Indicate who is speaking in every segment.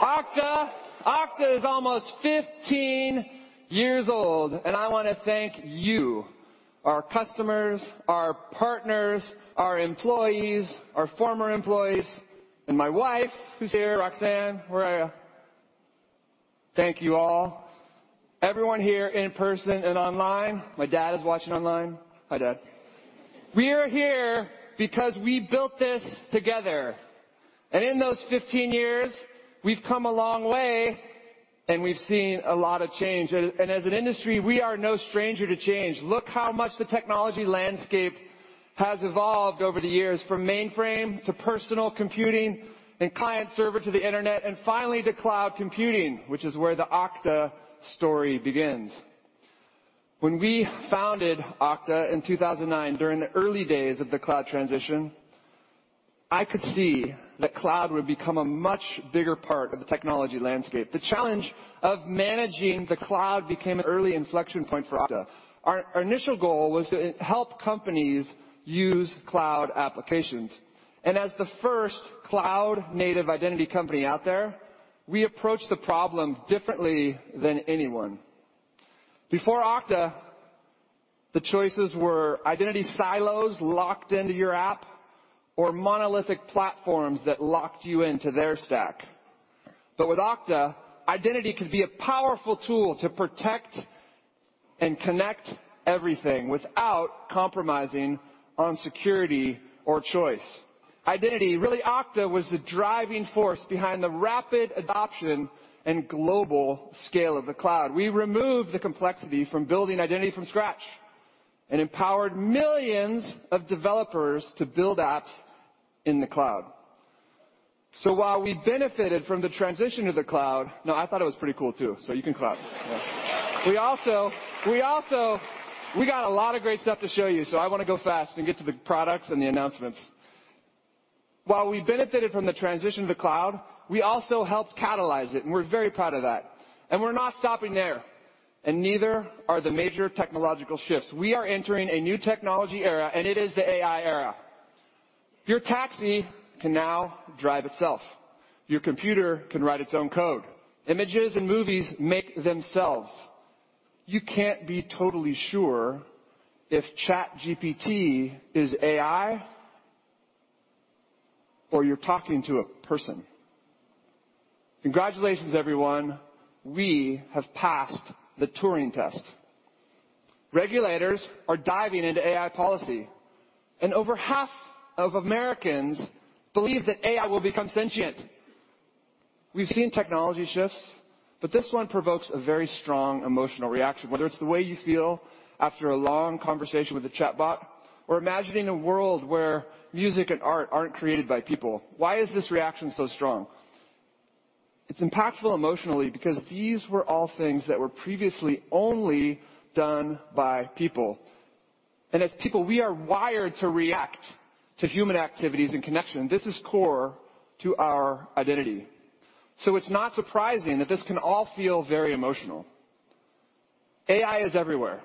Speaker 1: Hellooo, Oktane! Okta, Okta is almost 15 years old, and I want to thank you, our customers, our partners, our employees, our former employees, and my wife who's here. Roxanne, where are you? Thank you all. Everyone here in person and online. My dad is watching online. Hi, Dad. We are here because we built this together, and in those 15 years, we've come a long way and we've seen a lot of change. And as an industry, we are no stranger to change. Look how much the technology landscape has evolved over the years, from mainframe to personal computing and client server to the Internet and finally to cloud computing, which is where the Okta story begins. When we founded Okta in 2009, during the early days of the cloud transition, I could see that cloud would become a much bigger part of the technology landscape. The challenge of managing the cloud became an early inflection point for Okta. Our initial goal was to help companies use cloud applications, and as the first cloud-native identity company out there, we approached the problem differently than anyone. Before Okta, the choices were identity silos locked into your app or monolithic platforms that locked you into their stack. But with Okta, identity can be a powerful tool to protect and connect everything without compromising on security or choice. Identity, really, Okta was the driving force behind the rapid adoption and global scale of the cloud. We removed the complexity from building identity from scratch and empowered millions of developers to build apps in the cloud. So while we benefited from the transition to the cloud... No, I thought it was pretty cool, too, so you can clap. We also... We got a lot of great stuff to show you, so I want to go fast and get to the products and the announcements. While we benefited from the transition to the cloud, we also helped catalyze it, and we're very proud of that, and we're not stopping there, and neither are the major technological shifts. We are entering a new technology era, and it is the AI era. Your taxi can now drive itself. Your computer can write its own code. Images and movies make themselves. You can't be totally sure if ChatGPT is AI, or you're talking to a person. Congratulations, everyone, we have passed the Turing Test. Regulators are diving into AI policy, and over half of Americans believe that AI will become sentient. We've seen technology shifts, but this one provokes a very strong emotional reaction. Whether it's the way you feel after a long conversation with a chatbot or imagining a world where music and art aren't created by people. Why is this reaction so strong? It's impactful emotionally because these were all things that were previously only done by people, and as people, we are wired to react to human activities and connection. This is core to our identity, so it's not surprising that this can all feel very emotional. AI is everywhere,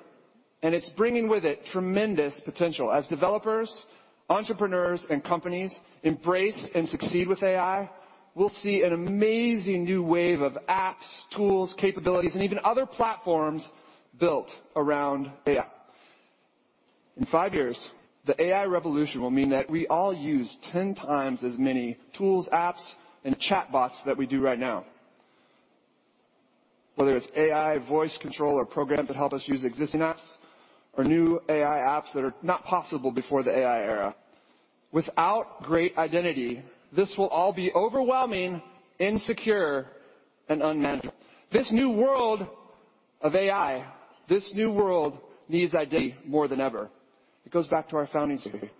Speaker 1: and it's bringing with it tremendous potential. As developers, entrepreneurs, and companies embrace and succeed with AI, we'll see an amazing new wave of apps, tools, capabilities, and even other platforms built around AI. In five years, the AI revolution will mean that we all use 10 times as many tools, apps, and chatbots than we do right now. Whether it's AI, voice control, or programs that help us use existing apps, or new AI apps that are not possible before the AI era. Without great identity, this will all be overwhelming, insecure, and unmanageable. This new world of AI, this new world, needs identity more than ever. It goes back to our founding story.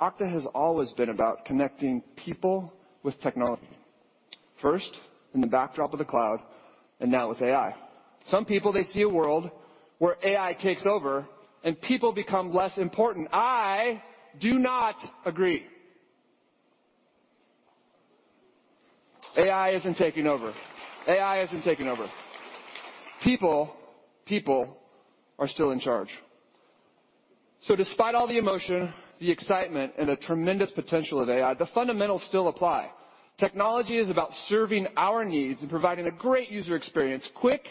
Speaker 1: Okta has always been about connecting people with technology. First, in the backdrop of the cloud, and now with AI. Some people, they see a world where AI takes over and people become less important. I do not agree. AI isn't taking over. AI isn't taking over. People, people are still in charge. So despite all the emotion, the excitement, and the tremendous potential of AI, the fundamentals still apply. Technology is about serving our needs and providing a great user experience, quick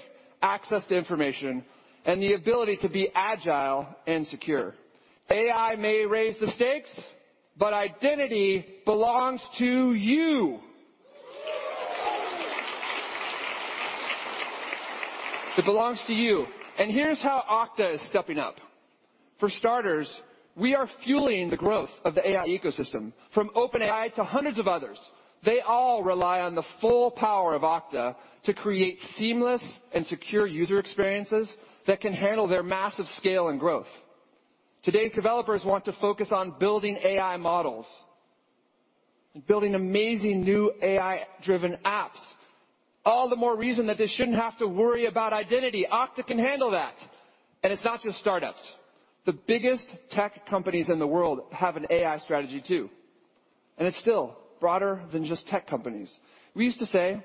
Speaker 1: access to information, and the ability to be agile and secure. AI may raise the stakes, but identity belongs to you. It belongs to you, and here's how Okta is stepping up. For starters, we are fueling the growth of the AI ecosystem, from OpenAI to hundreds of others. They all rely on the full power of Okta to create seamless and secure user experiences that can handle their massive scale and growth. Today's developers want to focus on building AI models and building amazing new AI-driven apps. All the more reason that they shouldn't have to worry about identity. Okta can handle that. And it's not just startups. The biggest tech companies in the world have an AI strategy, too, and it's still broader than just tech companies. We used to say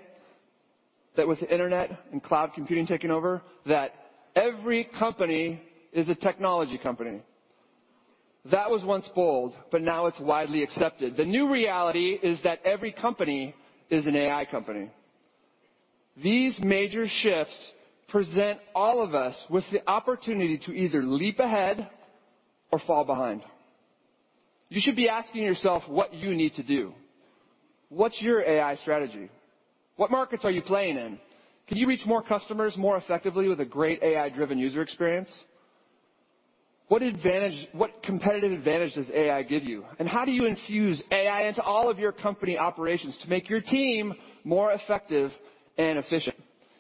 Speaker 1: that with the internet and cloud computing taking over, that every company is a technology company. That was once bold, but now it's widely accepted. The new reality is that every company is an AI company. These major shifts present all of us with the opportunity to either leap ahead or fall behind. You should be asking yourself what you need to do. What's your AI strategy? What markets are you playing in? Can you reach more customers more effectively with a great AI-driven user experience? What advantage, what competitive advantage does AI give you, and how do you infuse AI into all of your company operations to make your team more effective and efficient?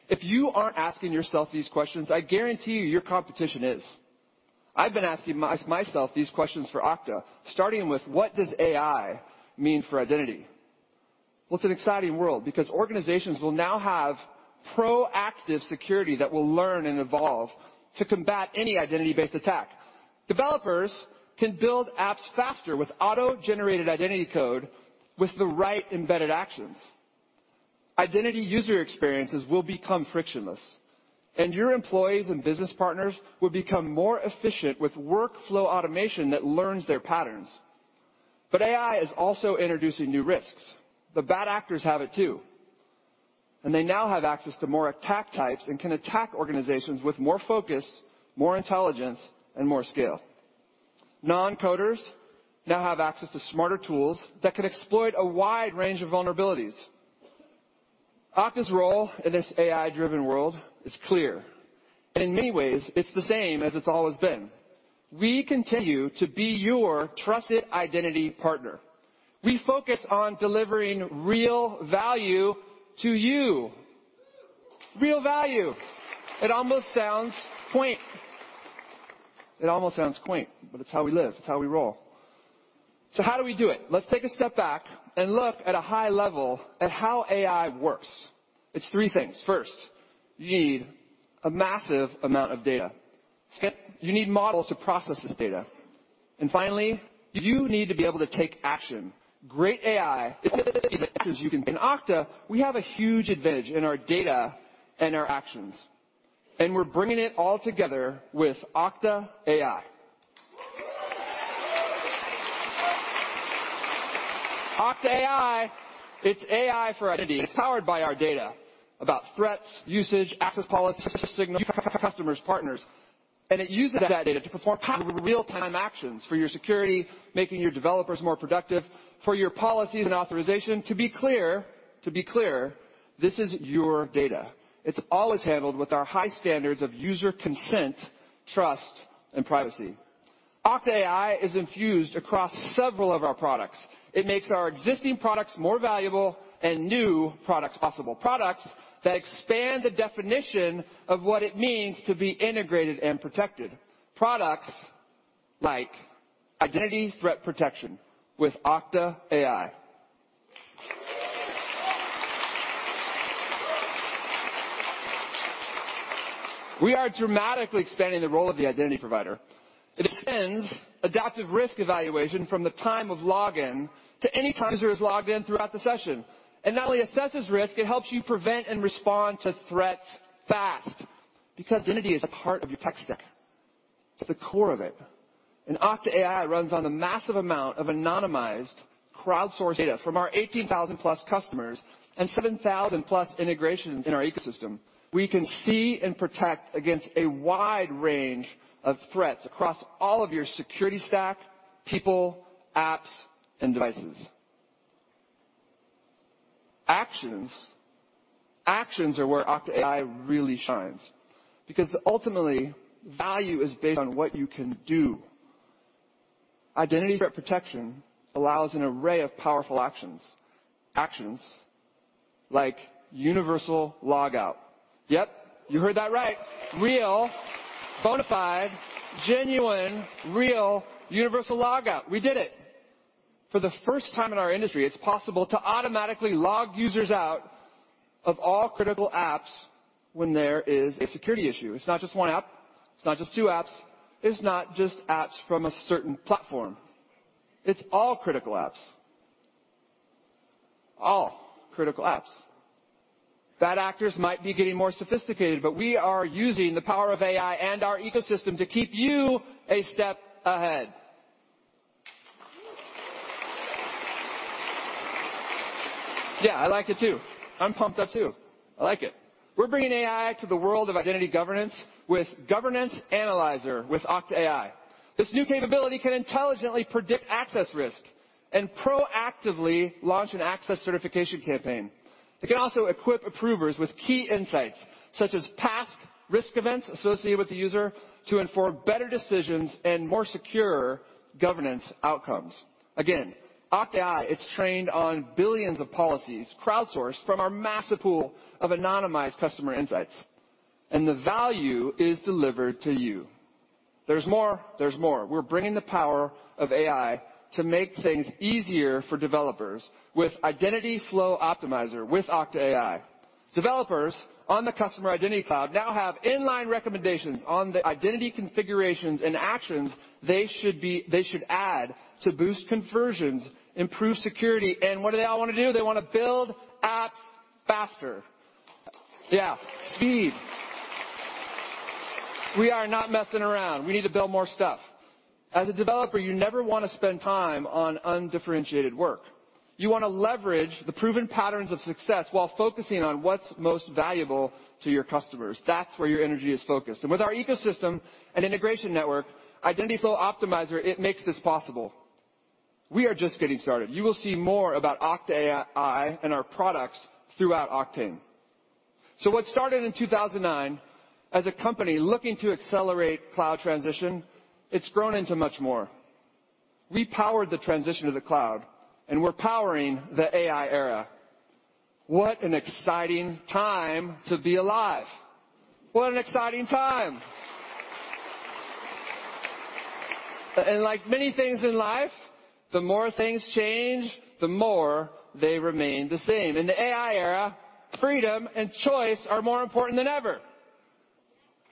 Speaker 1: If you aren't asking yourself these questions, I guarantee you, your competition is. I've been asking myself these questions for Okta, starting with: what does AI mean for identity? Well, it's an exciting world because organizations will now have proactive security that will learn and evolve to combat any identity-based attack. Developers can build apps faster with auto-generated identity code, with the right embedded actions. Identity user experiences will become frictionless, and your employees and business partners will become more efficient with workflow automation that learns their patterns. But AI is also introducing new risks. The bad actors have it, too, and they now have access to more attack types and can attack organizations with more focus, more intelligence, and more scale. Non-coders now have access to smarter tools that can exploit a wide range of vulnerabilities. Okta's role in this AI-driven world is clear. In many ways, it's the same as it's always been. We continue to be your trusted identity partner. We focus on delivering real value to you. Real value. It almost sounds quaint. It almost sounds quaint, but it's how we live, it's how we roll. So how do we do it? Let's take a step back and look at a high level at how AI works. It's three things. First, you need a massive amount of data. Second, you need models to process this data. And finally, you need to be able to take action. Great AI, you can... In Okta, we have a huge advantage in our data and our actions, and we're bringing it all together with Okta AI. Okta AI, it's AI for identity. It's powered by our data about threats, usage, access policies, signal, customers, partners, and it uses that data to perform real-time actions for your security, making your developers more productive for your policies and authorization. To be clear, to be clear, this is your data. It's always handled with our high standards of user consent, trust, and privacy. Okta AI is infused across several of our products. It makes our existing products more valuable and new products possible. Products that expand the definition of what it means to be integrated and protected. Products like Identity Threat Protection with Okta AI. We are dramatically expanding the role of the identity provider. It extends adaptive risk evaluation from the time of login to any time the user is logged in throughout the session. And not only assesses risk, it helps you prevent and respond to threats fast, because identity is a part of your tech stack. It's the core of it. And Okta AI runs on a massive amount of anonymized, crowdsourced data from our 18,000+ customers and 7,000+ integrations in our ecosystem. We can see and protect against a wide range of threats across all of your security stack, people, apps, and devices. Actions. Actions are where Okta AI really shines, because ultimately, value is based on what you can do. Identity Threat Protection allows an array of powerful actions. Actions like Universal Logout. Yep, you heard that right. Real, bona fide, genuine, real, Universal Logout. We did it! For the first time in our industry, it's possible to automatically log users out of all critical apps when there is a security issue. It's not just one app, it's not just two apps, it's not just apps from a certain platform. It's all critical apps. All critical apps. Bad actors might be getting more sophisticated, but we are using the power of AI and our ecosystem to keep you a step ahead. Yeah, I like it, too. I'm pumped up, too. I like it. We're bringing AI to the world of identity governance with Governance Analyzer with Okta AI. This new capability can intelligently predict access risk and proactively launch an Access Certification campaign. It can also equip approvers with key insights, such as past risk events associated with the user to inform better decisions and more secure governance outcomes. Again, Okta AI, it's trained on billions of policies, crowdsourced from our massive pool of anonymized customer insights, and the value is delivered to you. There's more, there's more. We're bringing the power of AI to make things easier for developers with Identity Flow Optimizer with Okta AI. Developers on the Customer Identity Cloud now have inline recommendations on the identity configurations and actions they should add to boost conversions, improve security, and what do they all want to do? They want to build apps faster. Yeah, speed. We are not messing around. We need to build more stuff. As a developer, you never want to spend time on undifferentiated work. You want to leverage the proven patterns of success while focusing on what's most valuable to your customers. That's where your energy is focused. And with our ecosystem and Integration Network, Identity Flow Optimizer, it makes this possible. We are just getting started. You will see more about Okta AI and our products throughout Oktane. So what started in 2009 as a company looking to accelerate cloud transition, it's grown into much more. We powered the transition to the cloud, and we're powering the AI era. What an exciting time to be alive! What an exciting time. And like many things in life, the more things change, the more they remain the same. In the AI era, freedom and choice are more important than ever.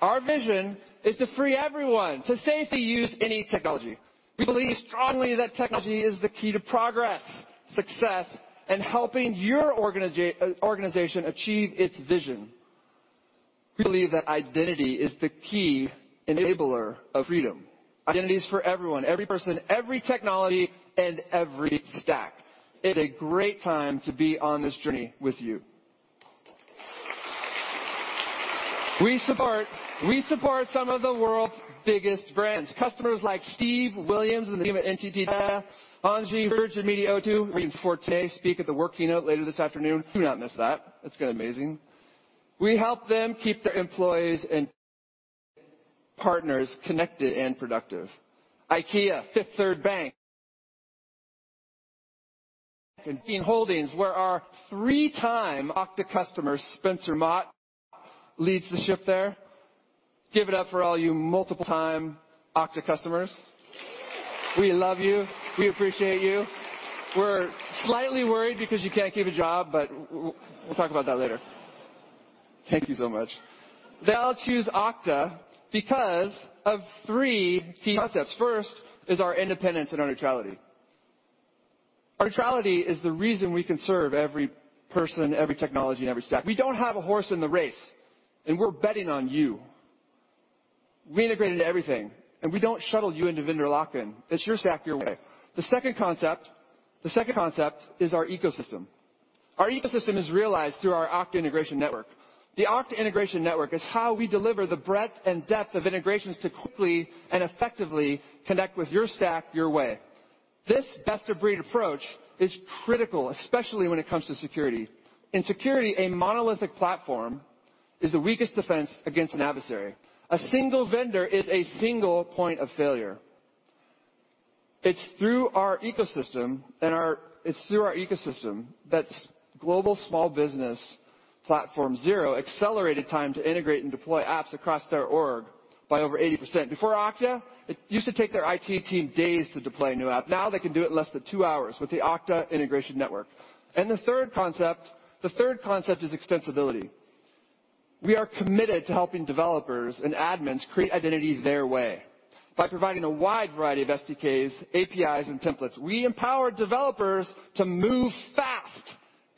Speaker 1: Our vision is to free everyone to safely use any technology. We believe strongly that technology is the key to progress, success, and helping your organization achieve its vision. We believe that identity is the key enabler of freedom. Identities for everyone, every person, every technology, and every stack. It's a great time to be on this journey with you. We support, we support some of the world's biggest brands. Customers like Steve Williams and the team at NTT DATA, Angie Hirsch of Media O2, Renee Forte, speak at the work keynote later this afternoon. Do not miss that. It's going to be amazing. We help them keep their employees and partners connected and productive. IKEA, Fifth Third Bank, and Booking Holdings, where our three-time Okta customer, Spencer Mott, leads the ship there. Give it up for all you multiple-time Okta customers. We love you. We appreciate you. We're slightly worried because you can't keep a job, but we'll talk about that later. Thank you so much. They all choose Okta because of three key concepts. First, is our independence and our neutrality. Our neutrality is the reason we can serve every person, every technology, and every stack. We don't have a horse in the race, and we're betting on you. We integrated everything, and we don't shuttle you into vendor lock-in. It's your stack, your way. The second concept, the second concept is our ecosystem. Our ecosystem is realized through our Okta Integration Network. The Okta Integration Network is how we deliver the breadth and depth of integrations to quickly and effectively connect with your stack, your way. This best-of-breed approach is critical, especially when it comes to security. In security, a monolithic platform is the weakest defense against an adversary. A single vendor is a single point of failure. It's through our ecosystem and our-- It's through our ecosystem, that's global small business platform Xero accelerated time to integrate and deploy apps across their org by over 80%. Before Okta, it used to take their IT team days to deploy a new app. Now they can do it in less than two hours with the Okta Integration Network. The third concept, the third concept is extensibility. We are committed to helping developers and admins create identity their way by providing a wide variety of SDKs, APIs, and templates. We empower developers to move fast,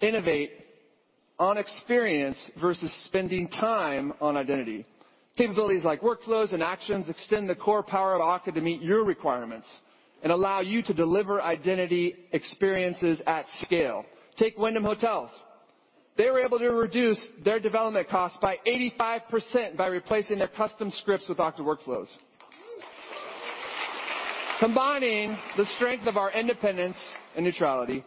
Speaker 1: innovate on experience, versus spending time on identity. Capabilities like Workflows and actions extend the core power of Okta to meet your requirements and allow you to deliver identity experiences at scale. Take Wyndham Hotels. They were able to reduce their development costs by 85% by replacing their custom scripts with Okta Workflows. Combining the strength of our independence and neutrality,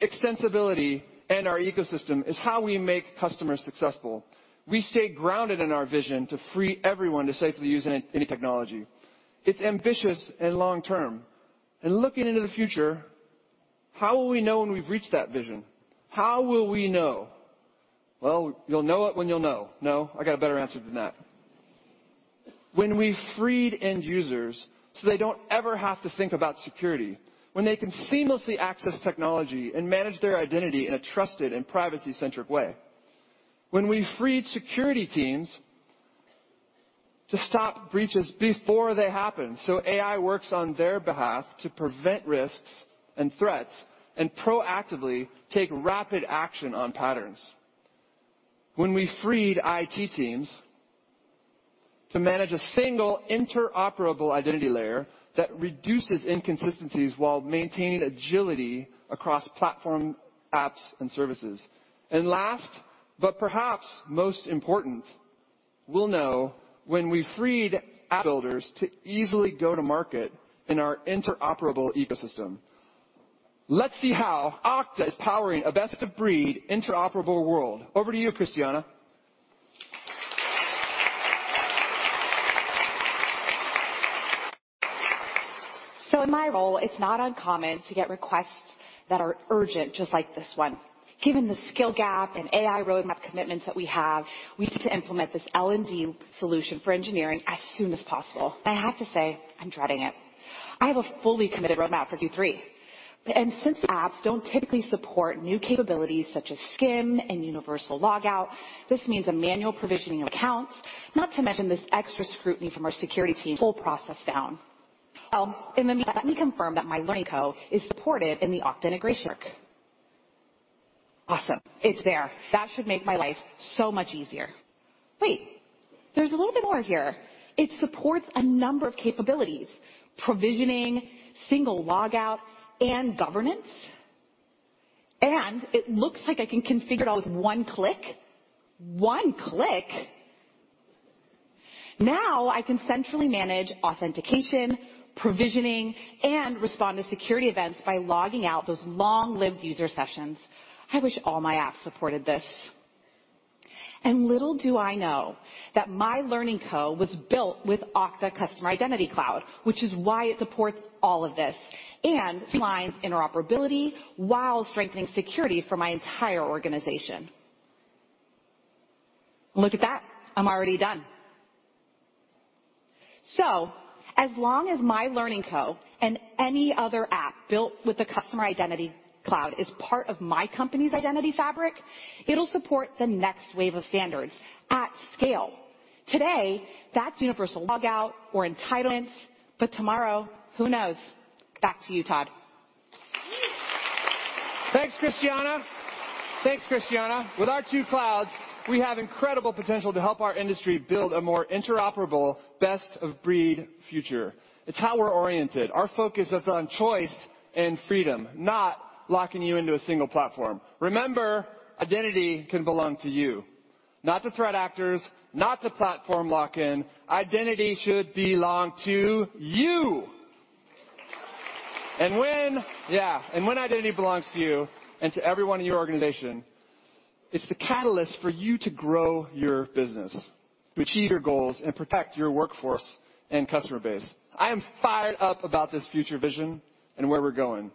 Speaker 1: extensibility, and our ecosystem is how we make customers successful. We stay grounded in our vision to free everyone to safely use any technology. It's ambitious and long-term. Looking into the future, how will we know when we've reached that vision? How will we know? Well, you'll know it when you'll know. No, I got a better answer than that. When we've freed end users, so they don't ever have to think about security. When they can seamlessly access technology and manage their identity in a trusted and privacy-centric way. When we've freed security teams to stop breaches before they happen, so AI works on their behalf to prevent risks and threats and proactively take rapid action on patterns. When we've freed IT teams to manage a single interoperable identity layer that reduces inconsistencies while maintaining agility across platform, apps, and services. Last, but perhaps most important, we'll know when we've freed app builders to easily go to market in our interoperable ecosystem. Let's see how Okta is powering a best-of-breed, interoperable world. Over to you, Christiana.
Speaker 2: So in my role, it's not uncommon to get requests that are urgent, just like this one. Given the skill gap and AI roadmap commitments that we have, we need to implement this L&D solution for engineering as soon as possible. I have to say, I'm dreading it. I have a fully committed roadmap for Q3.... Since apps don't typically support new capabilities such as SCIM and Universal Logout, this means a manual provisioning of accounts, not to mention this extra scrutiny from our security team, full process down. Well, in the meantime, let me confirm that My Learning Co. is supported in the Okta Integration Network. Awesome, it's there. That should make my life so much easier. Wait, there's a little bit more here. It supports a number of capabilities: provisioning, single logout, and governance. And it looks like I can configure it all with one click. One click! Now I can centrally manage authentication, provisioning, and respond to security events by logging out those long-lived user sessions. I wish all my apps supported this. Little do I know that My Learning Co. was built with Okta Customer Identity Cloud, which is why it supports all of this and streamlines interoperability while strengthening security for my entire organization. Look at that. I'm already done. As long as My Learning Co. and any other app built with the Customer Identity Cloud is part of my company's identity fabric, it'll support the next wave of standards at scale. Today, that's Universal Logout or entitlements, but tomorrow, who knows? Back to you, Todd.
Speaker 1: Thanks, Christiana. Thanks, Christiana. With our two clouds, we have incredible potential to help our industry build a more interoperable, best of breed future. It's how we're oriented. Our focus is on choice and freedom, not locking you into a single platform. Remember, identity can belong to you, not to threat actors, not to platform lock-in. Identity should belong to you! And when... Yeah, and when identity belongs to you and to everyone in your organization, it's the catalyst for you to grow your business, to achieve your goals, and protect your workforce and customer base. I am fired up about this future vision and where we're going,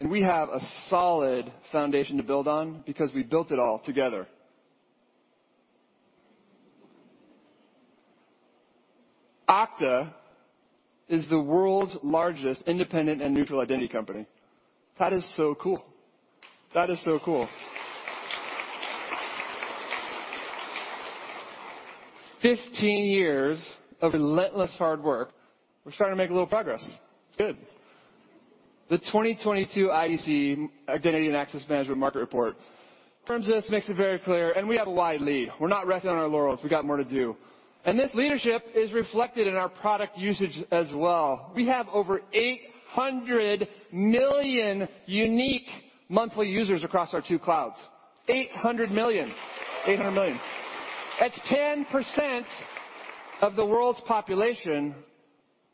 Speaker 1: and we have a solid foundation to build on because we built it all together. Okta is the world's largest independent and neutral identity company. That is so cool. That is so cool. 15 years of relentless hard work, we're starting to make a little progress. It's good. The 2022 IDC Identity and Access Management Market Report confirms this, makes it very clear, and we have a wide lead. We're not resting on our laurels. We got more to do, and this leadership is reflected in our product usage as well. We have over 800 million unique monthly users across our two clouds. 800 million. 800 million. That's 10% of the world's population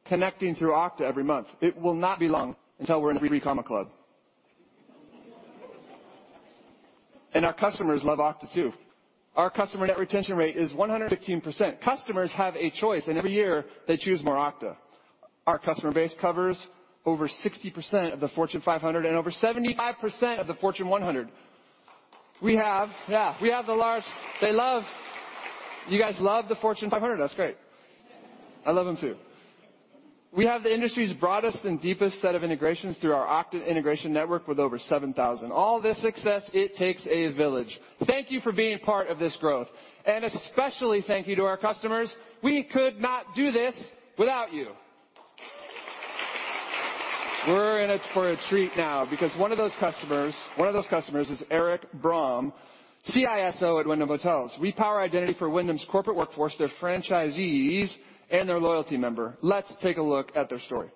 Speaker 1: connecting through Okta every month. It will not be long until we're in the three comma club. Our customers love Okta, too. Our customer net retention rate is 115%. Customers have a choice, and every year they choose more Okta. Our customer base covers over 60% of the Fortune 500 and over 75% of the Fortune 100. We have... Yeah, we have the large-- They love-- You guys love the Fortune 500. That's great. I love them, too. We have the industry's broadest and deepest set of integrations through our Okta Integration Network with over 7,000. All this success, it takes a village. Thank you for being part of this growth, and especially thank you to our customers. We could not do this without you. We're in for a treat now because one of those customers, one of those customers is Eric Brohm, CISO at Wyndham Hotels. We power identity for Wyndham's corporate workforce, their franchisees, and their loyalty member. Let's take a look at their story.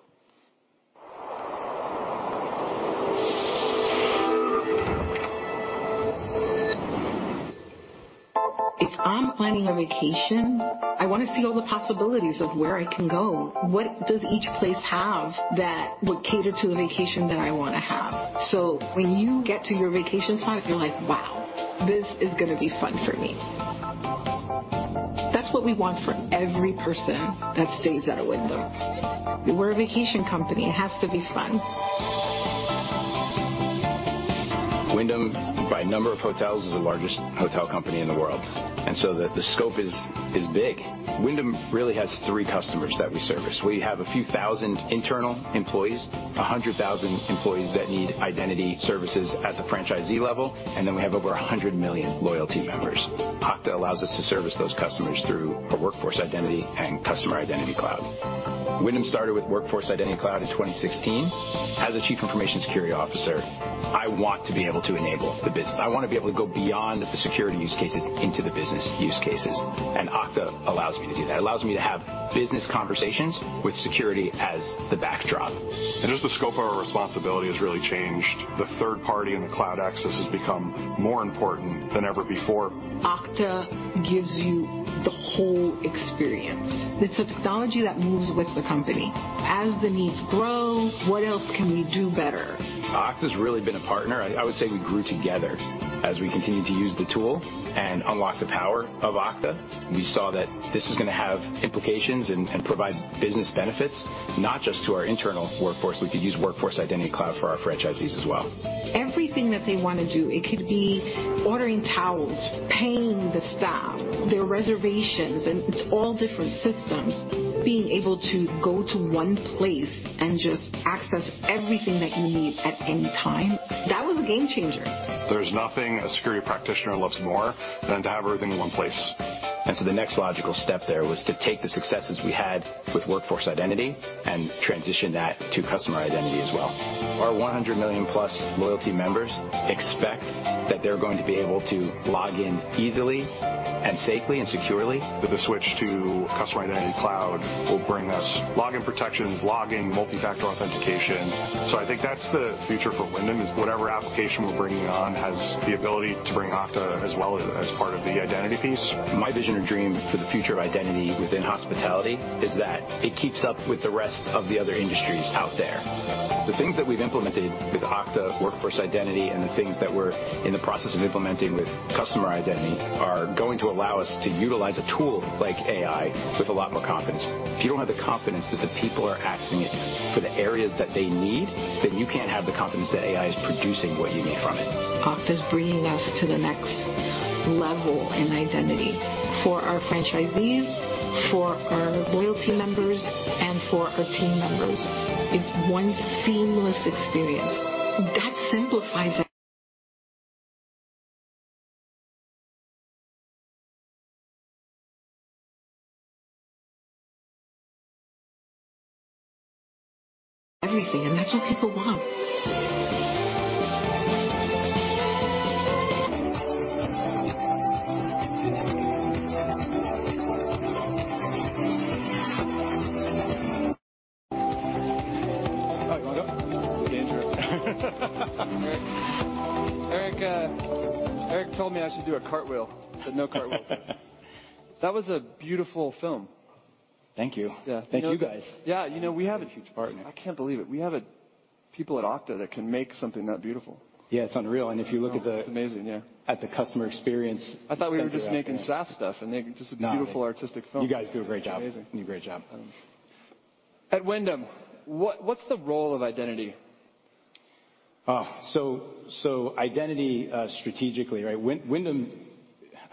Speaker 3: If I'm planning a vacation, I want to see all the possibilities of where I can go. What does each place have that would cater to the vacation that I want to have? So when you get to your vacation spot, you're like: Wow, this is going to be fun for me. That's what we want for every person that stays at a Wyndham. We're a vacation company. It has to be fun.
Speaker 4: Wyndham, by number of hotels, is the largest hotel company in the world, and so the scope is big. Wyndham really has three customers that we service. We have a few thousand internal employees, 100,000 employees that need identity services at the franchisee level, and then we have over 100 million loyalty members. Okta allows us to service those customers through our Workforce Identity and Customer Identity Cloud. Wyndham started with Workforce Identity Cloud in 2016. As a chief information security officer, I want to be able to enable the business. I want to be able to go beyond the security use cases into the business use cases, and Okta allows me to do that. It allows me to have business conversations with security as the backdrop.
Speaker 3: Just the scope of our responsibility has really changed. The third-party and the cloud access has become more important than ever before. Okta gives you the whole experience. It's a technology that moves with the company. As the needs grow, what else can we do better?
Speaker 4: Okta's really been a partner. I would say we grew together. As we continued to use the tool and unlock the power of Okta, we saw that this is going to have implications and provide business benefits, not just to our internal workforce. We could use Workforce Identity Cloud for our franchisees as well.
Speaker 3: Everything that they want to do, it could be ordering towels, paying the staff, their reservations, and it's all different systems. Being able to go to one place and just access everything that you need at any time, that was a game changer. There's nothing a security practitioner loves more than to have everything in one place.
Speaker 4: So the next logical step there was to take the successes we had with Workforce Identity and transition that to Customer Identity as well. Our 100 million+ loyalty members expect that they're going to be able to log in easily and safely and securely. With the switch to Customer Identity Cloud will bring us login protections, logging, Multifactor Authentication. So I think that's the future for Wyndham, is whatever application we're bringing on, has the ability to bring Okta as well as part of the identity piece. My vision or dream for the future of identity within hospitality is that it keeps up with the rest of the other industries out there. The things that we've implemented with Okta Workforce Identity and the things that we're in the process of implementing with Customer Identity, are going to allow us to utilize a tool like AI with a lot more confidence. If you don't have the confidence that the people are accessing it for the areas that they need, then you can't have the confidence that AI is producing what you need from it.
Speaker 3: Okta is bringing us to the next level in identity for our franchisees, for our loyalty members, and for our team members. It's one seamless experience. That simplifies everything, and that's what people want.
Speaker 4: All right, you want to go? Dangerous.
Speaker 1: Eric, Eric told me I should do a cartwheel. I said, "No cartwheels." That was a beautiful film.
Speaker 4: Thank you.
Speaker 1: Yeah.
Speaker 4: Thank you, guys.
Speaker 1: Yeah. You know, we have a-
Speaker 4: Huge partner.
Speaker 1: I can't believe it. We have people at Okta that can make something that beautiful.
Speaker 4: Yeah, it's unreal. And if you look at the-
Speaker 1: It's amazing, yeah.
Speaker 4: At the customer experience.
Speaker 1: I thought we were just making SaaS stuff, and they're just a beautiful artistic film.
Speaker 4: You guys do a great job.
Speaker 1: Amazing.
Speaker 4: You do a great job.
Speaker 1: At Wyndham, what's the role of identity?
Speaker 4: So identity, strategically, right? Wyndham...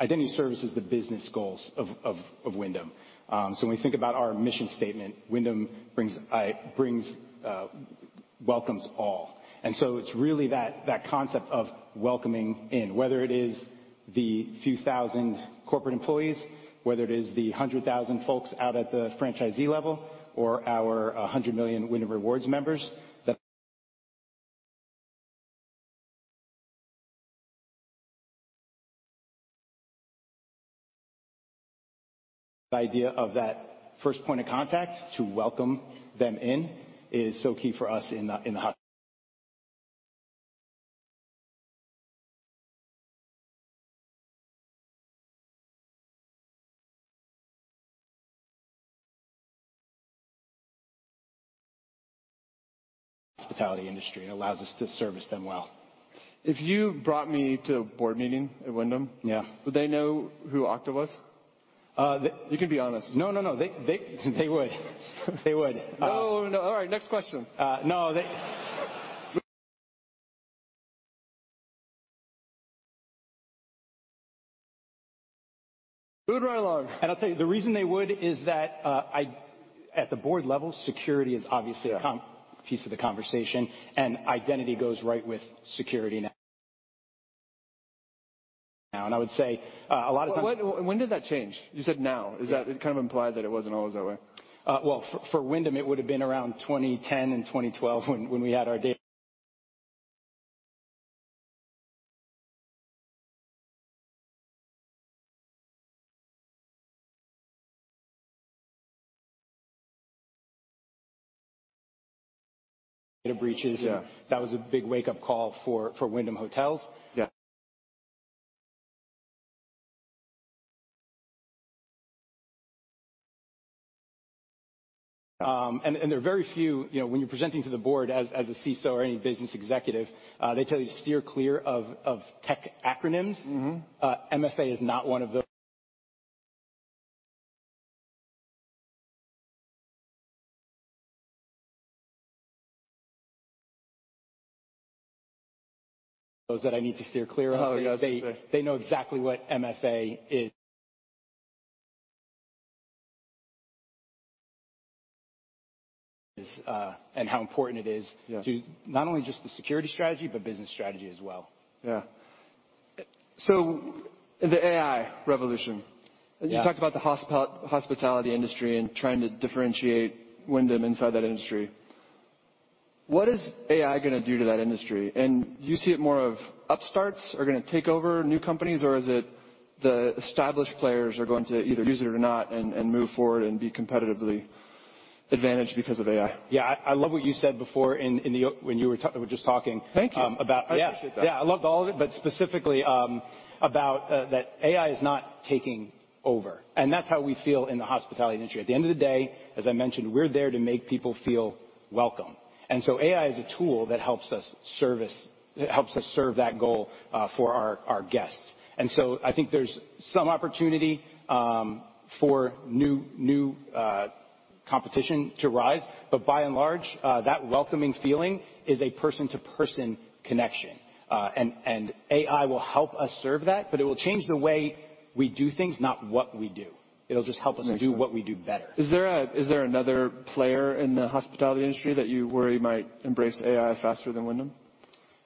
Speaker 4: Identity services the business goals of Wyndham. So when we think about our mission statement, Wyndham brings welcomes all. And so it's really that concept of welcoming in, whether it is the few thousand corporate employees, whether it is the 100,000 folks out at the franchisee level or our 100 million Wyndham Rewards members, that... The idea of that first point of contact to welcome them in is so key for us in the hospitality industry and allows us to service them well.
Speaker 1: If you brought me to a board meeting at Wyndham-
Speaker 4: Yeah.
Speaker 1: Would they know who Okta was?
Speaker 4: Uh, they-
Speaker 1: You can be honest.
Speaker 4: No, no, no. They would. They would.
Speaker 1: Oh, no. All right, next question.
Speaker 4: No, they-
Speaker 1: Move right along.
Speaker 4: I'll tell you, the reason they would is that at the board level, security is obviously-
Speaker 1: Yeah
Speaker 4: A con piece of the conversation, and identity goes right with security now. And I would say, a lot of times-
Speaker 1: When did that change? You said now.
Speaker 4: Yeah.
Speaker 1: Is that it kind of implied that it wasn't always that way?
Speaker 4: Well, for Wyndham, it would have been around 2010 and 2012 when we had our data breaches.
Speaker 1: Yeah.
Speaker 4: That was a big wake-up call for Wyndham Hotels.
Speaker 1: Yeah.
Speaker 4: There are very few... You know, when you're presenting to the board as a CISO or any business executive, they tell you to steer clear of tech acronyms.
Speaker 1: Mm-hmm.
Speaker 4: MFA is not one of those. Those that I need to steer clear of.
Speaker 1: Oh, yeah.
Speaker 4: They, they know exactly what MFA is and how important it is-
Speaker 1: Yeah
Speaker 4: to not only just the security strategy, but business strategy as well.
Speaker 1: Yeah. So the AI revolution-
Speaker 4: Yeah.
Speaker 1: You talked about the hospitality industry and trying to differentiate Wyndham inside that industry. What is AI going to do to that industry? And do you see it more of upstarts are going to take over new companies, or is it the established players are going to either use it or not, and, and move forward and be competitive advantage because of AI.
Speaker 4: Yeah, I love what you said before in the when you were talking, were just talking-
Speaker 1: Thank you.
Speaker 4: -um, about-
Speaker 1: I appreciate that.
Speaker 4: Yeah, I loved all of it, but specifically, about that AI is not taking over, and that's how we feel in the hospitality industry. At the end of the day, as I mentioned, we're there to make people feel welcome, and so AI is a tool that helps us service, helps us serve that goal, for our guests. And so I think there's some opportunity, for new competition to rise, but by and large, that welcoming feeling is a person-to-person connection. And AI will help us serve that, but it will change the way we do things, not what we do. It'll just help us-
Speaker 1: Makes sense.
Speaker 4: do what we do better.
Speaker 1: Is there another player in the hospitality industry that you worry might embrace AI faster than Wyndham?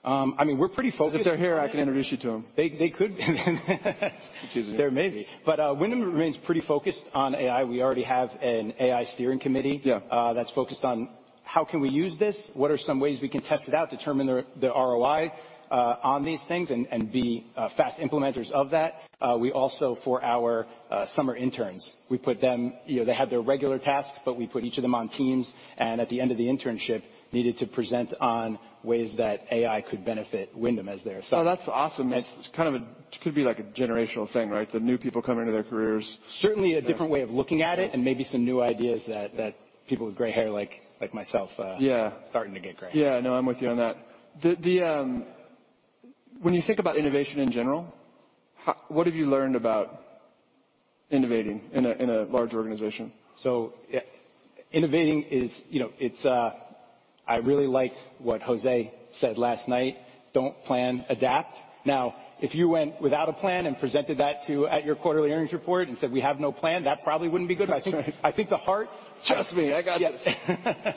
Speaker 4: I mean, we're pretty focused.
Speaker 1: If they're here, I can introduce you to them.
Speaker 4: They could
Speaker 1: Excuse me.
Speaker 4: They're amazing. But, Wyndham remains pretty focused on AI. We already have an AI steering committee-
Speaker 1: Yeah.
Speaker 4: That's focused on how can we use this? What are some ways we can test it out, determine the ROI on these things and be fast implementers of that? We also, for our summer interns, we put them... You know, they had their regular tasks, but we put each of them on teams, and at the end of the internship, needed to present on ways that AI could benefit Wyndham as their-
Speaker 1: Oh, that's awesome.
Speaker 4: It's-
Speaker 1: It's kind of a could be, like, a generational thing, right? The new people coming into their careers.
Speaker 4: Certainly a different way of looking at it, and maybe some new ideas that people with gray hair like myself.
Speaker 1: Yeah.
Speaker 4: Starting to get gray.
Speaker 1: Yeah. No, I'm with you on that. When you think about innovation in general, what have you learned about innovating in a large organization?
Speaker 4: So, yeah, innovating is, you know, it's... I really liked what José said last night: "Don't plan, adapt." Now, if you went without a plan and presented that to, at your quarterly earnings report and said, "We have no plan," that probably wouldn't be good.
Speaker 1: That's right.
Speaker 4: I think the heart-
Speaker 1: Trust me, I got this.
Speaker 4: Yes.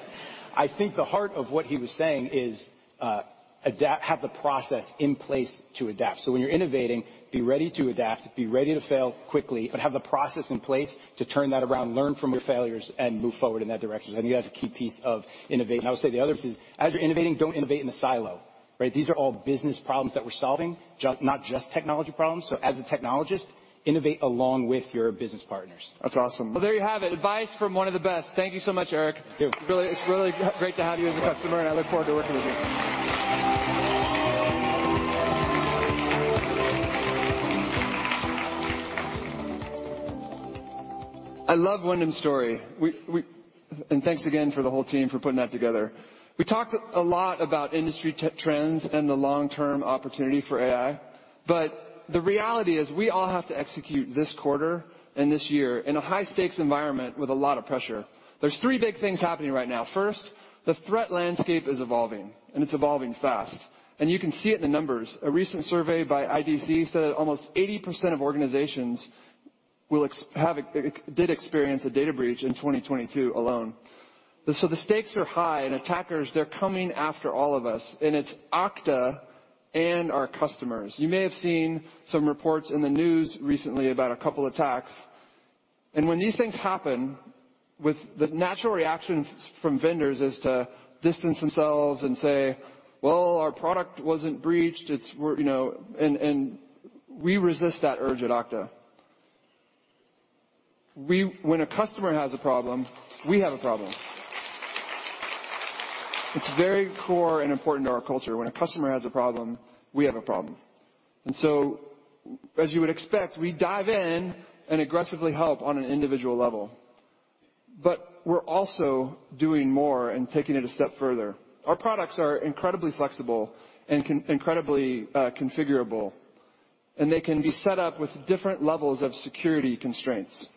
Speaker 4: I think the heart of what he was saying is adapt, have the process in place to adapt. So when you're innovating, be ready to adapt, be ready to fail quickly, but have the process in place to turn that around, learn from your failures, and move forward in that direction. I think that's a key piece of innovation. I would say the other piece is, as you're innovating, don't innovate in a silo, right? These are all business problems that we're solving, not just technology problems. So as a technologist, innovate along with your business partners.
Speaker 1: That's awesome. Well, there you have it, advice from one of the best. Thank you so much, Eric.
Speaker 4: Thank you.
Speaker 1: It's really, it's really great to have you as a customer, and I look forward to working with you. I love Wyndham's story. We – and thanks again to the whole team for putting that together. We talked a lot about industry trends and the long-term opportunity for AI, but the reality is we all have to execute this quarter and this year in a high-stakes environment with a lot of pressure. There's three big things happening right now. First, the threat landscape is evolving, and it's evolving fast. And you can see it in the numbers. A recent survey by IDC said that almost 80% of organizations did experience a data breach in 2022 alone. So the stakes are high, and attackers, they're coming after all of us, and it's Okta and our customers. You may have seen some reports in the news recently about a couple attacks, and when these things happen, the natural reaction from vendors is to distance themselves and say, "Well, our product wasn't breached. It's" You know, and we resist that urge at Okta. When a customer has a problem, we have a problem. It's very core and important to our culture. When a customer has a problem, we have a problem. And so, as you would expect, we dive in and aggressively help on an individual level. But we're also doing more and taking it a step further. Our products are incredibly flexible and incredibly configurable, and they can be set up with different levels of security constraints.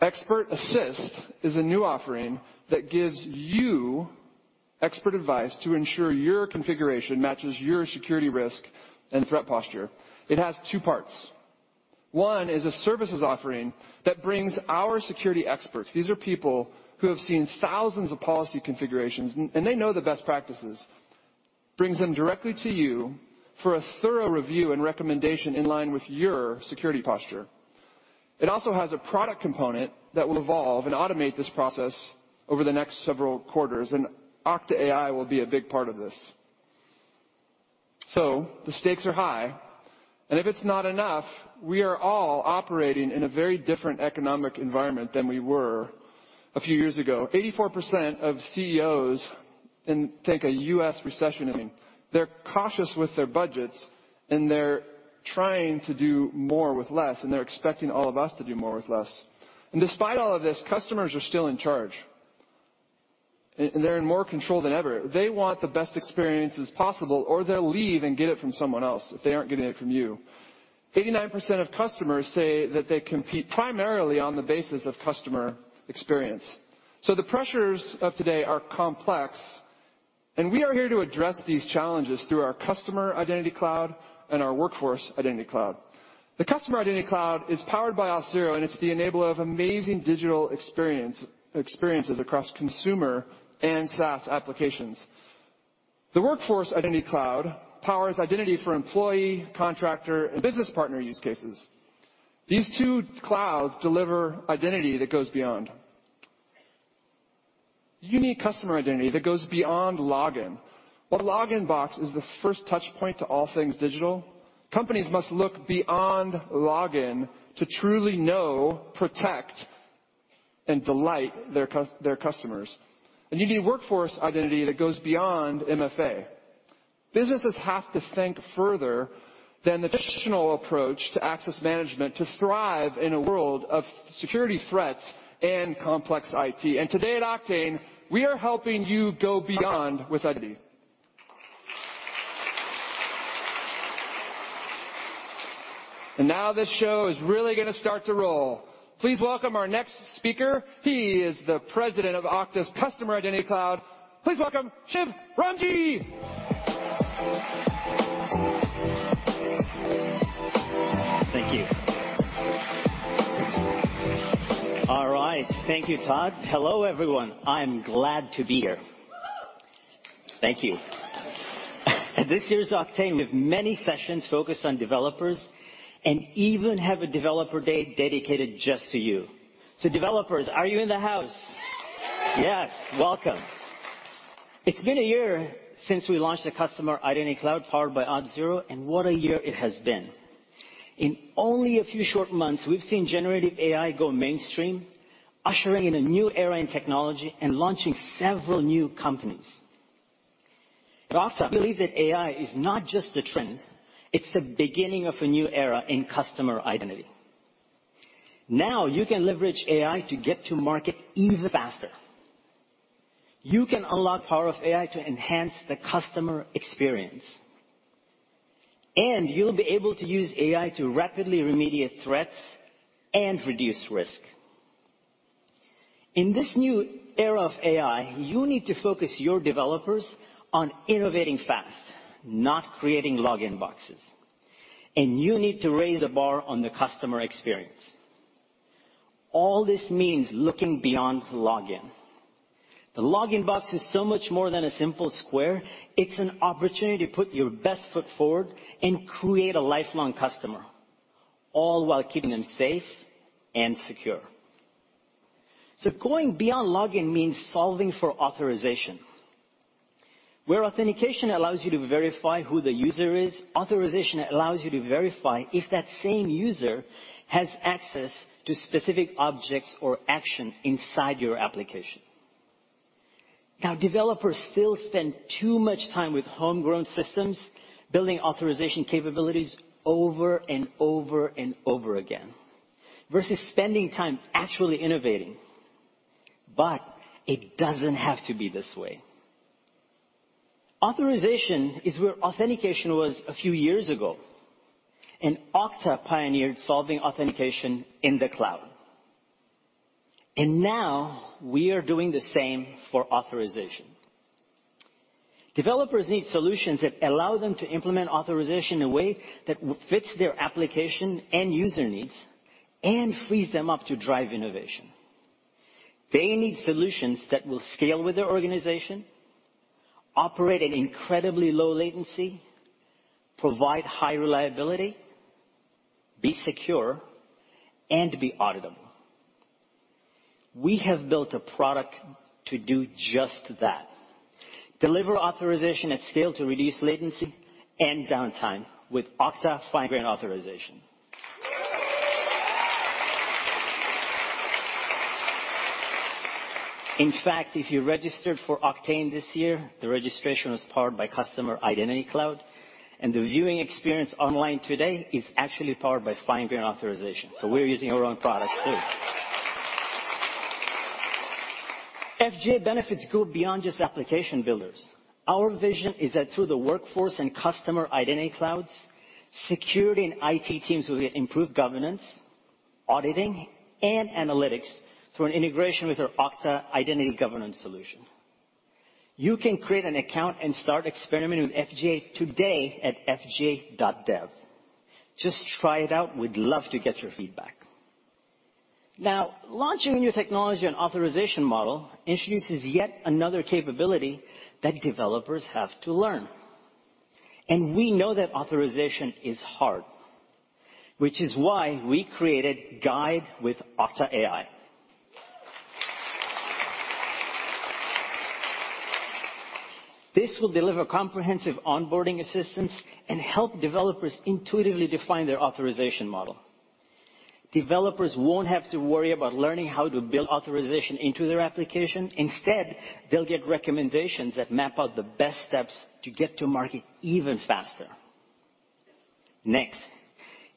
Speaker 1: Expert Assist is a new offering that gives you expert advice to ensure your configuration matches your security risk and threat posture. It has two parts. One is a services offering that brings our security experts, these are people who have seen thousands of policy configurations, and they know the best practices, brings them directly to you for a thorough review and recommendation in line with your security posture. It also has a product component that will evolve and automate this process over the next several quarters, and Okta AI will be a big part of this. So the stakes are high, and if it's not enough, we are all operating in a very different economic environment than we were a few years ago. 84% of CEOs in-- take a U.S. recession. I mean, they're cautious with their budgets, and they're trying to do more with less, and they're expecting all of us to do more with less. And despite all of this, customers are still in charge, and, and they're in more control than ever. They want the best experiences possible, or they'll leave and get it from someone else if they aren't getting it from you. 89% of customers say that they compete primarily on the basis of customer experience. So the pressures of today are complex, and we are here to address these challenges through our Customer Identity Cloud and our Workforce Identity Cloud. The Customer Identity Cloud is powered by Auth0, and it's the enabler of amazing digital experience, experiences across consumer and SaaS applications. The Workforce Identity Cloud powers identity for employee, contractor, and business partner use cases. These two clouds deliver identity that goes beyond.... You need customer identity that goes beyond login. While login box is the first touch point to all things digital, companies must look beyond login to truly know, protect, and delight their customers. You need workforce identity that goes beyond MFA. Businesses have to think further than the traditional approach to access management to thrive in a world of security threats and complex IT. Today at Oktane, we are helping you go beyond with ID. Now this show is really going to start to roll. Please welcome our next speaker. He is the president of Okta's Customer Identity Cloud. Please welcome Shiv Ramji.
Speaker 5: Thank you. All right. Thank you, Todd. Hello, everyone. I'm glad to be here. Thank you. At this year's Oktane, we have many sessions focused on developers and even have a developer day dedicated just to you. So developers, are you in the house? Yes, welcome. It's been a year since we launched the Customer Identity Cloud powered by Auth0, and what a year it has been. In only a few short months, we've seen generative AI go mainstream, ushering in a new era in technology and launching several new companies. At Okta, I believe that AI is not just a trend, it's the beginning of a new era in customer identity. Now, you can leverage AI to get to market even faster. You can unlock power of AI to enhance the customer experience, and you'll be able to use AI to rapidly remediate threats and reduce risk. In this new era of AI, you need to focus your developers on innovating fast, not creating login boxes. You need to raise the bar on the customer experience. All this means looking beyond login. The login box is so much more than a simple square. It's an opportunity to put your best foot forward and create a lifelong customer, all while keeping them safe and secure. Going beyond login means solving for authorization. Where authentication allows you to verify who the user is, authorization allows you to verify if that same user has access to specific objects or action inside your application. Now, developers still spend too much time with homegrown systems, building authorization capabilities over and over and over again, versus spending time actually innovating. It doesn't have to be this way. Authorization is where authentication was a few years ago, and Okta pioneered solving authentication in the cloud. Now we are doing the same for authorization. Developers need solutions that allow them to implement authorization in a way that fits their application and user needs and frees them up to drive innovation. They need solutions that will scale with their organization, operate at incredibly low latency, provide high reliability, be secure, and be auditable. We have built a product to do just that. Deliver authorization at scale to reduce latency and downtime with Okta Fine-Grained Authorization. In fact, if you registered for Oktane this year, the registration was powered by Customer Identity Cloud, and the viewing experience online today is actually powered by Fine-Grained Authorization. We're using our own products, too. FGA benefits go beyond just application builders. Our vision is that through the Workforce and Customer Identity Clouds, security and IT teams will get improved governance, auditing, and analytics through an integration with our Okta Identity Governance solution. You can create an account and start experimenting with FGA today at fga.dev. Just try it out. We'd love to get your feedback. Now, launching a new technology and authorization model introduces yet another capability that developers have to learn. We know that authorization is hard, which is why we created Guide with Okta AI. This will deliver comprehensive onboarding assistance and help developers intuitively define their authorization model. Developers won't have to worry about learning how to build authorization into their application. Instead, they'll get recommendations that map out the best steps to get to market even faster. Next,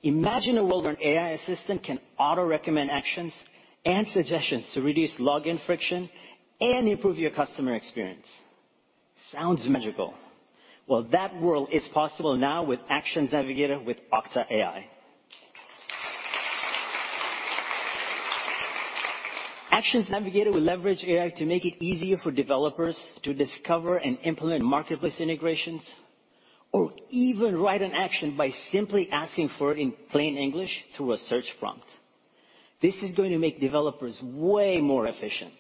Speaker 5: imagine a world where an AI assistant can auto-recommend actions and suggestions to reduce login friction and improve your customer experience. Sounds magical. Well, that world is possible now with Actions Navigator with Okta AI. Actions Navigator will leverage AI to make it easier for developers to discover and implement marketplace integrations, or even write an action by simply asking for it in plain English through a search prompt. This is going to make developers way more efficient.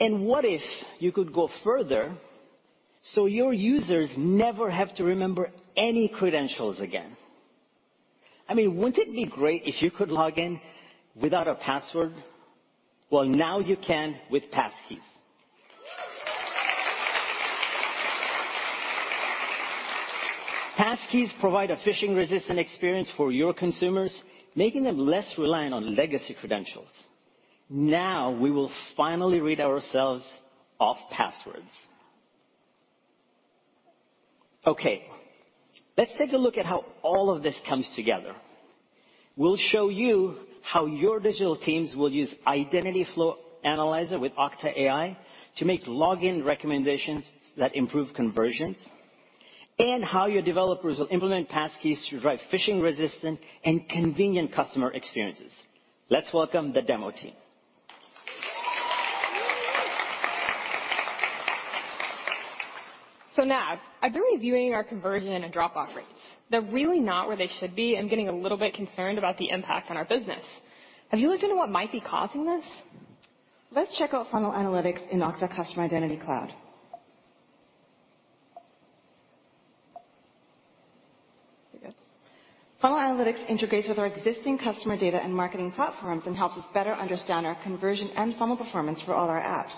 Speaker 5: And what if you could go further, so your users never have to remember any credentials again?... I mean, wouldn't it be great if you could log in without a password? Well, now you can with Passkeys. Passkeys provide a phishing-resistant experience for your consumers, making them less reliant on legacy credentials. Now we will finally rid ourselves off passwords. Okay, let's take a look at how all of this comes together. We'll show you how your digital teams will use Identity Flow Optimizer with Okta AI to make login recommendations that improve conversions, and how your developers will implement Passkeys to drive phishing-resistant and convenient customer experiences. Let's welcome the demo team.
Speaker 2: So, Nav, I've been reviewing our conversion and drop-off rates. They're really not where they should be. I'm getting a little bit concerned about the impact on our business. Have you looked into what might be causing this? Let's check out Funnel Analytics in Okta Customer Identity Cloud. Funnel Analytics integrates with our existing customer data and marketing platforms and helps us better understand our conversion and funnel performance for all our apps.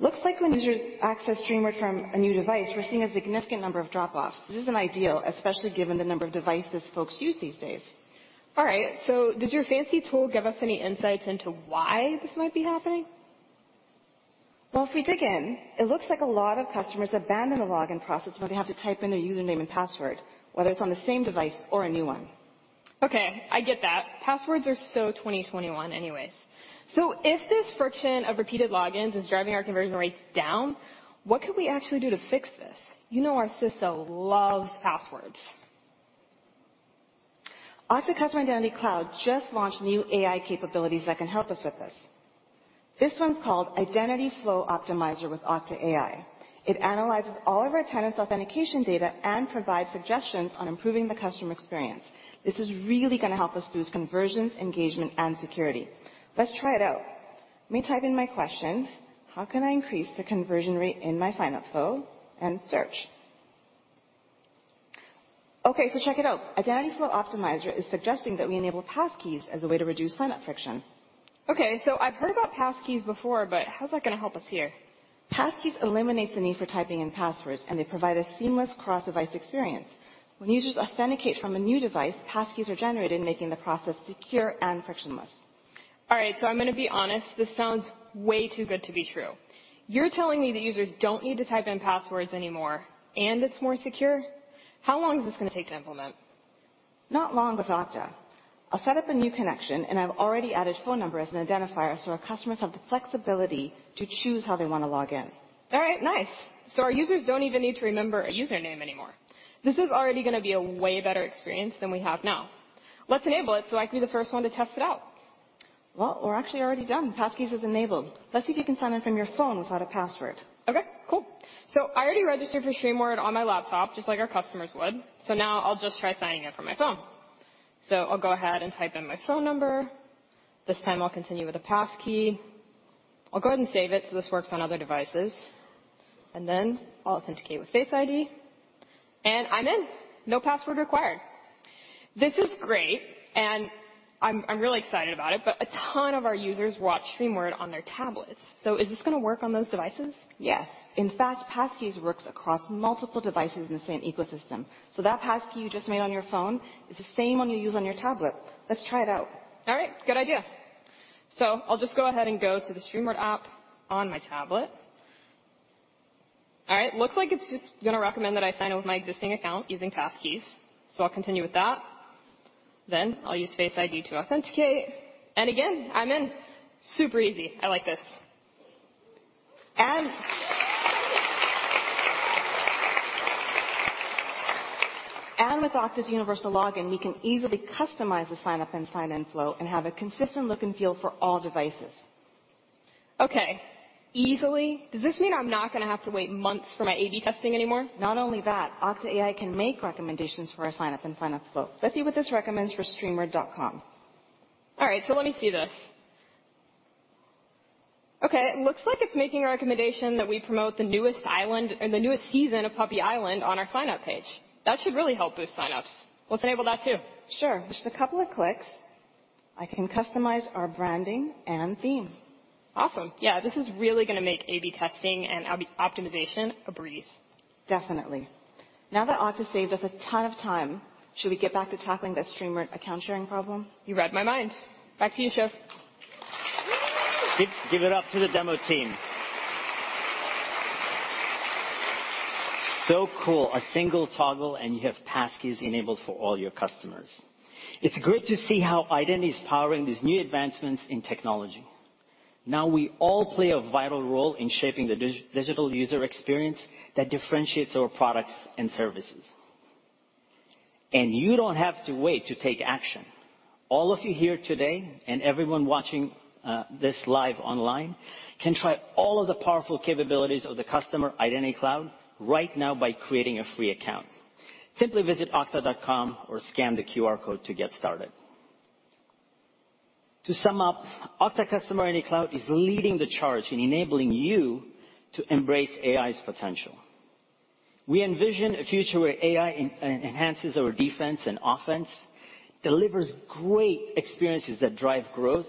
Speaker 2: Looks like when users access Streamward from a new device, we're seeing a significant number of drop-offs. This isn't ideal, especially given the number of devices folks use these days. All right, so does your fancy tool give us any insights into why this might be happening? Well, if we dig in, it looks like a lot of customers abandon the login process when they have to type in a username and password, whether it's on the same device or a new one. Okay, I get that. Passwords are so 2021 anyways. So if this friction of repeated logins is driving our conversion rates down, what could we actually do to fix this? You know our CISO loves passwords. Okta Customer Identity Cloud just launched new AI capabilities that can help us with this. This one's called Identity Flow Optimizer with Okta AI. It analyzes all of our tenants' authentication data and provides suggestions on improving the customer experience. This is really going to help us boost conversions, engagement, and security. Let's try it out. Let me type in my question: How can I increase the conversion rate in my sign-up flow? And search. Okay, so check it out. Identity Flow Optimizer is suggesting that we enable passkeys as a way to reduce sign-up friction. Okay, so I've heard about Passkeys before, but how's that going to help us here? Passkeys eliminates the need for typing in passwords, and they provide a seamless cross-device experience. When users authenticate from a new device, passkeys are generated, making the process secure and frictionless. All right, so I'm going to be honest, this sounds way too good to be true. You're telling me that users don't need to type in passwords anymore, and it's more secure? How long is this going to take to implement? Not long with Okta. I'll set up a new connection, and I've already added phone number as an identifier, so our customers have the flexibility to choose how they want to log in. All right, nice! So our users don't even need to remember a username anymore. This is already going to be a way better experience than we have now. Let's enable it so I can be the first one to test it out. Well, we're actually already done. Passkeys is enabled. Let's see if you can sign in from your phone without a password. Okay, cool. So I already registered for Streamward on my laptop, just like our customers would. So now I'll just try signing in from my phone. So I'll go ahead and type in my phone number. This time I'll continue with the passkey. I'll go ahead and save it, so this works on other devices. And then I'll authenticate with Face ID, and I'm in! No password required. This is great, and I'm, I'm really excited about it, but a ton of our users watch Streamward on their tablets. So is this going to work on those devices? Yes. In fact, Passkeys works across multiple devices in the same ecosystem. So that Passkey you just made on your phone is the same one you use on your tablet. Let's try it out. All right, good idea. I'll just go ahead and go to the Streamward app on my tablet. All right, looks like it's just going to recommend that I sign in with my existing account using Passkeys. I'll continue with that. Then I'll use Face ID to authenticate. And again, I'm in. Super easy. I like this. With Okta's universal login, we can easily customize the sign-up and sign-in flow and have a consistent look and feel for all devices. Okay, easily? Does this mean I'm not going to have to wait months for my A/B Testing anymore? Not only that, Okta AI can make recommendations for our sign-up and sign-up flow. Let's see what this recommends for streamward.com. All right, so let me see this. Okay, it looks like it's making a recommendation that we promote the newest island... or the newest season of Puppy Island on our sign-up page. That should really help boost sign-ups. Let's enable that too. Sure. Just a couple of clicks, I can customize our branding and theme. Awesome. Yeah, this is really going to make A/B Testing and optimization a breeze. Definitely. Now that Okta saved us a ton of time, should we get back to tackling that Streamward account sharing problem? You read my mind. Back to you, Shiv!
Speaker 5: Give, give it up to the demo team. So cool. A single toggle, and you have passkeys enabled for all your customers. It's great to see how identity is powering these new advancements in technology. Now, we all play a vital role in shaping the digital user experience that differentiates our products and services. You don't have to wait to take action. All of you here today and everyone watching this live online can try all of the powerful capabilities of the Customer Identity Cloud right now by creating a free account. Simply visit Okta.com or scan the QR code to get started. To sum up, Okta Customer Identity Cloud is leading the charge in enabling you to embrace AI's potential. We envision a future where AI enhances our defense and offense, delivers great experiences that drive growth,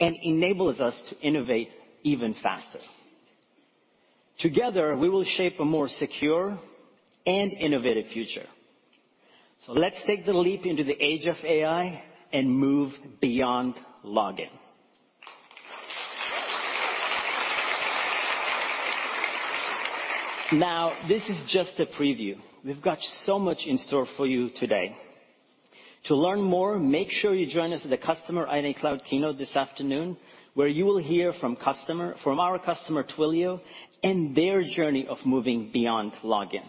Speaker 5: and enables us to innovate even faster. Together, we will shape a more secure and innovative future. So let's take the leap into the age of AI and move beyond login. Now, this is just a preview. We've got so much in store for you today. To learn more, make sure you join us at the Customer Identity Cloud keynote this afternoon, where you will hear from our customer, Twilio, and their journey of moving beyond login.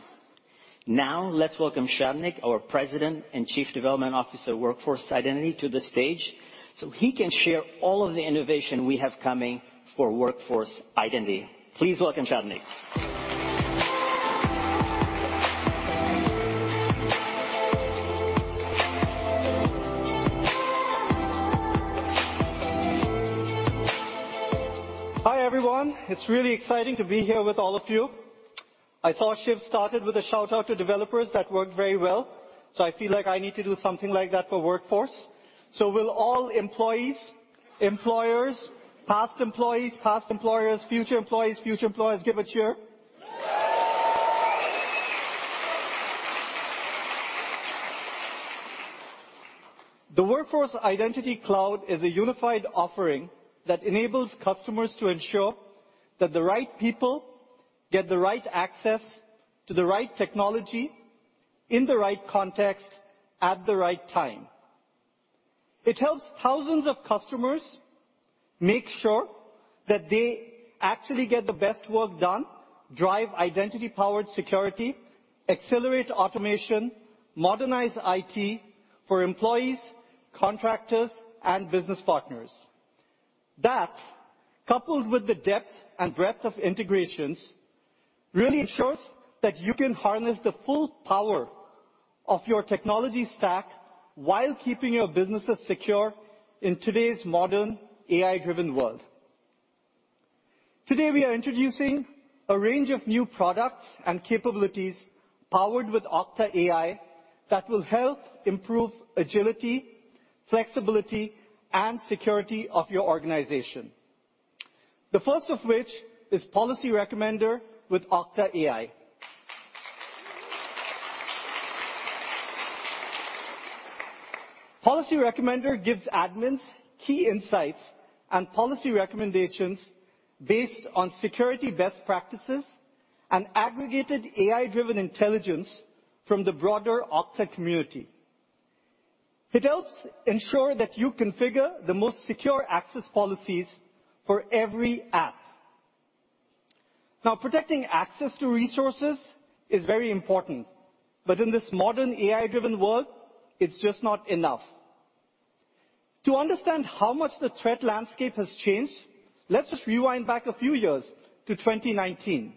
Speaker 5: Now, let's welcome Sagnik, our President and Chief Development Officer, Workforce Identity, to the stage, so he can share all of the innovation we have coming for Workforce Identity. Please welcome Sagnik.
Speaker 6: Hi, everyone. It's really exciting to be here with all of you. I saw Shiv started with a shout-out to developers. That worked very well, so I feel like I need to do something like that for Workforce. So will all employees, employers, past employees, past employers, future employees, future employers, give a cheer? The Workforce Identity Cloud is a unified offering that enables customers to ensure that the right people get the right access to the right technology, in the right context, at the right time. It helps thousands of customers make sure that they actually get the best work done, drive identity-powered security, accelerate automation, modernize IT for employees, contractors, and business partners. That, coupled with the depth and breadth of integrations, really ensures that you can harness the full power of your technology stack while keeping your businesses secure in today's modern, AI-driven world. Today, we are introducing a range of new products and capabilities powered with Okta AI, that will help improve agility, flexibility, and security of your organization. The first of which is Policy Recommender with Okta AI. Policy Recommender gives admins key insights and policy recommendations based on security best practices, and aggregated AI-driven intelligence from the broader Okta community. It helps ensure that you configure the most secure access policies for every app. Now, protecting access to resources is very important, but in this modern AI-driven world, it's just not enough. To understand how much the threat landscape has changed, let's just rewind back a few years to 2019.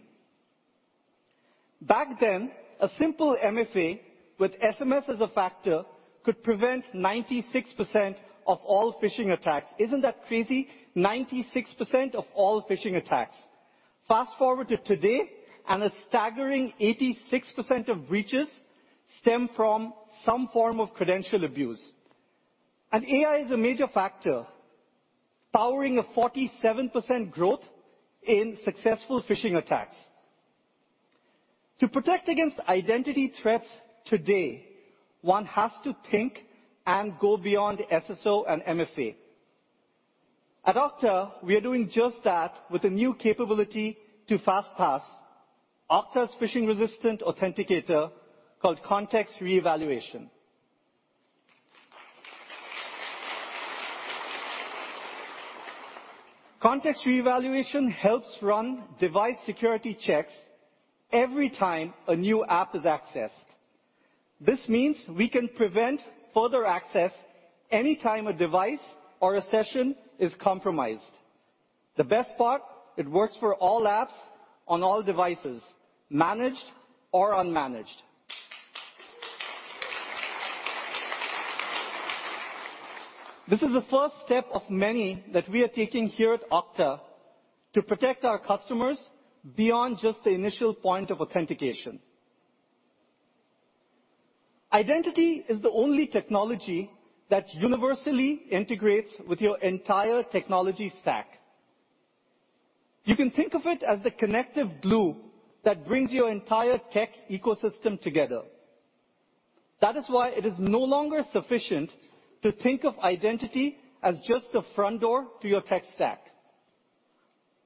Speaker 6: Back then, a simple MFA with SMS as a factor could prevent 96% of all phishing attacks. Isn't that crazy? 96% of all phishing attacks. Fast-forward to today, and a staggering 86% of breaches stem from some form of credential abuse. AI is a major factor, powering a 47% growth in successful phishing attacks. To protect against identity threats today, one has to think and go beyond SSO and MFA. At Okta, we are doing just that with a new capability to FastPass, Okta's phishing-resistant authenticator called Context Reevaluation. Context Reevaluation helps run device security checks every time a new app is accessed. This means we can prevent further access anytime a device or a session is compromised. The best part, it works for all apps on all devices, managed or unmanaged. This is the first step of many that we are taking here at Okta to protect our customers beyond just the initial point of authentication. Identity is the only technology that universally integrates with your entire technology stack. You can think of it as the connective glue that brings your entire tech ecosystem together. That is why it is no longer sufficient to think of identity as just the front door to your tech stack.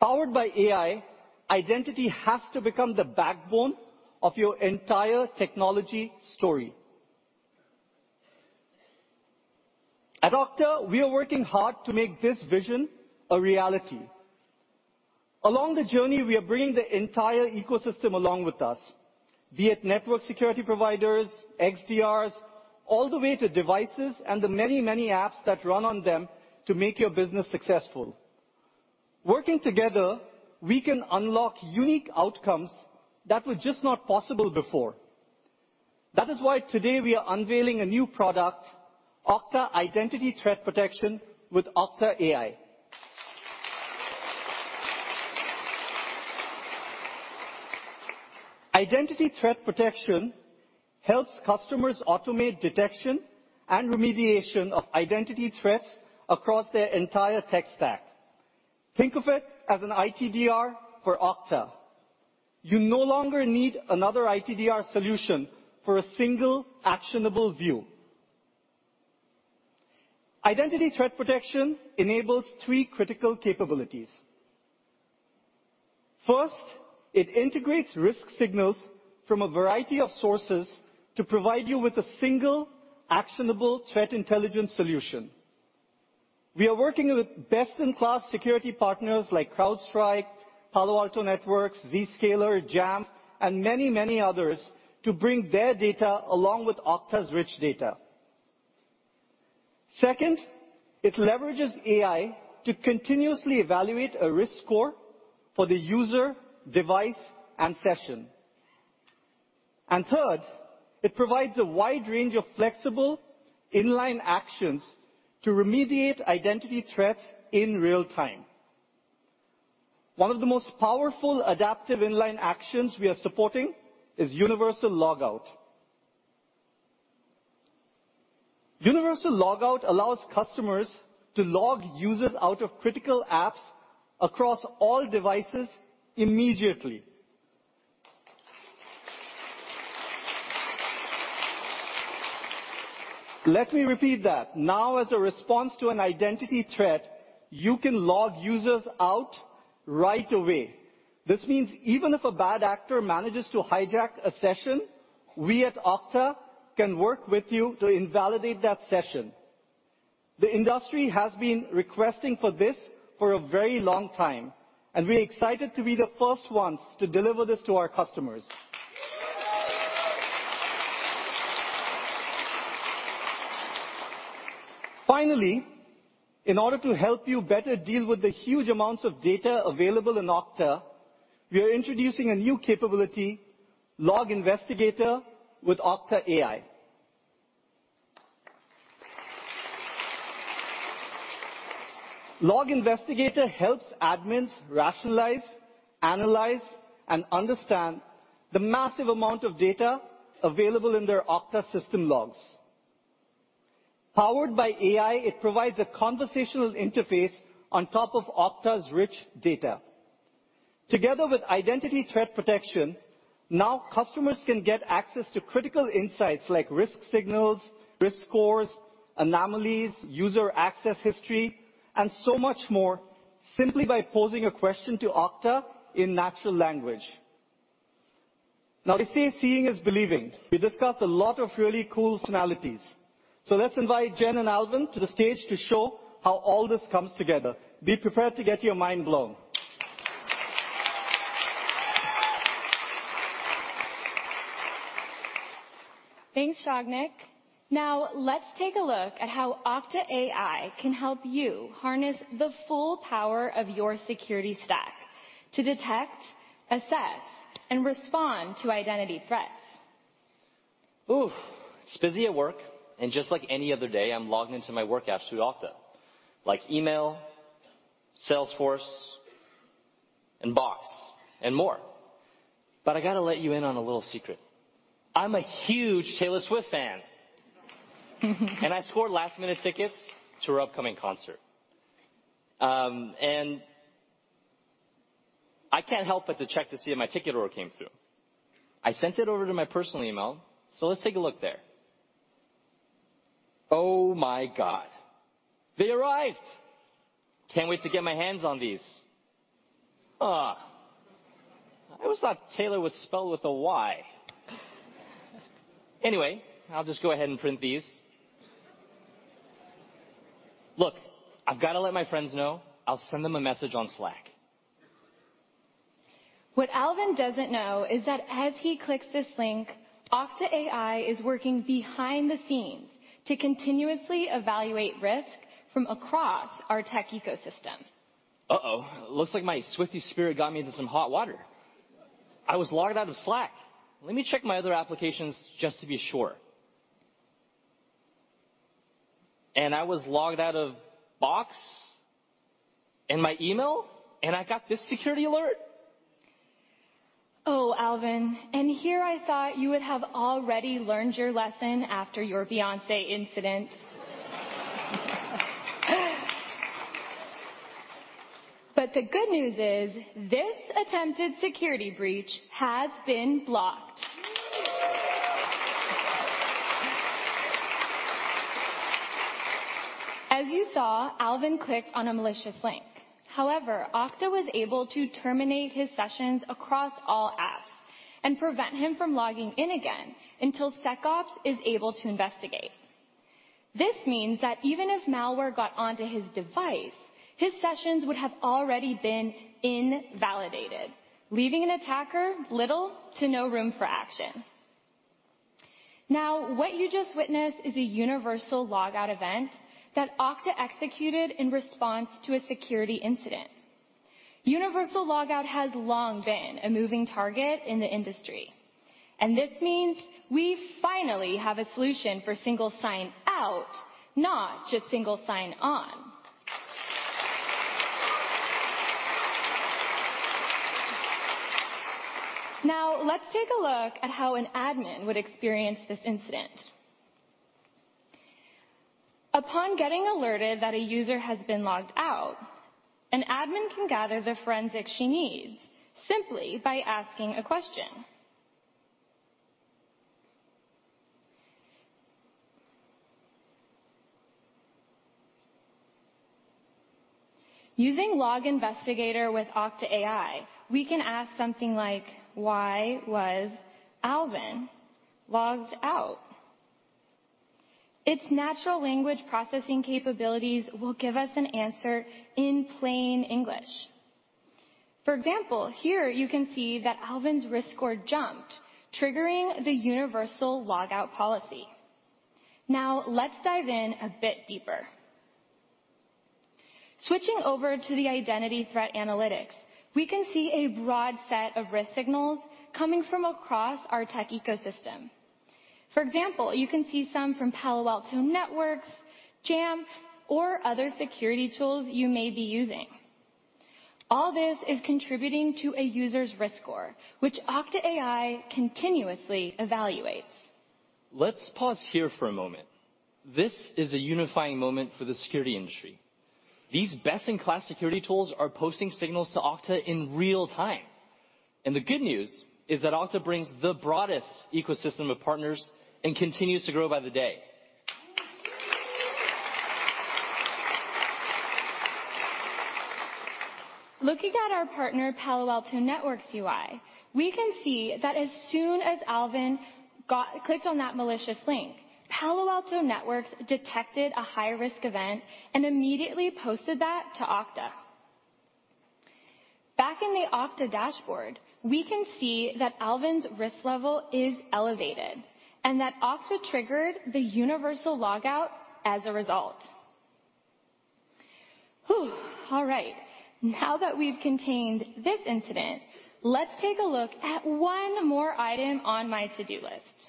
Speaker 6: Powered by AI, identity has to become the backbone of your entire technology story. At Okta, we are working hard to make this vision a reality. Along the journey, we are bringing the entire ecosystem along with us, be it network security providers, XDRs, all the way to devices and the many, many apps that run on them to make your business successful. Working together, we can unlock unique outcomes that were just not possible before.... That is why today we are unveiling a new product, Okta Identity Threat Protection with Okta AI. Identity Threat Protection helps customers automate detection and remediation of identity threats across their entire tech stack. Think of it as an ITDR for Okta. You no longer need another ITDR solution for a single actionable view. Identity Threat Protection enables three critical capabilities. First, it integrates risk signals from a variety of sources to provide you with a single, actionable threat intelligence solution. We are working with best-in-class security partners like CrowdStrike, Palo Alto Networks, Zscaler, Jamf, and many, many others to bring their data along with Okta's rich data. Second, it leverages AI to continuously evaluate a risk score for the user, device, and session. And third, it provides a wide range of flexible inline actions to remediate identity threats in real time. One of the most powerful adaptive inline actions we are supporting is Universal Logout. Universal Logout allows customers to log users out of critical apps across all devices immediately. Let me repeat that. Now, as a response to an identity threat, you can log users out right away. This means even if a bad actor manages to hijack a session, we at Okta can work with you to invalidate that session. The industry has been requesting for this for a very long time, and we're excited to be the first ones to deliver this to our customers. Finally, in order to help you better deal with the huge amounts of data available in Okta, we are introducing a new capability, Log Investigator with Okta AI. Log Investigator helps admins rationalize, analyze, and understand the massive amount of data available in their Okta system logs. Powered by AI, it provides a conversational interface on top of Okta's rich data. Together with Identity Threat Protection, now customers can get access to critical insights like risk signals, risk scores, anomalies, user access history, and so much more, simply by posing a question to Okta in natural language. Now, we say seeing is believing. We discussed a lot of really cool functionalities, so let's invite Jen and Alvin to the stage to show how all this comes together. Be prepared to get your mind blown.
Speaker 2: Thanks, Sagnik. Now, let's take a look at how Okta AI can help you harness the full power of your security stack to detect, assess, and respond to identity threats. Oof! It's busy at work, and just like any other day, I'm logged into my work apps through Okta, like email, Salesforce, and Box, and more. But I got to let you in on a little secret. I'm a huge Taylor Swift fan. And I scored last-minute tickets to her upcoming concert. And I can't help but to check to see if my ticket order came through. I sent it over to my personal email, so let's take a look there. Oh, my God! They arrived! Can't wait to get my hands on these. I always thought Taylor was spelled with a Y. Anyway, I'll just go ahead and print these. Look, I've got to let my friends know. I'll send them a message on Slack. What Alvin doesn't know is that as he clicks this link, Okta AI is working behind the scenes to continuously evaluate risk from across our tech ecosystem. Uh-oh. Looks like my Swiftie spirit got me into some hot water. I was logged out of Slack. Let me check my other applications, just to be sure. And I was logged out of Box and my email, and I got this security alert? Oh, Alvin, and here I thought you would have already learned your lesson after your Beyoncé incident. But the good news is, this attempted security breach has been blocked. As you saw, Alvin clicked on a malicious link. However, Okta was able to terminate his sessions across all apps and prevent him from logging in again until SecOps is able to investigate. This means that even if malware got onto his device, his sessions would have already been invalidated, leaving an attacker little to no room for action. Now, what you just witnessed is a Universal Logout event that Okta executed in response to a security incident. Universal Logout has long been a moving target in the industry, and this means we finally have a solution for Single Sign-Out, not just Single Sign-On. Now, let's take a look at how an admin would experience this incident. Upon getting alerted that a user has been logged out, an admin can gather the forensics she needs simply by asking a question. Using Log Investigator with Okta AI, we can ask something like, "Why was Alvin logged out?" Its natural language processing capabilities will give us an answer in plain English. For example, here you can see that Alvin's risk score jumped, triggering the Universal Logout policy. Now, let's dive in a bit deeper. Switching over to the Identity Threat Analytics, we can see a broad set of risk signals coming from across our tech ecosystem. For example, you can see some from Palo Alto Networks, Jamf, or other security tools you may be using. All this is contributing to a user's risk score, which Okta AI continuously evaluates. Let's pause here for a moment. This is a unifying moment for the security industry. These best-in-class security tools are posting signals to Okta in real time, and the good news is that Okta brings the broadest ecosystem of partners and continues to grow by the day. Looking at our partner, Palo Alto Networks UI, we can see that as soon as Alvin clicked on that malicious link, Palo Alto Networks detected a high-risk event and immediately posted that to Okta. Back in the Okta dashboard, we can see that Alvin's risk level is elevated and that Okta triggered the Universal Logout as a result. All right, now that we've contained this incident, let's take a look at one more item on my to-do list.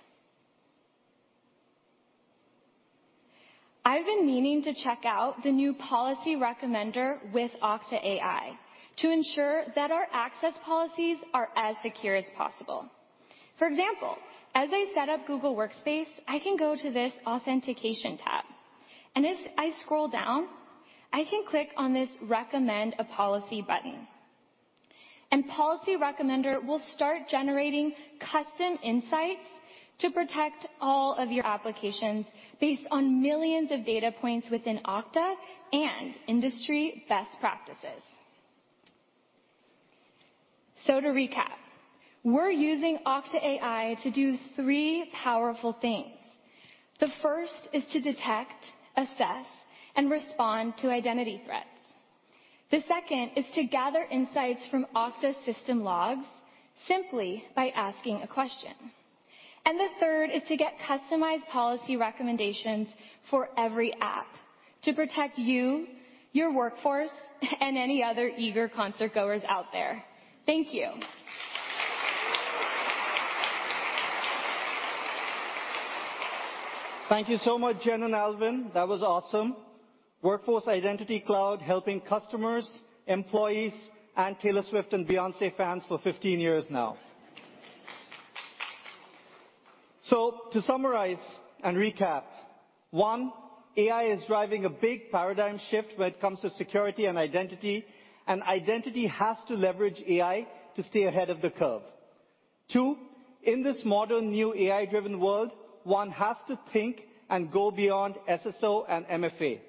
Speaker 2: I've been meaning to check out the new Policy Recommender with Okta AI to ensure that our access policies are as secure as possible. For example, as I set up Google Workspace, I can go to this Authentication tab, and if I scroll down, I can click on this Recommend a policy button. Policy Recommender will start generating custom insights to protect all of your applications based on millions of data points within Okta and industry best practices. So to recap, we're using Okta AI to do three powerful things. The first is to detect, assess, and respond to identity threats. The second is to gather insights from Okta system logs simply by asking a question. And the third is to get customized policy recommendations for every app to protect you, your workforce, and any other eager concertgoers out there. Thank you.
Speaker 6: Thank you so much, Jen and Alvin. That was awesome. Workforce Identity Cloud, helping customers, employees, and Taylor Swift and Beyoncé fans for 15 years now. So to summarize and recap, one, AI is driving a big paradigm shift when it comes to security and identity, and identity has to leverage AI to stay ahead of the curve. Two, in this modern, new, AI-driven world, one has to think and go beyond SSO and MFA.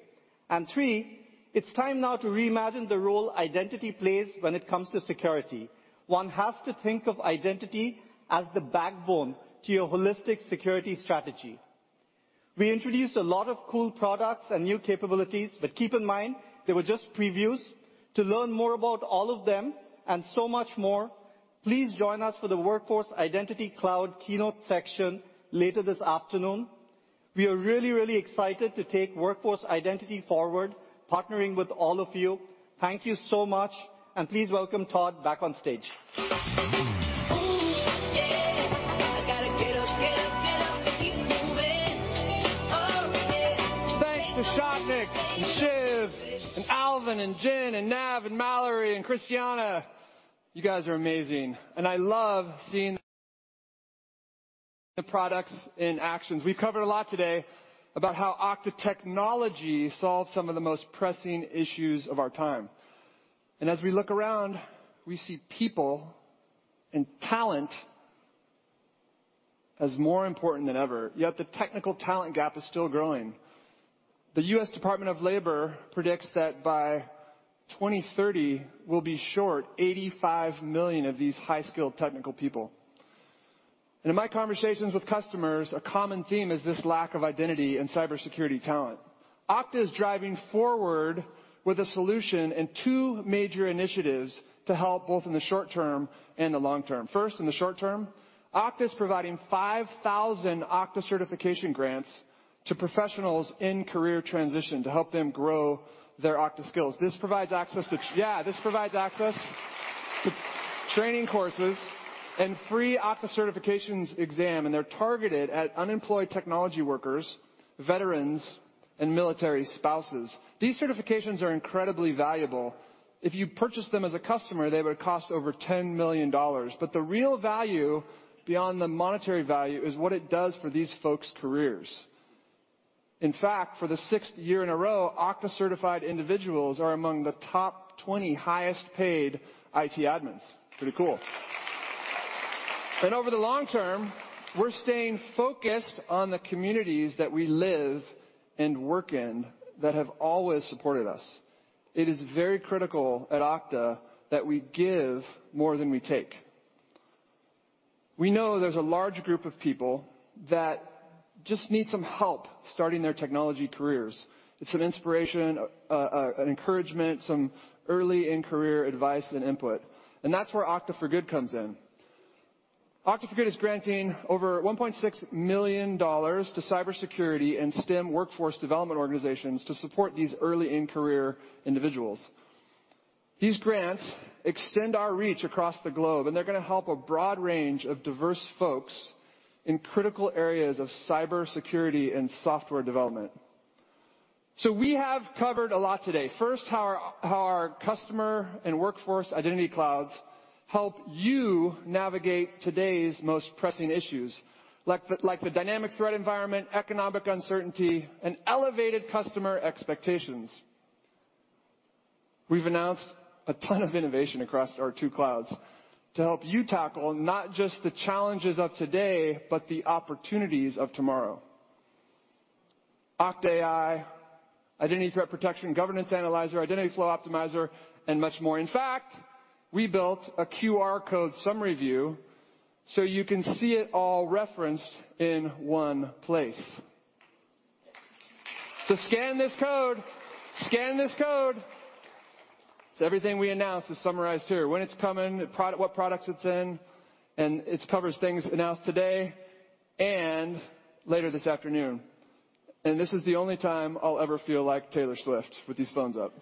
Speaker 6: And three, it's time now to reimagine the role identity plays when it comes to security. One has to think of identity as the backbone to a holistic security strategy. We introduced a lot of cool products and new capabilities, but keep in mind, they were just previews. To learn more about all of them and so much more, please join us for the Workforce Identity Cloud keynote section later this afternoon. We are really, really excited to take Workforce Identity forward, partnering with all of you. Thank you so much, and please welcome Todd back on stage.
Speaker 1: Thanks to Sagnik and Shiv and Alvin and Jen and Nav and Mallory and Christiana. You guys are amazing, and I love seeing the products in action. We've covered a lot today about how Okta technology solves some of the most pressing issues of our time. As we look around, we see people and talent as more important than ever, yet the technical talent gap is still growing. The U.S. Department of Labor predicts that by 2030, we'll be short 85 million of these high-skilled technical people. In my conversations with customers, a common theme is this lack of identity and cybersecurity talent. Okta is driving forward with a solution and two major initiatives to help, both in the short term and the long term. First, in the short term, Okta is providing 5,000 Okta certification grants to professionals in career transition to help them grow their Okta skills. This provides access to the training courses and free Okta certifications exam, and they're targeted at unemployed technology workers, veterans, and military spouses. These certifications are incredibly valuable. If you purchase them as a customer, they would cost over $10 million. But the real value, beyond the monetary value, is what it does for these folks' careers. In fact, for the sixth year in a row, Okta-certified individuals are among the top 20 highest-paid IT admins. Pretty cool. Over the long term, we're staying focused on the communities that we live and work in, that have always supported us. It is very critical at Okta that we give more than we take. We know there's a large group of people that just need some help starting their technology careers. It's an inspiration, an encouragement, some early-in-career advice and input, and that's where Okta for Good comes in. Okta for Good is granting over $1.6 million to cybersecurity and STEM workforce development organizations to support these early-in-career individuals. These grants extend our reach across the globe, and they're going to help a broad range of diverse folks in critical areas of cybersecurity and software development. So we have covered a lot today. First, how our customer and workforce identity clouds help you navigate today's most pressing issues, like the dynamic threat environment, economic uncertainty, and elevated customer expectations. We've announced a ton of innovation across our two clouds to help you tackle not just the challenges of today, but the opportunities of tomorrow. Okta AI, Identity Threat Protection, Governance Analyzer, Identity Flow Optimizer, and much more. In fact, we built a QR code summary view, so you can see it all referenced in one place. So scan this code. Scan this code! So everything we announced is summarized here, when it's coming, what product, what products it's in, and it covers things announced today and later this afternoon. And this is the only time I'll ever feel like Taylor Swift with these phones up.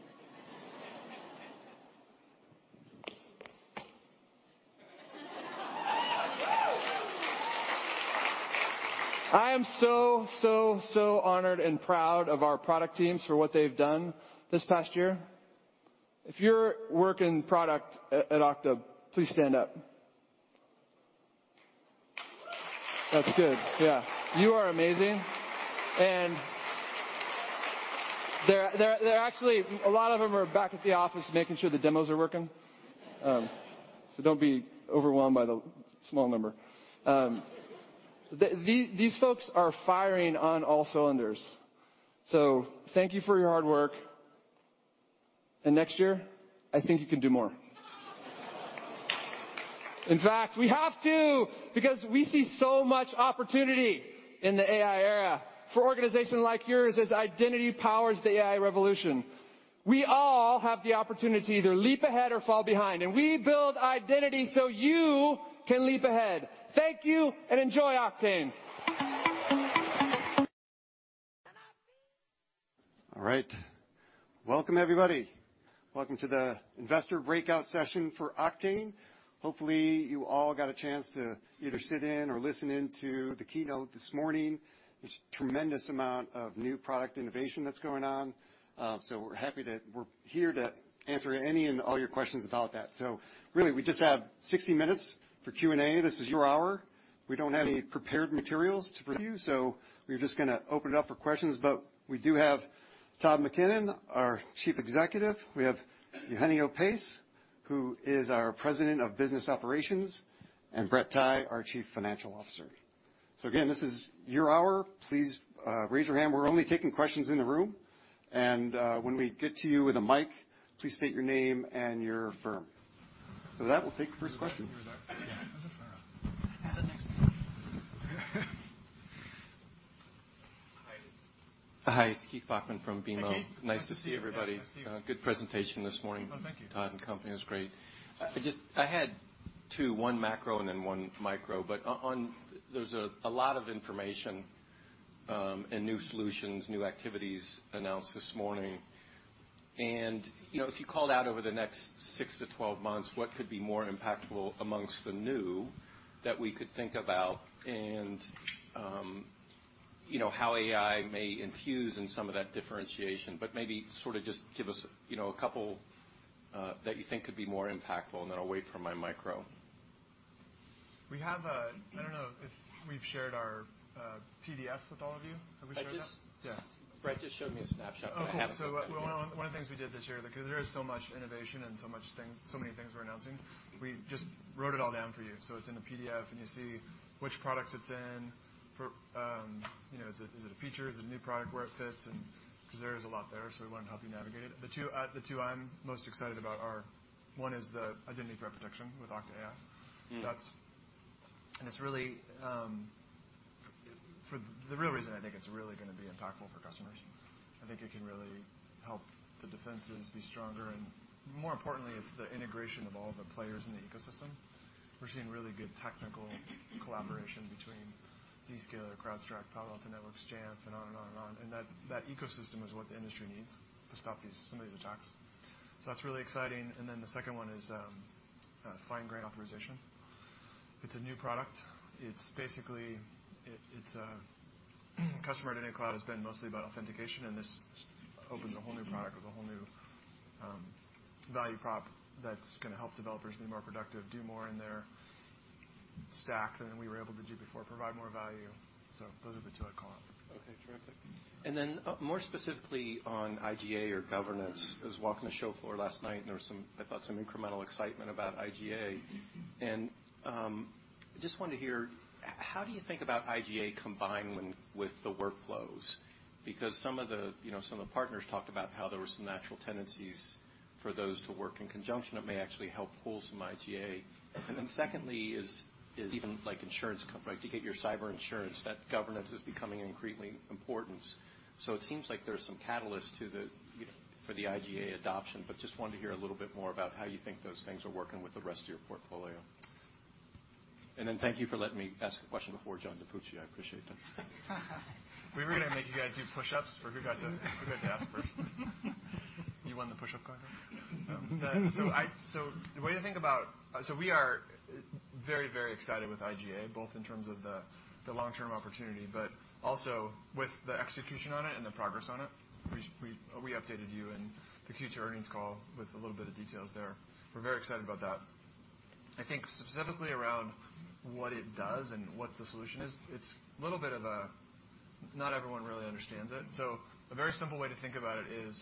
Speaker 1: I am so, so, so honored and proud of our product teams for what they've done this past year. If you work in product at Okta, please stand up. That's good. Yeah, you are amazing. And they're actually... A lot of them are back at the office, making sure the demos are working. So don't be overwhelmed by the small number. These folks are firing on all cylinders. So thank you for your hard work, and next year, I think you can do more. In fact, we have to because we see so much opportunity in the AI era for organizations like yours as identity powers the AI revolution. We all have the opportunity to either leap ahead or fall behind, and we build identity so you can leap ahead. Thank you, and enjoy Oktane.
Speaker 7: All right. Welcome, everybody. Welcome to the investor breakout session for Oktane. Hopefully, you all got a chance to either sit in or listen in to the keynote this morning. There's a tremendous amount of new product innovation that's going on, so we're happy that we're here to answer any and all your questions about that. So really, we just have 60 minutes for Q&A. This is your hour. We don't have any prepared materials to review, so we're just going to open it up for questions. But we do have Todd McKinnon, our Chief Executive. We have Eugenio Pace, who is our President of Business Operations, and Brett Tighe, our Chief Financial Officer. So again, this is your hour. Please, raise your hand. We're only taking questions in the room, and, when we get to you with a mic, please state your name and your firm. With that, we'll take the first question. Sit next to me.
Speaker 8: Hi, it's Keith Bachman from BMO.
Speaker 7: Hey.
Speaker 8: Nice to see everybody.
Speaker 7: Nice to see you.
Speaker 8: Good presentation this morning.
Speaker 7: Oh, thank you.
Speaker 8: Todd and company. It was great. I had two, one macro and then one micro, but on... There's a lot of information, and new solutions, new activities announced this morning. And, you know, if you called out over the next six to 12 months, what could be more impactful amongst the new that we could think about? And, you know, how AI may infuse in some of that differentiation, but maybe sort of just give us, you know, a couple that you think could be more impactful, and then I'll wait for my micro.
Speaker 1: We have a... I don't know if we've shared our PDF with all of you. Have we showed that?
Speaker 8: Brett just showed me a snapshot, but I haven't-
Speaker 9: Okay. One of the things we did this year, because there is so much innovation and so many things we're announcing, we just wrote it all down for you. So it's in a PDF, and you see which products it's in. For, you know, is it a feature? Is it a new product, where it fits? And because there is a lot there, so we wanted to help you navigate it. The two I'm most excited about are, one, the Identity Threat Protection with Okta AI.
Speaker 8: Mm.
Speaker 1: And it's really, for the real reason, I think it's really going to be impactful for customers. I think it can really help the defenses be stronger, and more importantly, it's the integration of all the players-... We're seeing really good technical collaboration between Zscaler, CrowdStrike, Palo Alto Networks, Jamf, and on, and on, and on, and that, that ecosystem is what the industry needs to stop these some of these attacks. So that's really exciting. And then the second one is, Fine-Grained Authorization. It's a new product. It's basically Customer Identity Cloud has been mostly about authentication, and this opens a whole new product or the whole new value prop that's gonna help developers be more productive, do more in their stack than we were able to do before, provide more value. So those are the two I call out.
Speaker 8: Okay, terrific. Then, more specifically on IGA or governance, I was walking the show floor last night, and there was some, I thought, some incremental excitement about IGA.
Speaker 1: Mm-hmm.
Speaker 8: I just wanted to hear, how do you think about IGA combined when with the Workflows? Because some of the, you know, some of the partners talked about how there were some natural tendencies for those to work in conjunction that may actually help pull some IGA. And then secondly, even like insurance company, like, to get your cyber insurance, that governance is becoming increasingly important. So it seems like there are some catalysts to the, you know, for the IGA adoption, but just wanted to hear a little bit more about how you think those things are working with the rest of your portfolio. And then thank you for letting me ask a question before John DiFucci. I appreciate that.
Speaker 1: We were gonna make you guys do push-ups for who got to, who got to ask first. You won the push-up contest? So the way to think about it, so we are very, very excited with IGA, both in terms of the long-term opportunity, but also with the execution on it and the progress on it. We updated you in the Q2 earnings call with a little bit of details there. We're very excited about that. I think specifically around what it does and what the solution is, it's a little bit of a... Not everyone really understands it. So a very simple way to think about it is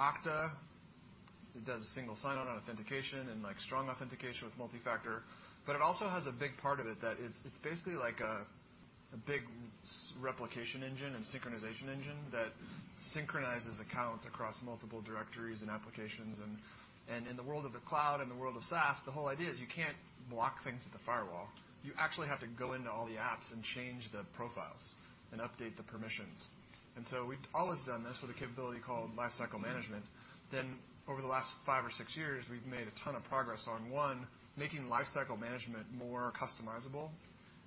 Speaker 1: Okta. It does Single Sign-On authentication and, like, strong authentication with multifactor, but it also has a big part of it that it's basically like a big replication engine and synchronization engine that synchronizes accounts across multiple directories and applications. And in the world of the cloud and the world of SaaS, the whole idea is you can't block things at the firewall. You actually have to go into all the apps and change the profiles and update the permissions. And so we've always done this with a capability called Lifecycle Management. Then over the last five or six years, we've made a ton of progress on, one, making Lifecycle Management more customizable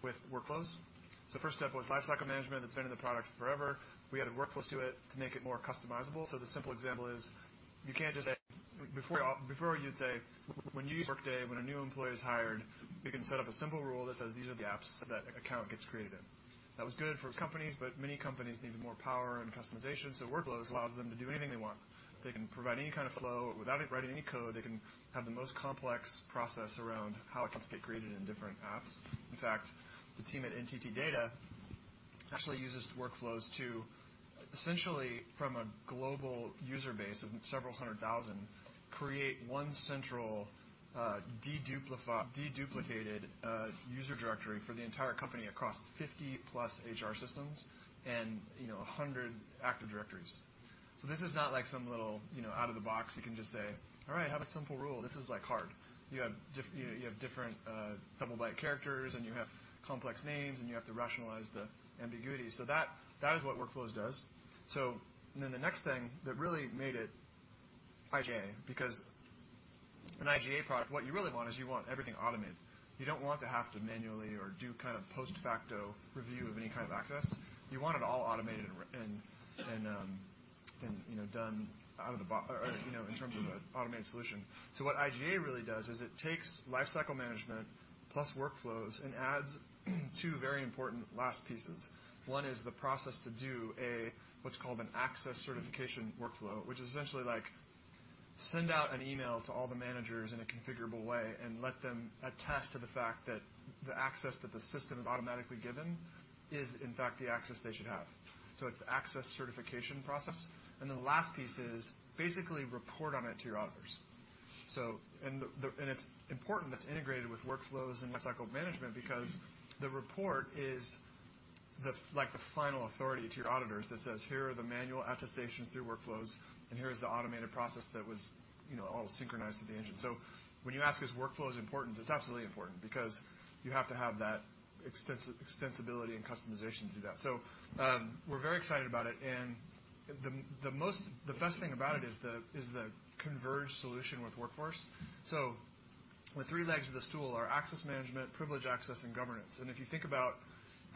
Speaker 1: with Workflows. So first step was Lifecycle Management. That's been in the product forever. We added Workflows to it to make it more customizable. So the simple example is you can't just say, before, you'd say, when you use Workday, when a new employee is hired, you can set up a simple rule that says, "These are the apps that account gets created in." That was good for companies, but many companies needed more power and customization, so Workflows allows them to do anything they want. They can provide any kind of flow without writing any code. They can have the most complex process around how accounts get created in different apps. In fact, the team at NTT DATA actually uses Workflows to essentially, from a global user base of several hundred thousand, create one central, deduplicated, user directory for the entire company across 50+ HR systems and, you know, 100 active directories. So this is not like some little, you know, out of the box, you can just say, "All right, have a simple rule." This is, like, hard. You have you, you have different double-byte characters, and you have complex names, and you have to rationalize the ambiguity. So that is what Workflows does. So then the next thing that really made it IGA, because an IGA product, what you really want is you want everything automated. You don't want to have to manually or do kind of post-facto review of any kind of access. You want it all automated and, and, and, you know, done out of the box. You know, in terms of an automated solution. So what IGA really does is it takes Lifecycle Management plus Workflows and adds two very important last pieces. One is the process to do a, what's called an Access Certification workflow, which is essentially like send out an email to all the managers in a configurable way, and let them attest to the fact that the access that the system is automatically given is, in fact, the access they should have. So it's Access Certification process. And then the last piece is basically report on it to your auditors. So, and it's important it's integrated with Workflows and Lifecycle Management because the report is the, like, the final authority to your auditors that says, "Here are the manual attestations through Workflows, and here is the automated process that was, you know, all synchronized to the engine." So when you ask, is Workflows important? It's absolutely important because you have to have that extensibility and customization to do that. So, we're very excited about it, and the best thing about it is the converged solution with Workforce. So the three legs of the stool are access management, privileged access, and governance. And if you think about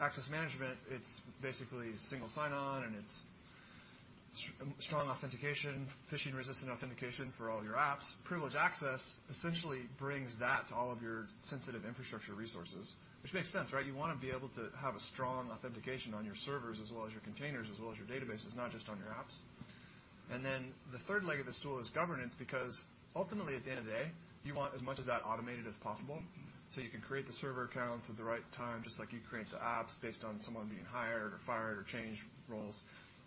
Speaker 1: access management, it's basically Single Sign-On, and it's strong authentication, phishing-resistant authentication for all your apps. Privileged access essentially brings that to all of your sensitive infrastructure resources, which makes sense, right? You want to be able to have a strong authentication on your servers, as well as your containers, as well as your databases, not just on your apps. And then the third leg of the stool is governance, because ultimately, at the end of the day, you want as much of that automated as possible. So you can create the server accounts at the right time, just like you create the apps based on someone being hired or fired or changed roles.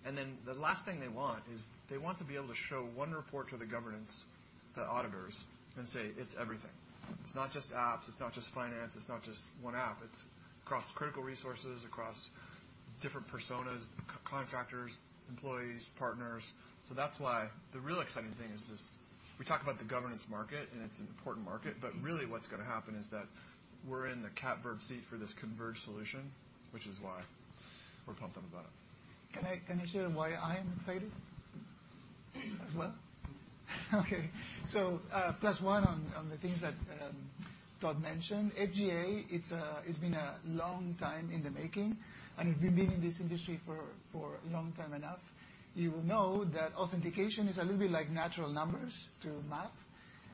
Speaker 1: And then the last thing they want is they want to be able to show one report to the governance, the auditors, and say, "It's everything." It's not just apps, it's not just finance, it's not just one app. It's across critical resources, across different personas, contractors, employees, partners. So that's why the real exciting thing is this. We talk about the governance market, and it's an important market, but really what's gonna happen is that we're in the catbird seat for this converged solution, which is why we're pumped about it.
Speaker 10: Can I, can I share why I'm excited?... As well? Okay, so plus one on the things that Todd mentioned. FGA, it's been a long time in the making, and if you've been in this industry for long enough, you will know that authentication is a little bit like natural numbers to math,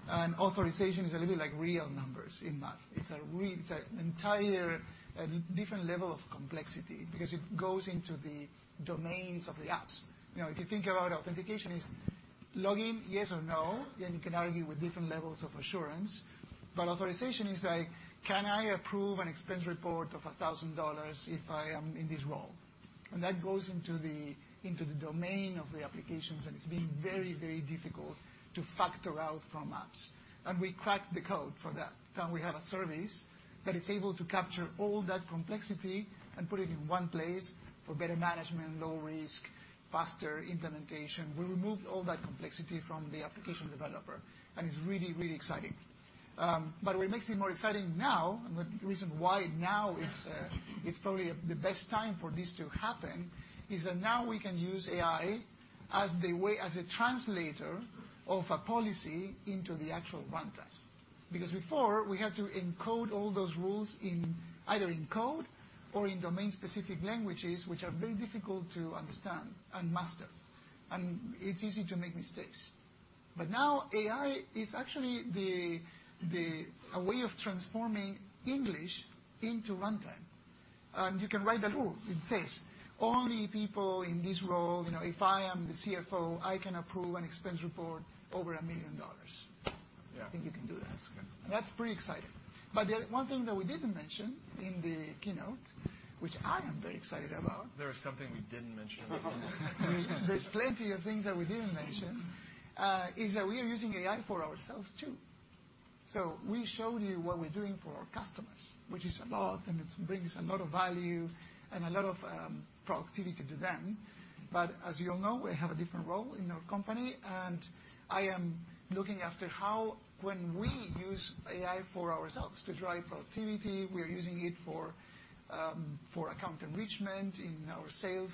Speaker 10: and authorization is a little bit like real numbers in math. It's an entire different level of complexity because it goes into the domains of the apps. You know, if you think about authentication, is login yes or no, then you can argue with different levels of assurance. But authorization is like, can I approve an expense report of $1,000 if I am in this role? And that goes into the domain of the applications, and it's been very, very difficult to factor out from apps. And we cracked the code for that. Now we have a service that is able to capture all that complexity and put it in one place for better management, low risk, faster implementation. We removed all that complexity from the application developer, and it's really, really exciting. But what makes it more exciting now, and the reason why now it's, it's probably the best time for this to happen, is that now we can use AI as the way—as a translator of a policy into the actual runtime. Because before, we had to encode all those rules in either in code or in domain-specific languages, which are very difficult to understand and master, and it's easy to make mistakes. But now, AI is actually a way of transforming English into runtime. And you can write that rule. It says, "Only people in this role, you know, if I am the CFO, I can approve an expense report over $1 million.
Speaker 7: Yeah.
Speaker 10: I think you can do that.
Speaker 7: That's good.
Speaker 10: That's pretty exciting. But there, one thing that we didn't mention in the keynote, which I am very excited about-
Speaker 7: There is something we didn't mention?
Speaker 10: There's plenty of things that we didn't mention, is that we are using AI for ourselves, too. So we showed you what we're doing for our customers, which is a lot, and it brings a lot of value and a lot of productivity to them. But as you all know, I have a different role in our company, and I am looking after how, when we use AI for ourselves to drive productivity, we are using it for account enrichment in our sales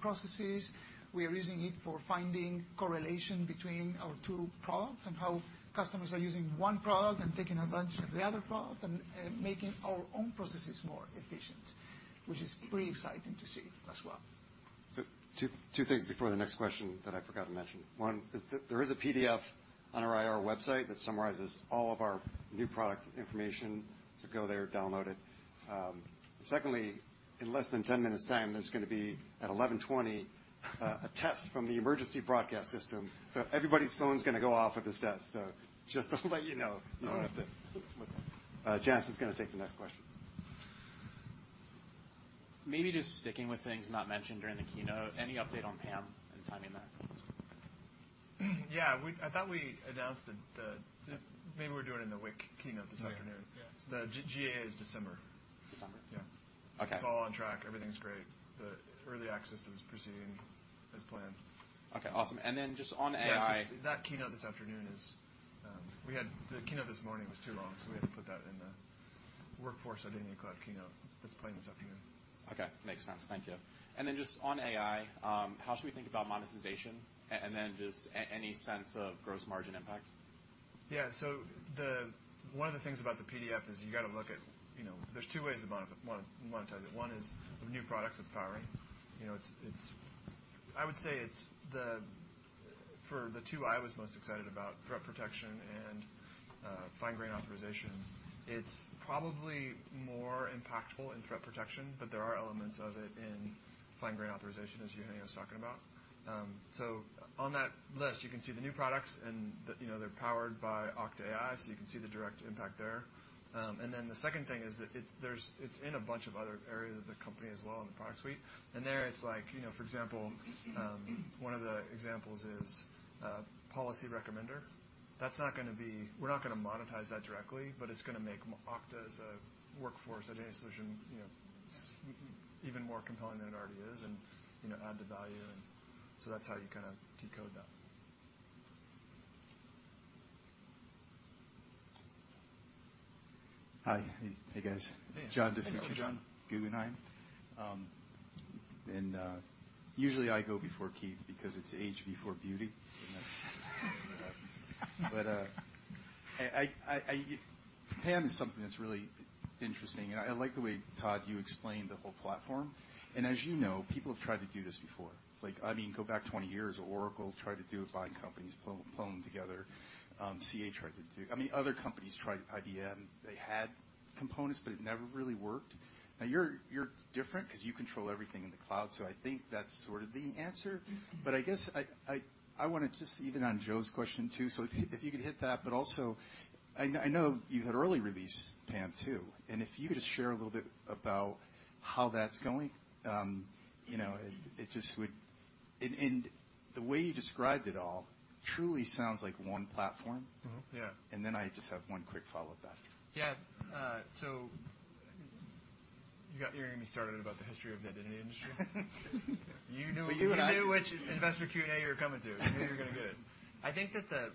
Speaker 10: processes. We are using it for finding correlation between our two products and how customers are using one product and taking advantage of the other product and making our own processes more efficient, which is pretty exciting to see as well.
Speaker 7: So two things before the next question that I forgot to mention. One, is that there is a PDF on our IR website that summarizes all of our new product information. So go there, download it. Secondly, in less than 10 minutes' time, there's gonna be, at 11:20, a test from the emergency broadcast system. So everybody's phone's gonna go off with this test. So just to let you know, you don't have to... Janice is gonna take the next question.
Speaker 11: Maybe just sticking with things not mentioned during the keynote, any update on PAM and timing that?
Speaker 1: Yeah, I thought we announced that. Maybe we're doing it in the WIC keynote this afternoon.
Speaker 7: Yeah.
Speaker 1: The GA is December.
Speaker 11: December?
Speaker 1: Yeah.
Speaker 11: Okay.
Speaker 1: It's all on track. Everything's great. The early access is proceeding as planned.
Speaker 11: Okay, awesome. And then just on AI-
Speaker 7: That keynote this afternoon is, we had the keynote this morning was too long, so we had to put that in the Workforce Identity Cloud keynote. That's planned this afternoon.
Speaker 11: Okay, makes sense. Thank you. And then just on AI, how should we think about monetization? And then just any sense of gross margin impact?
Speaker 1: Yeah, so one of the things about the PDF is you got to look at, you know, there's two ways to monetize it. One is with new products, it's powering. You know, it's, it's... I would say it's the, for the two I was most excited about, threat protection and fine grain authorization, it's probably more impactful in threat protection, but there are elements of it in fine grain authorization, as Eugenio was talking about. So on that list, you can see the new products and, the, you know, they're powered by Okta AI, so you can see the direct impact there. And then the second thing is that it's, there's, it's in a bunch of other areas of the company as well, in the product suite. And there, it's like, you know, for example, one of the examples is Policy Recommender. That's not gonna be—we're not gonna monetize that directly, but it's gonna make Okta as a workforce ID solution, you know, even more compelling than it already is and, you know, add the value. And so that's how you kinda decode that.
Speaker 12: Hi. Hey, guys.
Speaker 7: Hey.
Speaker 12: John, Guggenheim. And usually, I go before Keith because it's age before beauty, and that's what happens. But PAM is something that's really interesting, and I like the way, Todd, you explained the whole platform. And as you know, people have tried to do this before. Like, I mean, go back 20 years, Oracle tried to do it, buying companies, plumbing together. CA tried to do... I mean, other companies tried, IBM, they had components, but it never really worked. Now, you're different 'cause you control everything in the cloud, so I think that's sort of the answer. But I guess, I wanted to, just even on Joe's question, too, so if you could hit that, but also I know you had early release PAM, too. If you could just share a little bit about how that's going, you know, it just would... And the way you described it all truly sounds like one platform.
Speaker 7: Mm-hmm. Yeah.
Speaker 12: I just have one quick follow-up after.
Speaker 1: Yeah, so you got-- you're gonna be started about the history of the identity industry.
Speaker 12: You knew-
Speaker 1: But you and I-
Speaker 12: You knew which investor Q&A you were coming to. You knew you were gonna get-...
Speaker 1: I think that the,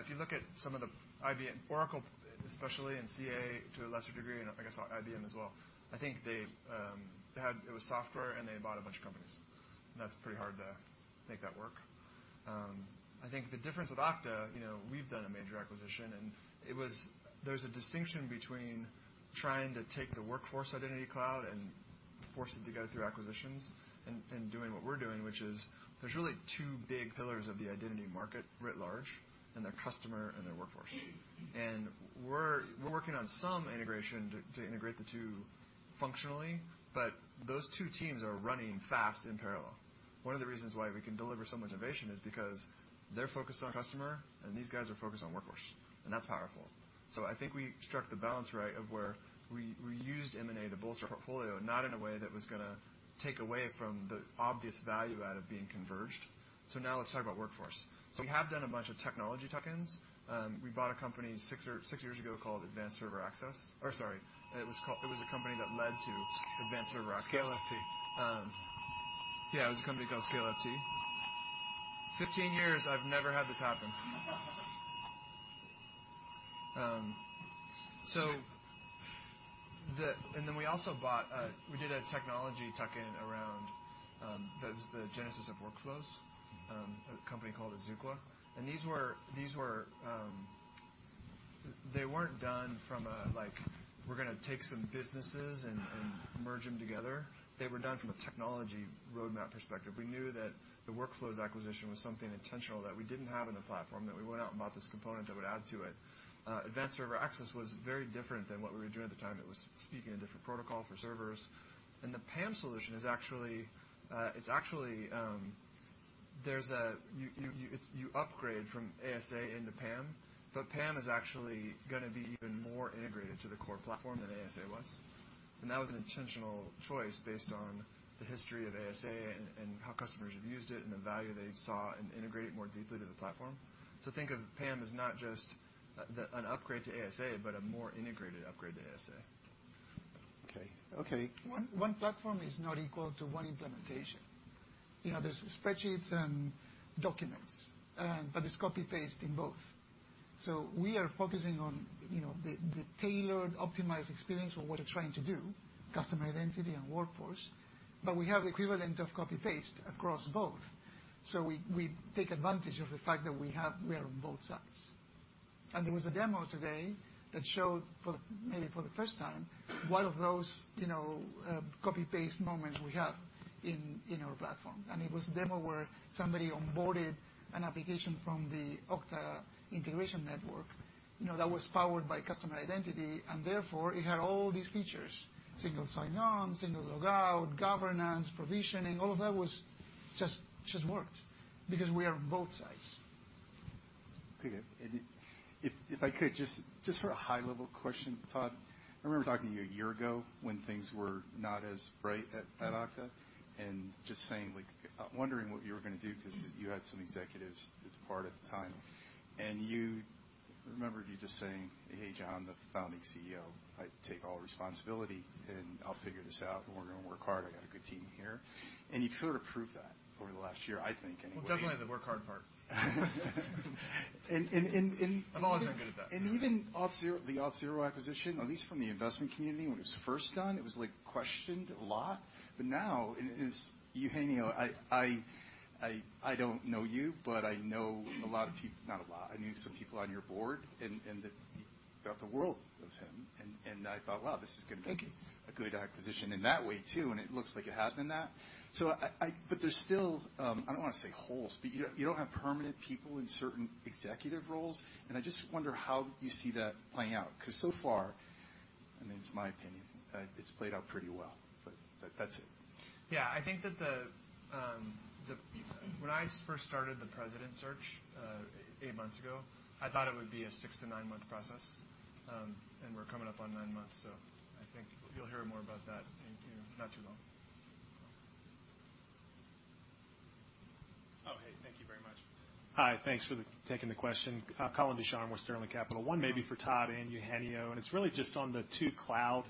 Speaker 1: if you look at some of the IBM, Oracle, especially, and CA to a lesser degree, and I guess IBM as well, I think they had it was software, and they bought a bunch of companies. And that's pretty hard to make that work. I think the difference with Okta, you know, we've done a major acquisition, and it was there's a distinction between trying to take the Workforce Identity Cloud and force it together through acquisitions and, and doing what we're doing, which is there's really two big pillars of the identity market writ large, and they're customer and their workforce. And we're, we're working on some integration to, to integrate the two functionally, but those two teams are running fast in parallel. One of the reasons why we can deliver so much innovation is because they're focused on customer, and these guys are focused on workforce, and that's powerful. So I think we struck the balance right of where we used M&A to bolster our portfolio, not in a way that was gonna take away from the obvious value out of being converged. So now let's talk about workforce. So we have done a bunch of technology tuck-ins. We bought a company six or six years ago called Advanced Server Access. Or, sorry, it was called... It was a company that led to Advanced Server Access.
Speaker 13: ScaleFT.
Speaker 1: Yeah, it was a company called ScaleFT. 15 years, I've never had this happen. So the... And then we also bought, we did a technology tuck-in around, that was the genesis of Workflows, a company called. And these were, these were, they weren't done from a, like, we're gonna take some businesses and, and merge them together. They were done from a technology roadmap perspective. We knew that the Workflows acquisition was something intentional that we didn't have in the platform, that we went out and bought this component that would add to it. Advanced Server Access was very different than what we were doing at the time. It was speaking a different protocol for servers, and the PAM solution is actually, it's actually, there's a... You upgrade from ASA into PAM, but PAM is actually gonna be even more integrated to the core platform than ASA was. And that was an intentional choice based on the history of ASA and how customers have used it and the value they saw and integrate it more deeply to the platform. So think of PAM as not just an upgrade to ASA, but a more integrated upgrade to ASA.
Speaker 13: Okay. Okay.
Speaker 10: One, one platform is not equal to one implementation. You know, there's spreadsheets and documents, but it's copy-paste in both. So we are focusing on, you know, the tailored, optimized experience for what we're trying to do, customer identity and workforce, but we have the equivalent of copy-paste across both. So we take advantage of the fact that we have we are on both sides. And there was a demo today that showed, maybe for the first time, one of those, you know, copy-paste moments we have in our platform. And it was a demo where somebody onboarded an application from the Okta Integration Network, you know, that was powered by customer identity, and therefore, it had all these features: Single SIgn-On, single logout, governance, provisioning, all of that was just worked because we are on both sides.
Speaker 13: Okay. And if I could, just for a high-level question, Todd, I remember talking to you a year ago when things were not as bright at Okta, and just saying, like, wondering what you were gonna do because you had some executives that departed at the time. And you, I remember you just saying: "Hey, John, I'm the founding CEO. I take all responsibility, and I'll figure this out, and we're gonna work hard. I got a good team here." And you've sort of proved that over the last year, I think, anyway.
Speaker 1: Well, definitely the work hard part.
Speaker 13: And, and, and, and-
Speaker 1: I'm always not good at that.
Speaker 13: And even Auth0, the Auth0 acquisition, at least from the investment community, when it was first done, it was, like, questioned a lot, but now it is... Eugenio, I don't know you, but I know a lot of pe- not a lot. I know some people on your board and, and that you thought the world of him, and, and I thought, wow, this is gonna be-
Speaker 10: Thank you.
Speaker 13: A good acquisition in that way, too, and it looks like it has been that. So, but there's still, I don't want to say holes, but you don't have permanent people in certain executive roles, and I just wonder how you see that playing out, 'cause so far, I mean, it's my opinion, it's played out pretty well. But that's it.
Speaker 1: Yeah, I think that... When I first started the president search, eight months ago, I thought it would be a six to nine-month process, and we're coming up on nine months, so I think you'll hear more about that in, you know, not too long.
Speaker 14: Oh, hey, thank you very much. Hi, thanks for taking the question. Colin DeShon with Sterling Capital. One maybe for Todd and Eugenio, and it's really just on the two cloud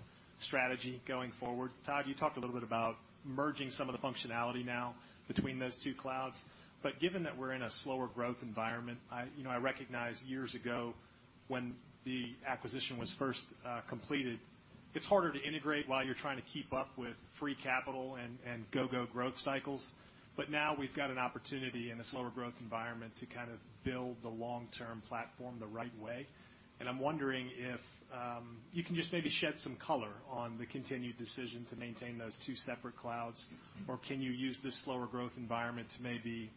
Speaker 14: strategy going forward. Todd, you talked a little bit about merging some of the functionality now between those two clouds. But given that we're in a slower growth environment, I, you know, I recognize years ago, when the acquisition was first completed, it's harder to integrate while you're trying to keep up with free capital and go-go growth cycles. But now we've got an opportunity in a slower growth environment to kind of build the long-term platform the right way. I'm wondering if you can just maybe shed some color on the continued decision to maintain those two separate clouds, or can you use this slower growth environment to maybe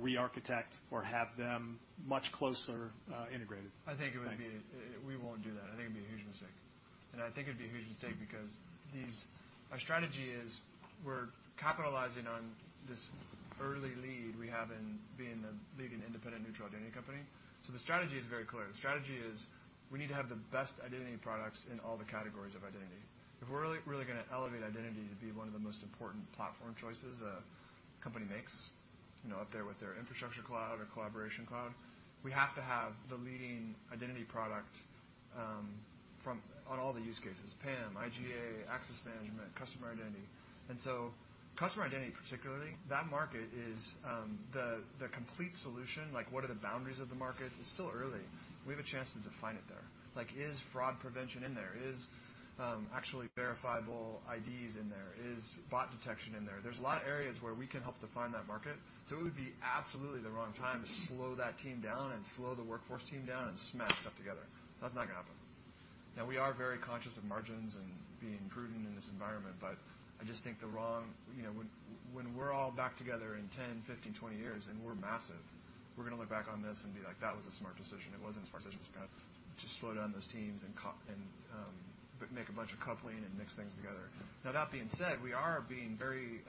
Speaker 14: rearchitect or have them much closer integrated?
Speaker 1: I think it would be-
Speaker 14: Thanks.
Speaker 1: We won't do that. I think it'd be a huge mistake. And I think it'd be a huge mistake because these, our strategy is we're capitalizing on this early lead we have in being a big and independent neutral identity company. So the strategy is very clear. The strategy is we need to have the best identity products in all the categories of identity. If we're really, really gonna elevate identity to be one of the most important platform choices a company makes, you know, up there with their infrastructure cloud or collaboration cloud. We have to have the leading identity product, from on all the use cases, PAM, IGA, Access Management, Customer Identity. And so Customer Identity, particularly, that market is, the complete solution, like, what are the boundaries of the market? It's still early. We have a chance to define it there. Like, is fraud prevention in there? Is actually verifiable IDs in there? Is bot detection in there? There's a lot of areas where we can help define that market, so it would be absolutely the wrong time to slow that team down and slow the workforce team down and smash stuff together. That's not gonna happen. Now, we are very conscious of margins and being prudent in this environment, but I just think the wrong... You know, when we're all back together in 10, 15, 20 years and we're massive, we're gonna look back on this and be like, "That was a smart decision. It wasn't a smart decision to just slow down those teams and make a bunch of coupling and mix things together. Now, that being said, we are being very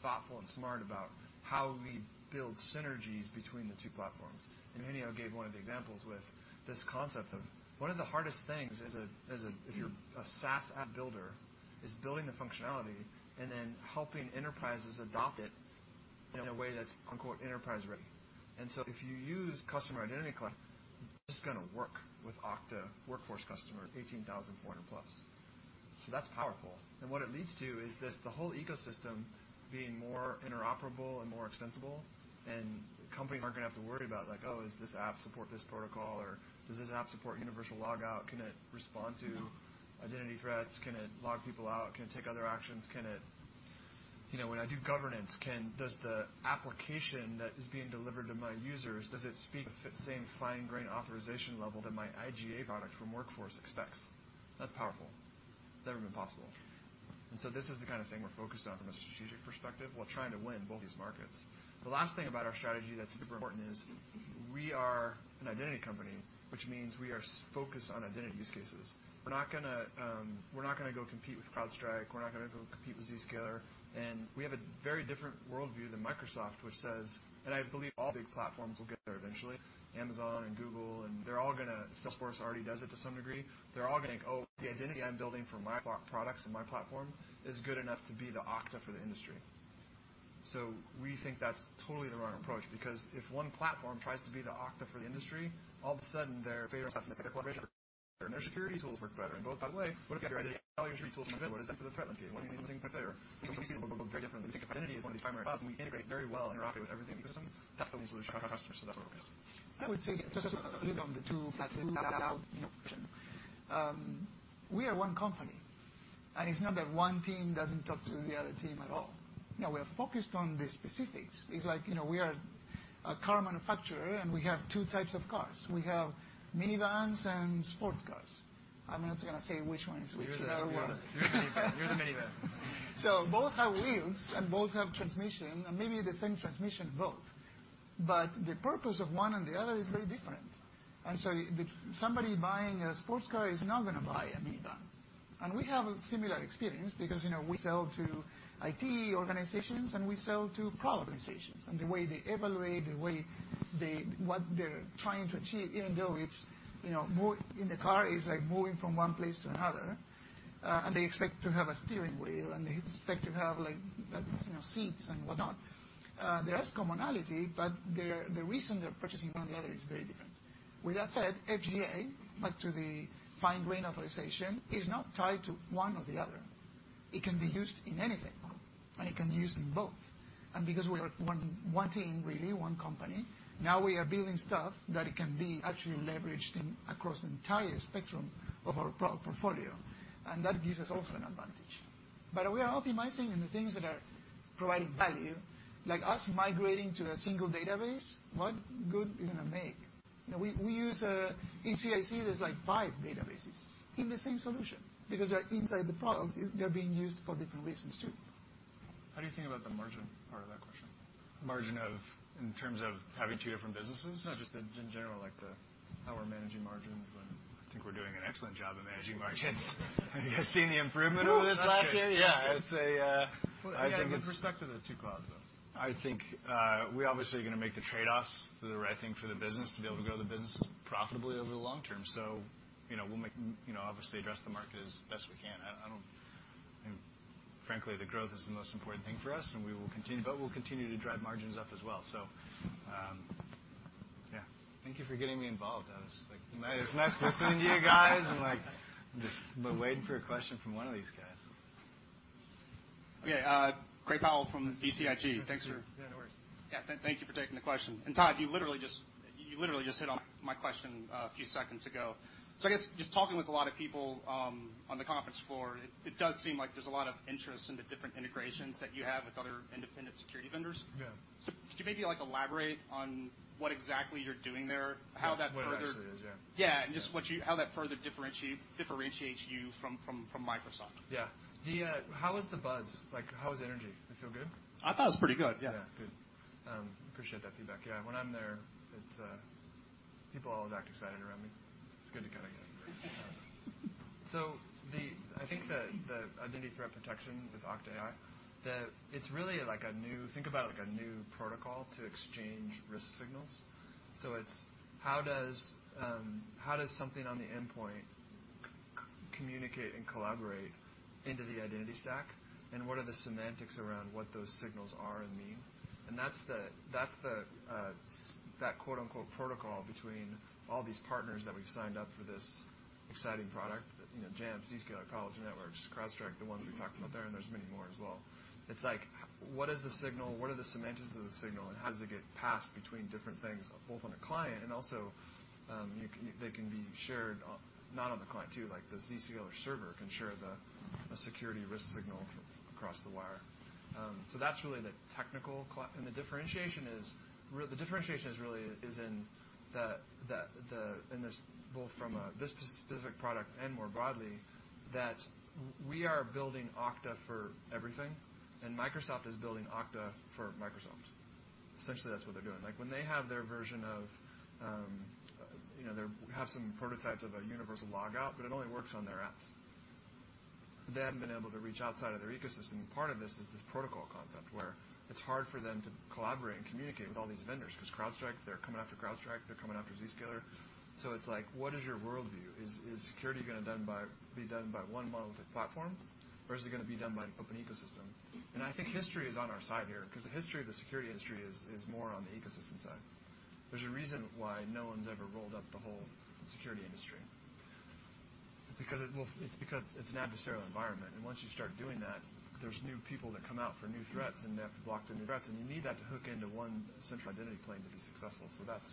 Speaker 1: thoughtful and smart about how we build synergies between the two platforms. And Eugenio gave one of the examples with this concept of one of the hardest things if you're a SaaS app builder, is building the functionality and then helping enterprises adopt it in a way that's, quote, unquote, "enterprise ready." And so if you use Customer Identity Cloud, it's just gonna work with Okta Workforce customers, 18,400+. So that's powerful. And what it leads to is this, the whole ecosystem being more interoperable and more extensible, and companies aren't gonna have to worry about, like, "Oh, does this app support this protocol, or does this app support Universal Logout? Can it respond to identity threats? Can it log people out? Can it take other actions? Can it... You know, when I do governance, does the application that is being delivered to my users, does it speak the same Fine-Grained Authorization level that my IGA product from Workforce expects?" That's powerful. It's never been possible. And so this is the kind of thing we're focused on from a strategic perspective, while trying to win both these markets. The last thing about our strategy that's super important is we are an identity company, which means we are focused on identity use cases. We're not gonna go compete with CrowdStrike, we're not gonna go compete with Zscaler. We have a very different worldview than Microsoft, which says, and I believe all big platforms will get there eventually, Amazon and Google, and they're all gonna... Salesforce already does it to some degree. They're all gonna think, "Oh, the identity I'm building for my products and my platform is good enough to be the Okta for the industry." So we think that's totally the wrong approach, because if one platform tries to be the Okta for the industry, all of a sudden, their favorite stuff, their collaboration, their security tools work better. And both by the way, what if you value your tools a bit? What is it for the threat landscape? What do you think are better? We see the world very differently. We think identity is one of these primary clouds, and we integrate very well, interoperable with everything in the ecosystem. That's the only solution for customers, so that's what we're doing.
Speaker 10: I would say, just on the two platforms, we are one company, and it's not that one team doesn't talk to the other team at all. Now, we are focused on the specifics. It's like, you know, we are a car manufacturer, and we have two types of cars. We have minivans and sports cars. I'm not gonna say which one is which.
Speaker 1: You're the minivan. You're the minivan.
Speaker 10: So both have wheels, and both have transmission, and maybe the same transmission both, but the purpose of one and the other is very different. Somebody buying a sports car is not gonna buy a minivan. We have a similar experience because, you know, we sell to IT organizations, and we sell to product organizations. The way they evaluate, the way they... What they're trying to achieve, even though it's, you know, more in the car, is like moving from one place to another. And they expect to have a steering wheel, and they expect to have, like, you know, seats and whatnot. There is commonality, but the reason they're purchasing one another is very different. With that said, IGA, back to the Fine-Grained Authorization, is not tied to one or the other. It can be used in anything, and it can be used in both. And because we are one, one team, really, one company, now we are building stuff that it can be actually leveraged in across the entire spectrum of our product portfolio, and that gives us also an advantage. But we are optimizing in the things that are providing value, like us migrating to a single database. What good is it gonna make? You know, we use in CIC, there's like five databases in the same solution because they're inside the product. They're being used for different reasons, too.
Speaker 1: How do you think about the margin part of that question?
Speaker 15: Margin of... In terms of having two different businesses?
Speaker 1: No, just in general, like, the how we're managing margins and-
Speaker 15: I think we're doing an excellent job of managing margins. Have you guys seen the improvement over this last year?
Speaker 1: Yeah.
Speaker 15: It's a, I think it's-
Speaker 1: With respect to the two clouds, though.
Speaker 15: I think, we obviously are gonna make the trade-offs to the right thing for the business to be able to grow the business profitably over the long term. So, you know, we'll make, you know, obviously, address the market as best we can. I, I don't... Frankly, the growth is the most important thing for us, and we will continue, but we'll continue to drive margins up as well. So, yeah.
Speaker 1: Thank you for getting me involved. I was like, "It's nice listening to you guys," and, like, just been waiting for a question from one of these guys.
Speaker 16: Okay, Gray Powell from BTIG. Thanks for-
Speaker 1: Yeah, no worries.
Speaker 16: Yeah. Thank you for taking the question. And, Todd, you literally just hit on my question a few seconds ago. So I guess just talking with a lot of people on the conference floor, it does seem like there's a lot of interest in the different integrations that you have with other independent security vendors.
Speaker 1: Yeah.
Speaker 16: Could you maybe, like, elaborate on what exactly you're doing there? How that further-
Speaker 1: Yeah.
Speaker 16: Yeah, and just what you... How that further differentiates you from Microsoft?
Speaker 1: Yeah. How was the buzz? Like, how was the energy? It feel good?
Speaker 16: I thought it was pretty good, yeah.
Speaker 1: Yeah, good. Appreciate that feedback. Yeah, when I'm there, it's people always act excited around me. It's good to get again. So I think the Identity Threat Protection with Okta AI, it's really like a new... Think about, like, a new protocol to exchange risk signals. So it's how does something on the endpoint communicate and collaborate into the identity stack, and what are the semantics around what those signals are and mean? And that's the, that's the that quote, unquote, "protocol" between all these partners that we've signed up for this exciting product. You know, Jamf, Zscaler, Palo Alto Networks, CrowdStrike, the ones we talked about there, and there's many more as well. It's like, what is the signal? What are the semantics of the signal, and how does it get passed between different things, both on a client and also, you can, they can be shared on, not on the client, too. Like, the Zscaler server can share a security risk signal across the wire. So that's really the technical. And the differentiation is the differentiation is really, is in the, the, the, in this both from, specific product and more broadly, that we are building Okta for everything, and Microsoft is building Okta for Microsoft. Essentially, that's what they're doing. Like, when they have their version of, you know, they have some prototypes of a universal logout, but it only works on their apps. They haven't been able to reach outside of their ecosystem. Part of this is this protocol concept, where it's hard for them to collaborate and communicate with all these vendors because CrowdStrike, they're coming after CrowdStrike, they're coming after Zscaler. So it's like, what is your worldview? Is security gonna be done by one monolithic platform, or is it gonna be done by an open ecosystem? And I think history is on our side here, 'cause the history of the security industry is more on the ecosystem side. There's a reason why no one's ever rolled up the whole security industry. It's because it's an adversarial environment, and once you start doing that, there's new people that come out for new threats, and they have to block the new threats, and you need that to hook into one central identity plane to be successful. So that's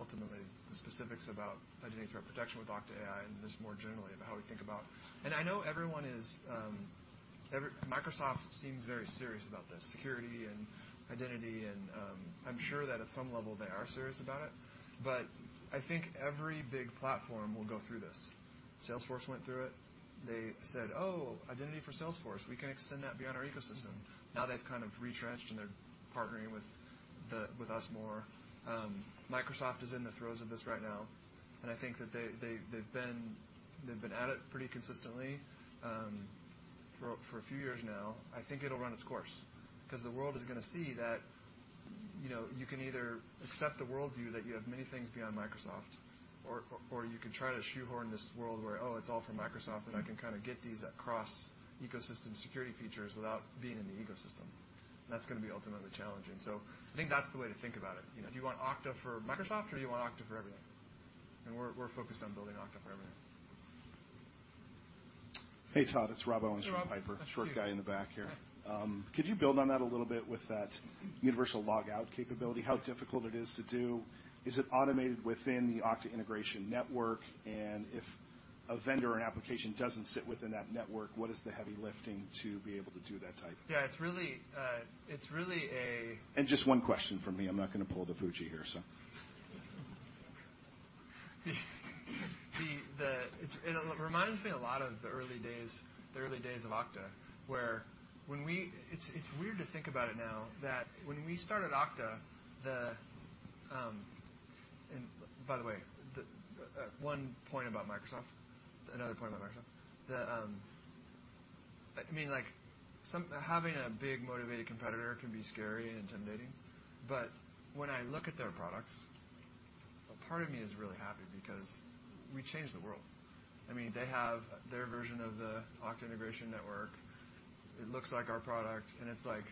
Speaker 1: ultimately the specifics about Identity Threat Protection with Okta AI, and just more generally about how we think about... And I know everyone is, Microsoft seems very serious about this, security and identity and, I'm sure that at some level they are serious about it. But I think every big platform will go through this. Salesforce went through it. They said: "Oh, identity for Salesforce. We can extend that beyond our ecosystem." Now they've kind of retrenched, and they're partnering with the, with us more. Microsoft is in the throes of this right now, and I think that they, they've been at it pretty consistently, for a few years now. I think it'll run its course. 'Cause the world is gonna see that, you know, you can either accept the worldview that you have many things beyond Microsoft, or, or you can try to shoehorn this world where, oh, it's all from Microsoft, and I can kind of get these across ecosystem security features without being in the ecosystem. That's gonna be ultimately challenging. So I think that's the way to think about it. You know, do you want Okta for Microsoft, or you want Okta for everything? And we're, we're focused on building Okta for everything.
Speaker 17: Hey, Todd, it's Rob Owens from Piper.
Speaker 1: Hey, Rob.
Speaker 17: Short guy in the back here. Could you build on that a little bit with that Universal Logout capability? How difficult it is to do? Is it automated within the Okta Integration Network, and if a vendor or an application doesn't sit within that network, what is the heavy lifting to be able to do that type?
Speaker 1: Yeah, it's really a-
Speaker 17: Just one question from me. I'm not gonna pull DiFucci here, so.
Speaker 1: It reminds me a lot of the early days, the early days of Okta, where when we... It's weird to think about it now, that when we started Okta... And by the way, one point about Microsoft, another point about Microsoft, I mean, like, having a big, motivated competitor can be scary and intimidating, but when I look at their products, a part of me is really happy because we changed the world. I mean, they have their version of the Okta Integration Network. It looks like our product, and it's like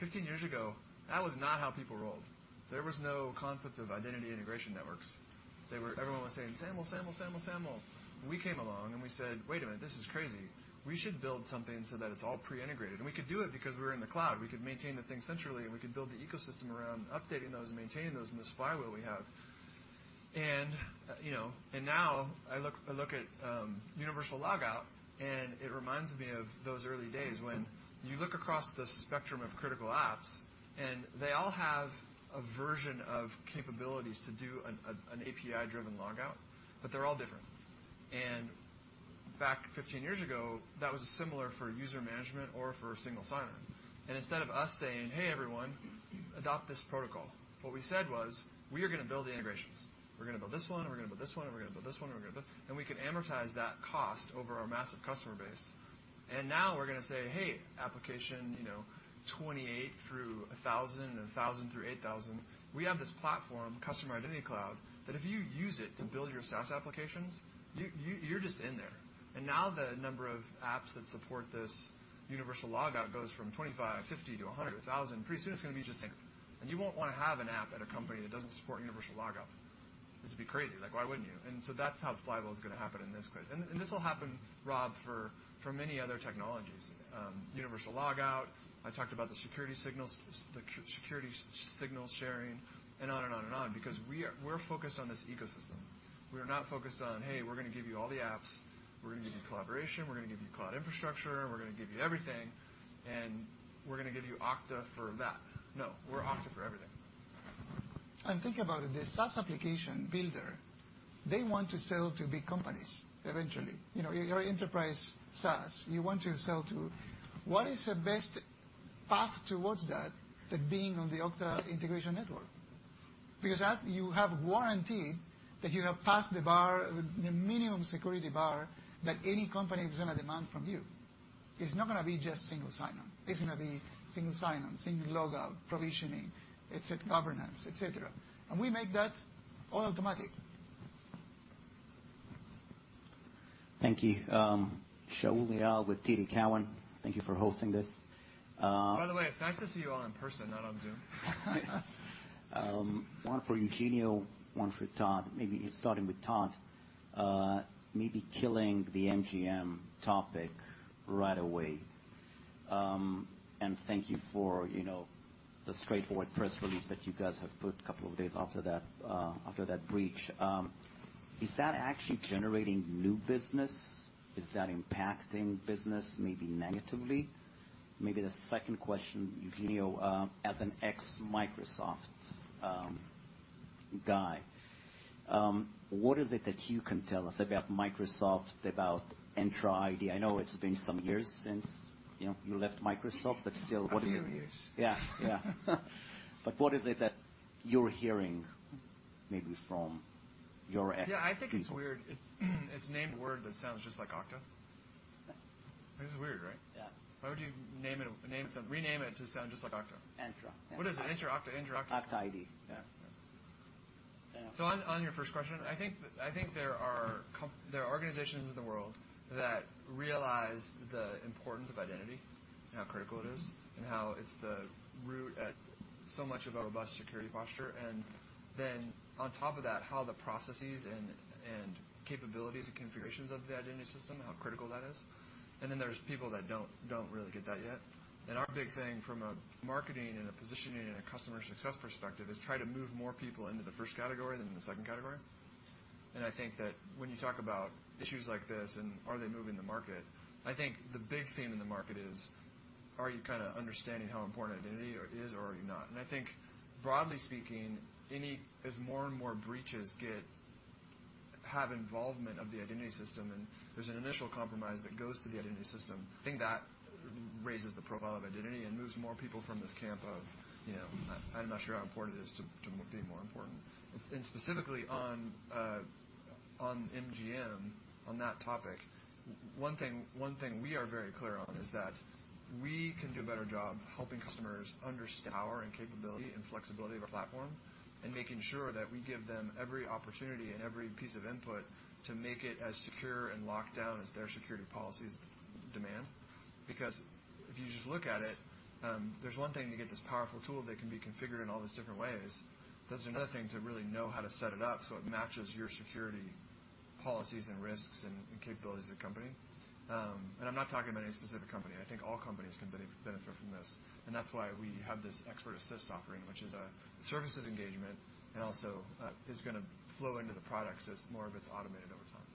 Speaker 1: 15 years ago, that was not how people rolled. There was no concept of identity Integration Networks. They were. Everyone was saying, "SAML, SAML, SAML, SAML." We came along, and we said: "Wait a minute, this is crazy. We should build something so that it's all pre-integrated, and we could do it because we're in the cloud. We could maintain the thing centrally, and we could build the ecosystem around updating those and maintaining those in this flywheel we have." And, you know, and now I look, I look at, Universal Logout, and it reminds me of those early days when you look across the spectrum of critical apps, and they all have a version of capabilities to do an API-driven logout, but they're all different. And back 15 years ago, that was similar for user management or for Single Sign-On. And instead of us saying, "Hey, everyone, adopt this protocol," what we said was, "We are gonna build the integrations. We're gonna build this one, and we're gonna build this one, and we're gonna build this one, and we're gonna build... And we can amortize that cost over our massive customer base. And now we're gonna say: Hey, application, you know, 28 through 1,000 and 1,000 through 8,000, we have this platform, Customer Identity Cloud, that if you use it to build your SaaS applications, you, you, you're just in there. And now the number of apps that support this Universal Logout goes from 25, 50 to 100,000. Pretty soon, it's gonna be just like, and you won't want to have an app at a company that doesn't support Universal Logout. This would be crazy. Like, why wouldn't you? And so that's how flywheel is gonna happen in this case. And, and this will happen, Rob, for, for many other technologies. Universal Logout, I talked about the security signals, the security signal sharing, and on and on and on, because we're focused on this ecosystem. We are not focused on, "Hey, we're gonna give you all the apps, we're gonna give you collaboration, we're gonna give you cloud infrastructure, and we're gonna give you everything, and we're gonna give you Okta for that." No, we're Okta for everything.
Speaker 10: And think about it, the SaaS application builder, they want to sell to big companies eventually. You know, your enterprise SaaS, you want to sell to... What is the best path towards that, than being on the Okta Integration Network? Because that, you have guaranteed that you have passed the bar, the minimum security bar that any company is gonna demand from you.... It's not gonna be just Single Sign-On. It's gonna be Single Sign-On, single logout, provisioning, et cetera, governance, et cetera, and we make that all automatic.
Speaker 18: Thank you. Shaul Eyal with TD Cowen. Thank you for hosting this.
Speaker 1: By the way, it's nice to see you all in person, not on Zoom.
Speaker 18: One for Eugenio, one for Todd. Maybe starting with Todd, maybe killing the MGM topic right away. And thank you for, you know, the straightforward press release that you guys have put a couple of days after that, after that breach. Is that actually generating new business? Is that impacting business, maybe negatively? Maybe the second question, Eugenio, as an ex-Microsoft guy, what is it that you can tell us about Microsoft, about Entra ID? I know it's been some years since, you know, you left Microsoft, but still, what is it?
Speaker 10: A few years.
Speaker 18: Yeah. Yeah. But what is it that you're hearing, maybe from your ex people?
Speaker 1: Yeah, I think it's weird. It's named a word that sounds just like Okta. It's weird, right?
Speaker 18: Yeah.
Speaker 1: Why would you name it, name it, rename it to sound just like Okta?
Speaker 18: Entra.
Speaker 1: What is it? Entra, Okta, Entra.
Speaker 18: Okta ID.
Speaker 1: Yeah. So on your first question, I think there are organizations in the world that realize the importance of identity and how critical it is, and how it's the root at so much of a robust security posture, and then on top of that, how the processes and capabilities and configurations of the identity system, how critical that is. And then there's people that don't really get that yet. And our big thing from a marketing and a positioning and a customer success perspective is try to move more people into the first category than in the second category. And I think that when you talk about issues like this and are they moving the market, I think the big theme in the market is: Are you kinda understanding how important identity is or are you not? And I think, broadly speaking, as more and more breaches have involvement of the identity system, and there's an initial compromise that goes to the identity system, I think that raises the profile of identity and moves more people from this camp of, you know, I'm not sure how important it is to be more important. And specifically on MGM, on that topic, one thing we are very clear on is that we can do a better job helping customers understand our capability and flexibility of our platform, and making sure that we give them every opportunity and every piece of input to make it as secure and locked down as their security policies demand. Because if you just look at it, there's one thing to get this powerful tool that can be configured in all these different ways. But it's another thing to really know how to set it up so it matches your security policies and risks and capabilities of the company. I'm not talking about any specific company. I think all companies can benefit from this, and that's why we have this Expert Assist offering, which is a services engagement, and also is gonna flow into the products as more of it's automated over time.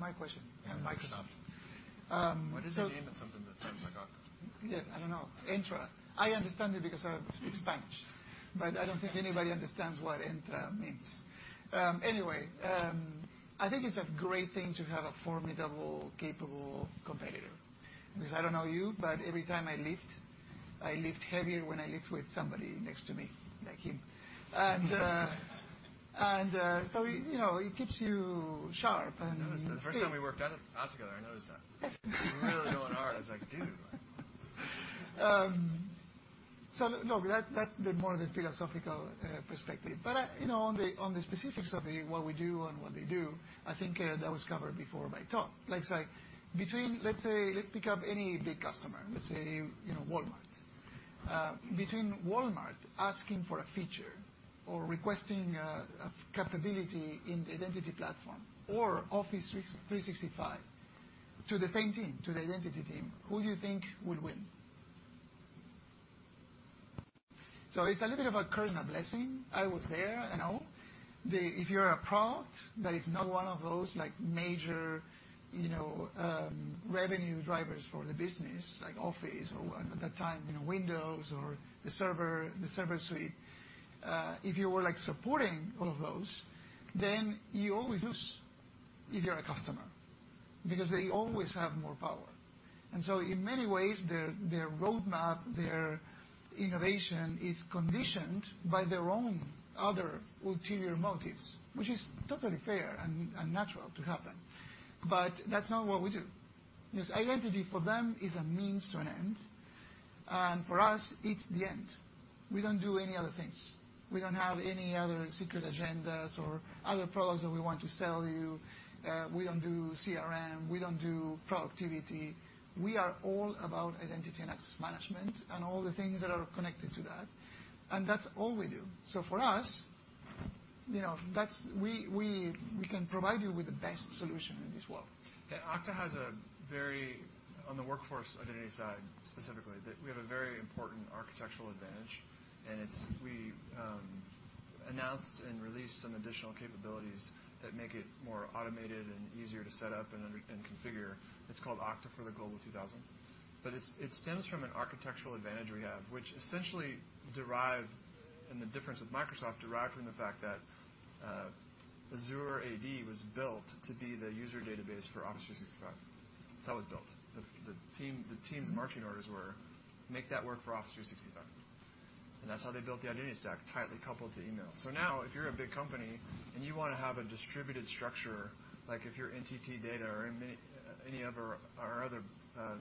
Speaker 10: My question on Microsoft. So-
Speaker 1: Why did they name it something that sounds like Okta?
Speaker 10: Yes, I don't know. Entra. I understand it because I speak Spanish, but I don't think anybody understands what Entra means. Anyway, I think it's a great thing to have a formidable, capable competitor, because I don't know you, but every time I lift, I lift heavier when I lift with somebody next to me, like him. So, you know, it keeps you sharp, and-
Speaker 1: I noticed that. The first time we worked out together, I noticed that. You were really going hard. I was like, "Dude!
Speaker 10: So look, that's the more of the philosophical perspective, but you know, on the specifics of what we do and what they do, I think that was covered before by Todd. Let's say, between, let's say, let's pick up any big customer. Let's say, you know, Walmart. Between Walmart asking for a feature or requesting a capability in the identity platform or Office 365, to the same team, to the identity team, who do you think will win? So it's a little bit of a curse and a blessing. I was there. I know. The... If you're a product that is not one of those, like, major, you know, revenue drivers for the business, like Office or at that time, you know, Windows or the server, the server suite, if you were, like, supporting all of those, then you always lose if you're a customer, because they always have more power. And so in many ways, their, their roadmap, their innovation is conditioned by their own other ulterior motives, which is totally fair and, and natural to happen. But that's not what we do. Because identity for them is a means to an end, and for us, it's the end. We don't do any other things. We don't have any other secret agendas or other products that we want to sell you. We don't do CRM, we don't do productivity. We are all about identity and access management and all the things that are connected to that, and that's all we do. So for us, you know, that's... We can provide you with the best solution in this world.
Speaker 1: Yeah, Okta has a very, on the workforce identity side, specifically, that we have a very important architectural advantage, and it's, we announced and released some additional capabilities that make it more automated and easier to set up and configure. It's called Okta for the Global 2000. But it's, it stems from an architectural advantage we have, which essentially derived, and the difference with Microsoft, derived from the fact that Azure AD was built to be the user database for Office 365. That's how it was built. The team's marching orders were: Make that work for Office 365, and that's how they built the identity stack, tightly coupled to email. So now, if you're a big company and you want to have a distributed structure, like if you're NTT DATA or many, any other of our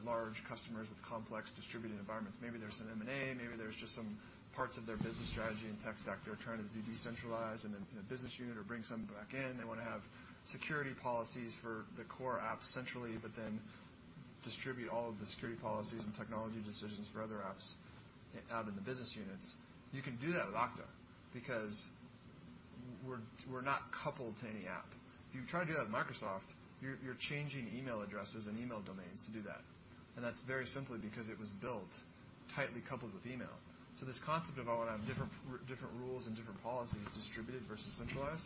Speaker 1: large customers with complex distributed environments, maybe there's some M&A, maybe there's just some parts of their business strategy and tech stack they're trying to decentralize and then in a business unit or bring something back in. They want to have security policies for the core apps centrally, but then distribute all of the security policies and technology decisions for other apps out in the business units. You can do that with Okta because we're not coupled to any app. If you try to do that with Microsoft, you're changing email addresses and email domains to do that, and that's very simply because it was built tightly coupled with email. So this concept of, I want to have different, different rules and different policies distributed versus centralized,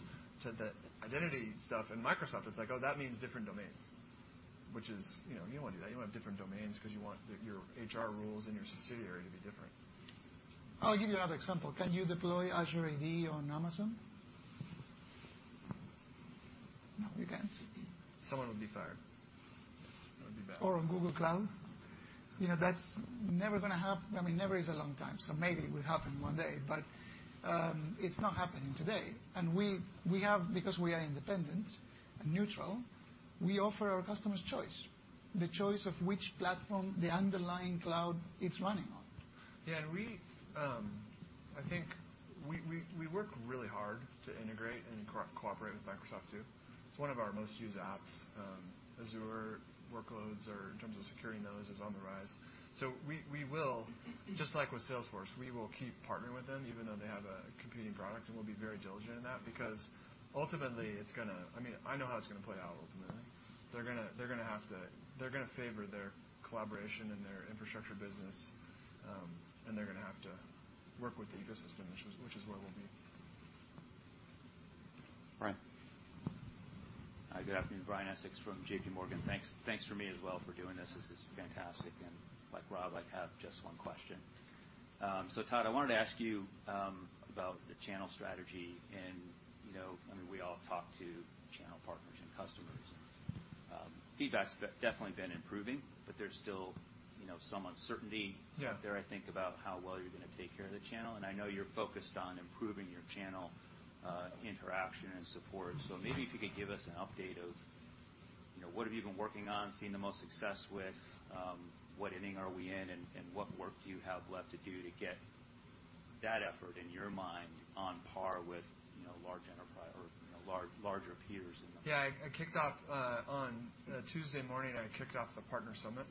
Speaker 1: to the identity stuff in Microsoft, it's like, oh, that means different domains. Which is, you know, you don't want to do that. You want have different domains because you want your HR rules and your subsidiary to be different.
Speaker 10: I'll give you another example. Can you deploy Azure AD on Amazon? No, you can't.
Speaker 1: Someone would be fired. That would be bad.
Speaker 10: Or on Google Cloud? You know, that's never gonna happen. I mean, never is a long time, so maybe it will happen one day, but it's not happening today. And we have, because we are independent and neutral, we offer our customers choice, the choice of which platform the underlying cloud it's running on.
Speaker 1: Yeah, and we work really hard to integrate and cooperate with Microsoft, too. It's one of our most used apps. Azure workloads or in terms of securing those is on the rise. So we will, just like with Salesforce, keep partnering with them even though they have a competing product, and we'll be very diligent in that because ultimately, it's gonna... I mean, I know how it's gonna play out ultimately. They're gonna have to—they're gonna favor their collaboration and their infrastructure business, and they're gonna have to work with the ecosystem, which is where we'll be.
Speaker 7: Brian.
Speaker 19: Hi, good afternoon, Brian Essex from JPMorgan. Thanks. Thanks for me as well for doing this. This is fantastic, and like Rob, I have just one question. So Todd, I wanted to ask you about the channel strategy and, you know, I mean, we all talk to channel partners and customers. Feedback's definitely been improving, but there's still, you know, some uncertainty-
Speaker 1: Yeah
Speaker 19: out there, I think, about how well you're going to take care of the channel, and I know you're focused on improving your channel interaction and support. So maybe if you could give us an update of, you know, what have you been working on, seeing the most success with, what inning are we in, and what work do you have left to do to get that effort, in your mind, on par with, you know, large enterprise or, you know, larger peers than us?
Speaker 1: Yeah, I kicked off on Tuesday morning, I kicked off the partner summit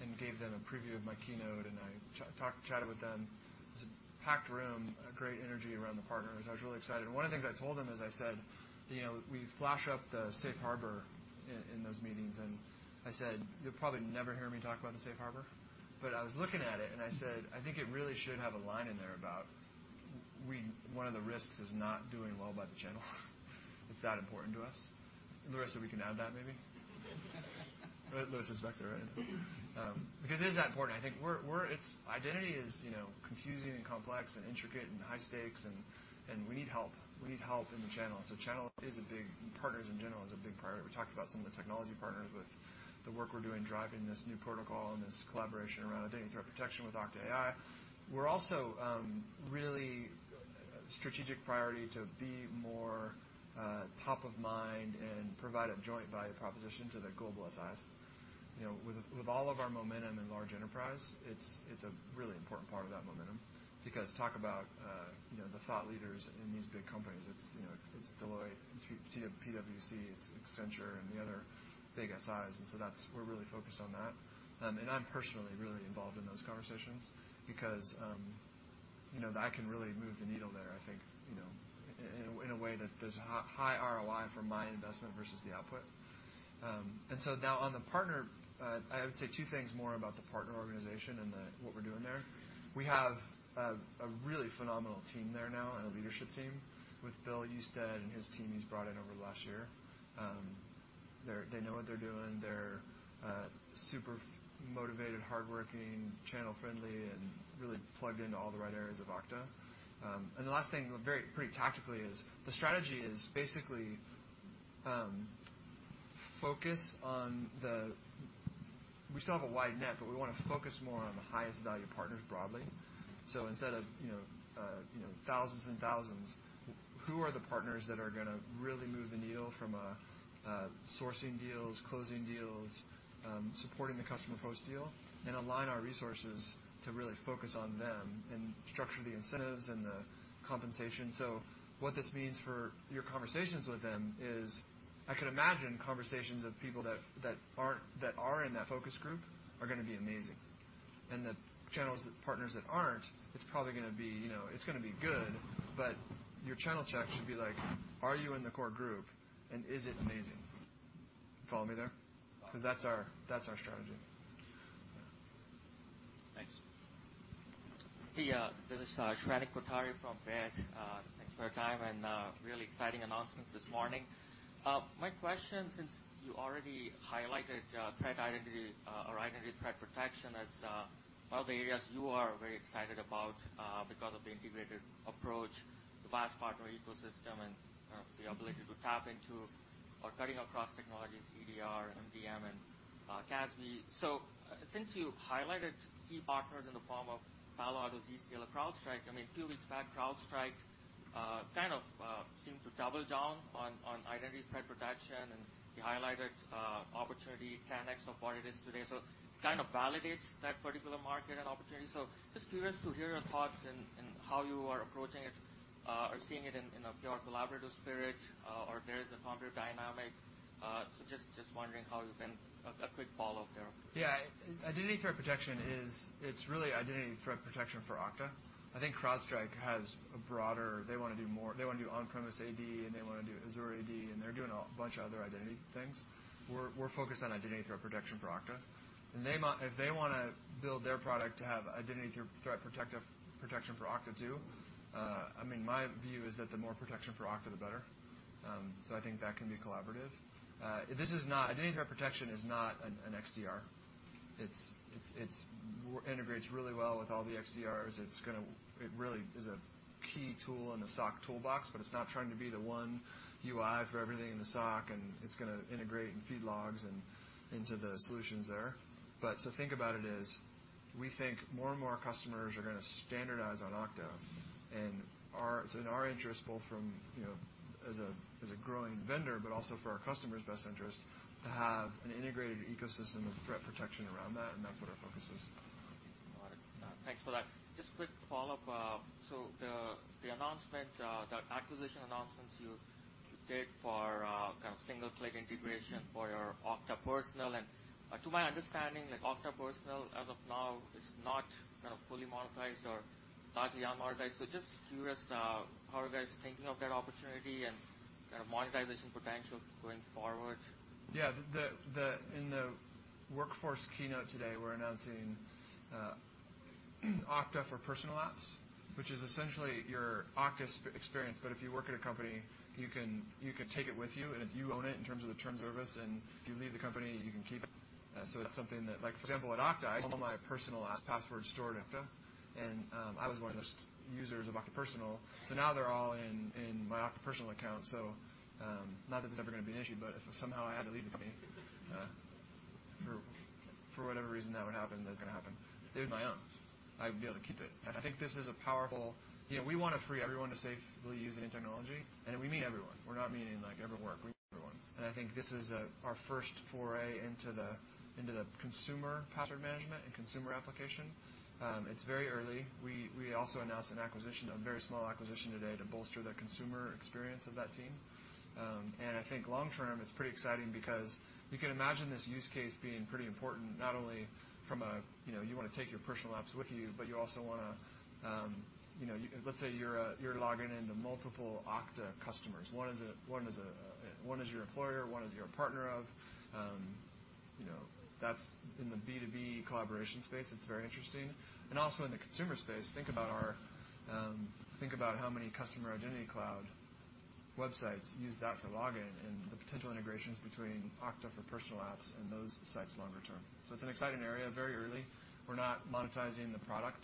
Speaker 1: and gave them a preview of my keynote, and I talked, chatted with them. It's a packed room, a great energy around the partners. I was really excited. One of the things I told them is I said, "You know, we flash up the safe harbor in those meetings," and I said, "You'll probably never hear me talk about the safe harbor." But I was looking at it, and I said, "I think it really should have a line in there about we-- one of the risks is not doing well by the channel." It's that important to us. Lewis, so we can add that maybe? Lewis is back there, right? Because it is that important. I think we're, we're, it's... Identity is, you know, confusing and complex and intricate and high stakes, and we need help. We need help in the channel. So channel is big, partners in general, is a big priority. We talked about some of the technology partners with the work we're doing, driving this new protocol and this collaboration around identity and threat protection with Okta AI. We're also really strategic priority to be more top of mind and provide a joint value proposition to the global SIs. You know, with all of our momentum in large enterprise, it's a really important part of that momentum because talk about you know, the thought leaders in these big companies, it's, you know, it's Deloitte, then PwC, it's Accenture and the other big SIs, and so that's. We're really focused on that. And I'm personally really involved in those conversations because, you know, that can really move the needle there, I think, you know, in a, in a way that there's a high ROI for my investment versus the output. And so now on the partner, I would say two things more about the partner organization and the, what we're doing there. We have a really phenomenal team there now and a leadership team with Bill Hustad and his team he's brought in over the last year. They know what they're doing. They're super motivated, hardworking, channel friendly, and really plugged into all the right areas of Okta. And the last thing, very, pretty tactically, is the strategy is basically, focus on the... We still have a wide net, but we want to focus more on the highest value partners broadly. So instead of, you know, you know, thousands and thousands, who are the partners that are gonna really move the needle from a, a sourcing deals, closing deals, supporting the customer post-deal, and align our resources to really focus on them and structure the incentives and the compensation. So what this means for your conversations with them is, I could imagine conversations of people that, that aren't, that are in that focus group are gonna be amazing. And the channels, the partners that aren't, it's probably gonna be, you know, it's gonna be good, but your channel check should be like, "Are you in the core group, and is it amazing?" Follow me there?
Speaker 19: Uh-
Speaker 1: 'Cause that's our, that's our strategy.
Speaker 19: Thanks.
Speaker 20: Hey, this is Shrenik Kothari from Baird. Thanks for your time, and really exciting announcements this morning. My question, since you already highlighted threat identity, or Identity Threat Protection as one of the areas you are very excited about, because of the integrated approach... the vast partner ecosystem and the ability to tap into or cutting across technologies, EDR, MDM, and CASB. So since you highlighted key partners in the form of Palo Alto, Zscaler, CrowdStrike, I mean, a few weeks back, CrowdStrike kind of seemed to double down on Identity Threat Protection, and you highlighted opportunity 10x of what it is today. So it kind of validates that particular market and opportunity. So just curious to hear your thoughts and how you are approaching it, or seeing it in a pure collaborative spirit, or if there is a competitive dynamic. So just wondering how you've been, a quick follow-up there.
Speaker 1: Yeah. Identity Threat Protection is... It's really Identity Threat Protection for Okta. I think CrowdStrike has a broader-- They wanna do more. They wanna do on-premise AD, and they wanna do Azure AD, and they're doing a bunch of other identity things. We're focused on Identity Threat Protection for Okta. And they might-- If they wanna build their product to have Identity Threat Protection for Okta, too, I mean, my view is that the more protection for Okta, the better. So I think that can be collaborative. This is not-- Identity Threat Protection is not an XDR. It integrates really well with all the XDRs. It really is a key tool in the SOC toolbox, but it's not trying to be the one UI for everything in the SOC, and it's gonna integrate and feed logs into the solutions there. Think about it as, we think more and more customers are gonna standardize on Okta, and it's in our interest, both from, you know, as a growing vendor, but also for our customers' best interest, to have an integrated ecosystem of threat protection around that, and that's what our focus is.
Speaker 20: Got it. Thanks for that. Just quick follow-up. So the, the announcement, the acquisition announcements you did for, kind of single-click integration for your Okta Personal and... To my understanding, like, Okta Personal, as of now, is not kind of fully monetized or largely unmonetized. So just curious, how are you guys thinking of that opportunity and kind of monetization potential going forward?
Speaker 1: Yeah. The in the workforce keynote today, we're announcing Okta for personal apps, which is essentially your Okta SSO experience, but if you work at a company, you can, you can take it with you, and you own it in terms of the terms of service, and if you leave the company, you can keep it. So that's something that, like, for example, at Okta, I all my personal apps password stored Okta, and I was one of those users of Okta Personal. So now they're all in, in my Okta Personal account. So, not that it's ever gonna be an issue, but if somehow I had to leave the company, for, for whatever reason that would happen, that's gonna happen. They're my own. I would be able to keep it. I think this is a powerful... You know, we want to free everyone to safely use new technology, and we mean everyone. We're not meaning, like, every work, we mean everyone. And I think this is our first foray into the consumer password management and consumer application. It's very early. We also announced an acquisition, a very small acquisition today, to bolster the consumer experience of that team. And I think long term, it's pretty exciting because you can imagine this use case being pretty important, not only from a, you know, you wanna take your personal apps with you, but you also wanna, you know... Let's say you're logging into multiple Okta customers. One is your employer, one is you're a partner of, you know, that's in the B2B collaboration space. It's very interesting. And also in the consumer space, think about our, think about how many Customer Identity Cloud websites use that for login and the potential integrations between Okta Personal apps and those sites longer term. So it's an exciting area, very early. We're not monetizing the product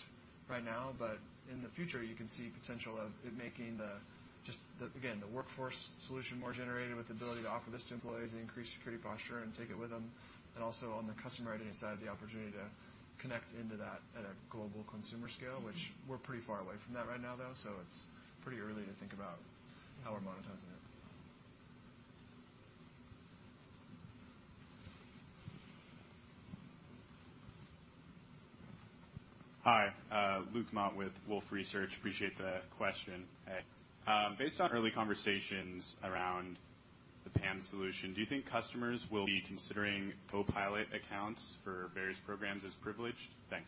Speaker 1: right now, but in the future, you can see potential of it making the, just the, again, the workforce solution more generated with the ability to offer this to employees and increase security posture and take it with them. And also, on the Customer Identity side, the opportunity to connect into that at a global consumer scale, which we're pretty far away from that right now, though, so it's pretty early to think about how we're monetizing it.
Speaker 21: Hi, Luke Mott with Wolfe Research. Appreciate the question.
Speaker 1: Hey.
Speaker 21: Based on early conversations around the PAM solution, do you think customers will be considering co-pilot accounts for various programs as privileged? Thanks.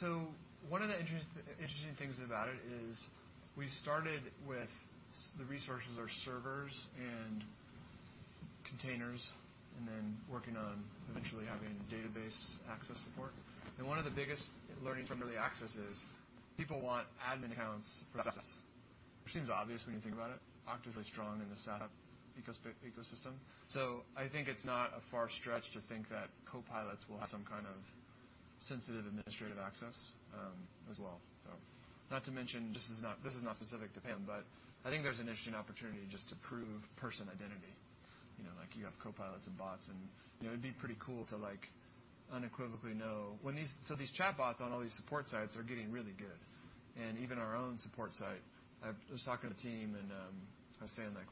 Speaker 1: So one of the interesting things about it is we started with the resources, our servers and containers, and then working on eventually having database access support. And one of the biggest learnings from early access is people want admin accounts for access. Which seems obvious when you think about it. Okta is very strong in the setup ecosystem, so I think it's not a far stretch to think that co-pilots will have some kind of sensitive administrative access, as well. So not to mention, this is not specific to PAM, but I think there's an interesting opportunity just to prove person identity. You know, like you have co-pilots and bots, and, you know, it'd be pretty cool to, like, unequivocally know when these... So these chatbots on all these support sites are getting really good, and even our own support site. I was talking to the team and, I was saying, like,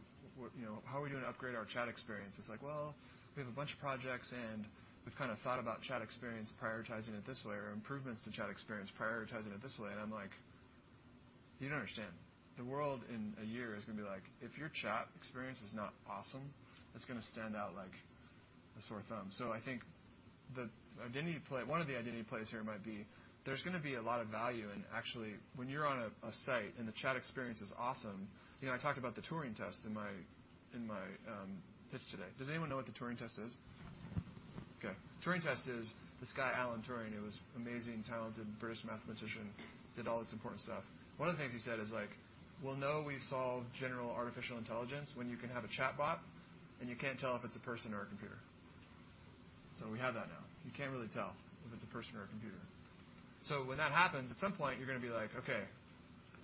Speaker 1: "you know, how are we doing to upgrade our chat experience?" It's like: Well, we have a bunch of projects, and we've kind of thought about chat experience, prioritizing it this way, or improvements to chat experience, prioritizing it this way. And I'm like: You don't understand. The world in a year is gonna be like, if your chat experience is not awesome, it's gonna stand out like a sore thumb. So I think the identity play, one of the identity plays here might be, there's gonna be a lot of value in actually when you're on a site and the chat experience is awesome. You know, I talked about the Turing Test in my, in my, pitch today. Does anyone know what the Turing Test is? Okay. Turing Test is this guy, Alan Turing, who was amazing, talented British mathematician, did all this important stuff. One of the things he said is like: "We'll know we've solved general artificial intelligence when you can have a chatbot, and you can't tell if it's a person or a computer."... So we have that now. You can't really tell if it's a person or a computer. So when that happens, at some point, you're going to be like: Okay,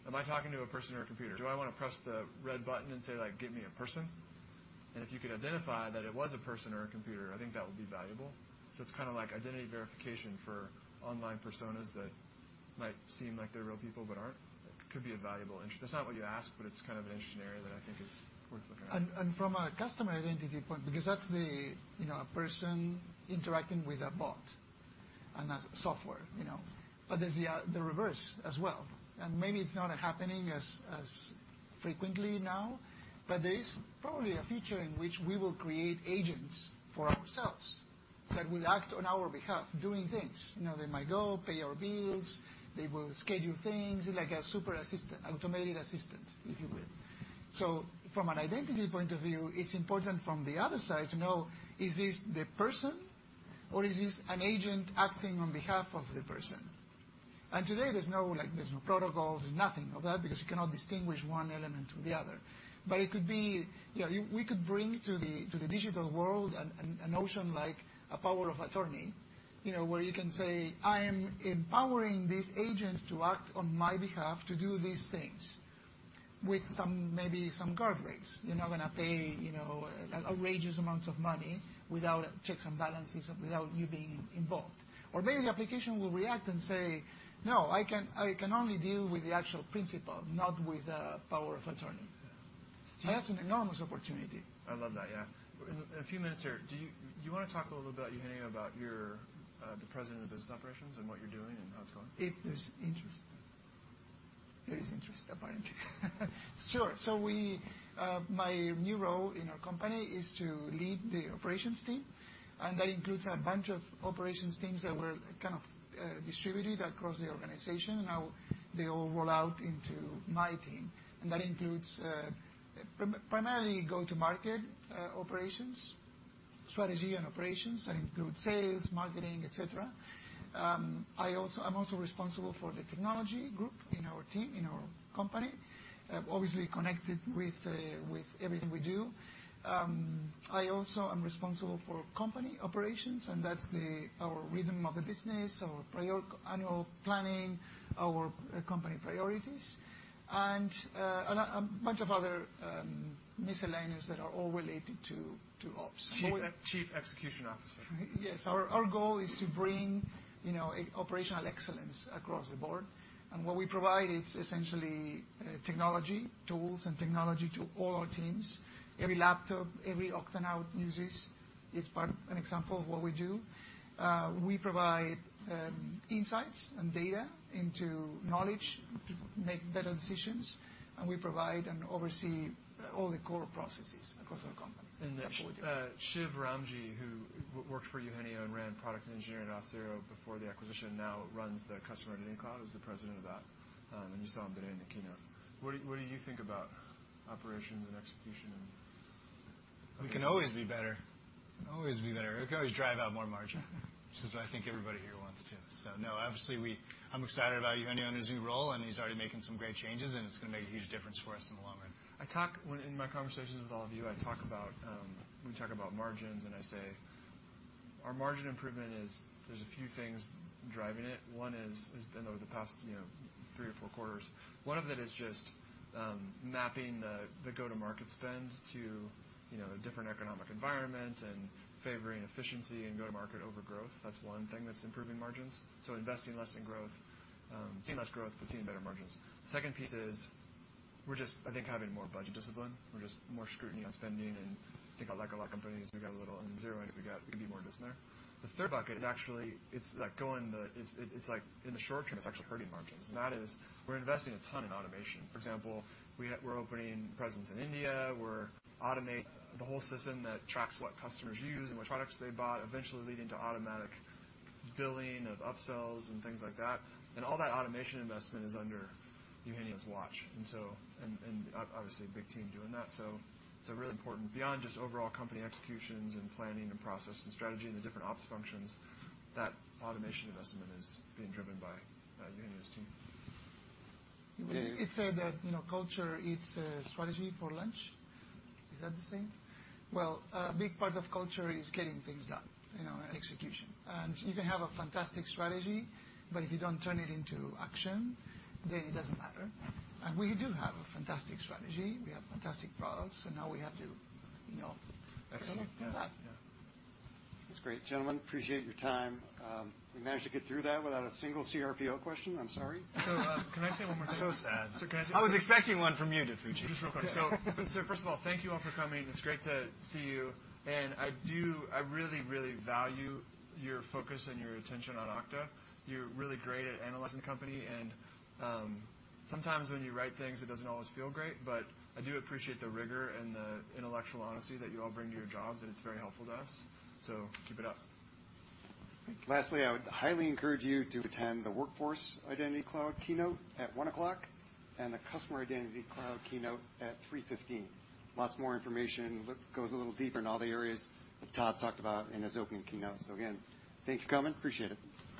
Speaker 1: am I talking to a person or a computer? Do I want to press the red button and say, like, "Give me a person?" And if you could identify that it was a person or a computer, I think that would be valuable. It's kind of like identity verification for online personas that might seem like they're real people but aren't. It could be a valuable interest. That's not what you asked, but it's kind of an interesting area that I think is worth looking at.
Speaker 10: And from a customer identity point, because that's the, you know, a person interacting with a bot and not software, you know, but there's the reverse as well. And maybe it's not happening as frequently now, but there is probably a future in which we will create agents for ourselves that will act on our behalf, doing things. You know, they might go pay our bills, they will schedule things like a super assistant, automated assistant, if you will. So from an identity point of view, it's important from the other side to know, is this the person, or is this an agent acting on behalf of the person? And today, there's no like, there's no protocols, there's nothing of that, because you cannot distinguish one element to the other. But it could be, you know, we could bring to the digital world a notion like a power of attorney, you know, where you can say, "I am empowering this agent to act on my behalf to do these things," with some, maybe some guardrails. You're not going to pay, you know, outrageous amounts of money without checks and balances, without you being involved. Or maybe the application will react and say, "No, I can only deal with the actual principal, not with the power of attorney." That's an enormous opportunity.
Speaker 1: I love that, yeah. In a few minutes here, do you want to talk a little bit, Eugenio, about your, the President of Business Operations and what you're doing and how it's going?
Speaker 10: If there's interest. There is interest, apparently. Sure. So we, my new role in our company is to lead the operations team, and that includes a bunch of operations teams that were kind of, distributed across the organization, and now they all roll out into my team. And that includes, primarily go-to-market, operations, strategy and operations, that includes sales, marketing, et cetera. I'm also responsible for the technology group in our team, in our company, obviously connected with, with everything we do. I also am responsible for company operations, and that's the, our rhythm of the business, our annual planning, our company priorities, and, a bunch of other, miscellaneous that are all related to, to ops.
Speaker 1: Chief Executive Officer.
Speaker 10: Yes. Our goal is to bring, you know, operational excellence across the board, and what we provide is essentially technology, tools, and technology to all our teams. Every laptop, every Okta now uses. It's part an example of what we do. We provide insights and data into knowledge to make better decisions, and we provide and oversee all the core processes across our company.
Speaker 1: Shiv Ramji, who worked for Eugenio and ran product engineering at Auth0 before the acquisition, now runs the Customer Identity Cloud, is the president of that. And you saw him today in the keynote. What do you, what do you think about operations and execution and-
Speaker 15: We can always be better. Always be better. We can always drive out more margin, which is what I think everybody here wants to. So, no, obviously, I'm excited about Eugenio in his new role, and he's already making some great changes, and it's going to make a huge difference for us in the long run.
Speaker 1: When in my conversations with all of you, I talk about, we talk about margins, and I say our margin improvement is there's a few things driving it. One is, has been over the past, you know, three or four quarters. One of it is just mapping the go-to-market spend to, you know, a different economic environment and favoring efficiency and go-to-market over growth. That's one thing that's improving margins. So investing less in growth, seeing less growth, but seeing better margins. Second piece is we're just, I think, having more budget discipline. We're just more scrutiny on spending, and I think like a lot of companies, we got a little... And zero, I think we got, could be more discipline there. The third bucket is actually it's like, it's, it's like in the short term, it's actually hurting margins, and that is we're investing a ton in automation. For example, we, we're opening presence in India. We're automate the whole system that tracks what customers use and what products they bought, eventually leading to automatic billing of upsells and things like that. And all that automation investment is under Eugenio's watch, and so. And, and obviously, a big team doing that. So it's a really important, beyond just overall company executions and planning and process and strategy and the different ops functions, that automation investment is being driven by Eugenio's team.
Speaker 10: It's said that, you know, culture eats strategy for lunch. Is that the saying? Well, a big part of culture is getting things done, you know, execution. And you can have a fantastic strategy, but if you don't turn it into action, then it doesn't matter. And we do have a fantastic strategy. We have fantastic products, and now we have to, you know, execute that.
Speaker 1: Yeah.
Speaker 7: That's great. Gentlemen, appreciate your time. We managed to get through that without a single cRPO question. I'm sorry.
Speaker 1: Can I say one more thing?
Speaker 15: So sad.
Speaker 1: So can I say-
Speaker 15: I was expecting one from you, DiFucci.
Speaker 1: Just real quick. So first of all, thank you all for coming. It's great to see you, and I do, I really, really value your focus and your attention on Okta. You're really great at analyzing company, and sometimes when you write things, it doesn't always feel great, but I do appreciate the rigor and the intellectual honesty that you all bring to your jobs, and it's very helpful to us. So keep it up.
Speaker 7: Lastly, I would highly encourage you to attend the Workforce Identity Cloud keynote at 1:00 P.M., and the Customer Identity Cloud keynote at 3:15 P.M. Lots more information, goes a little deeper in all the areas that Todd talked about in his opening keynote. So again, thank you for coming. Appreciate it.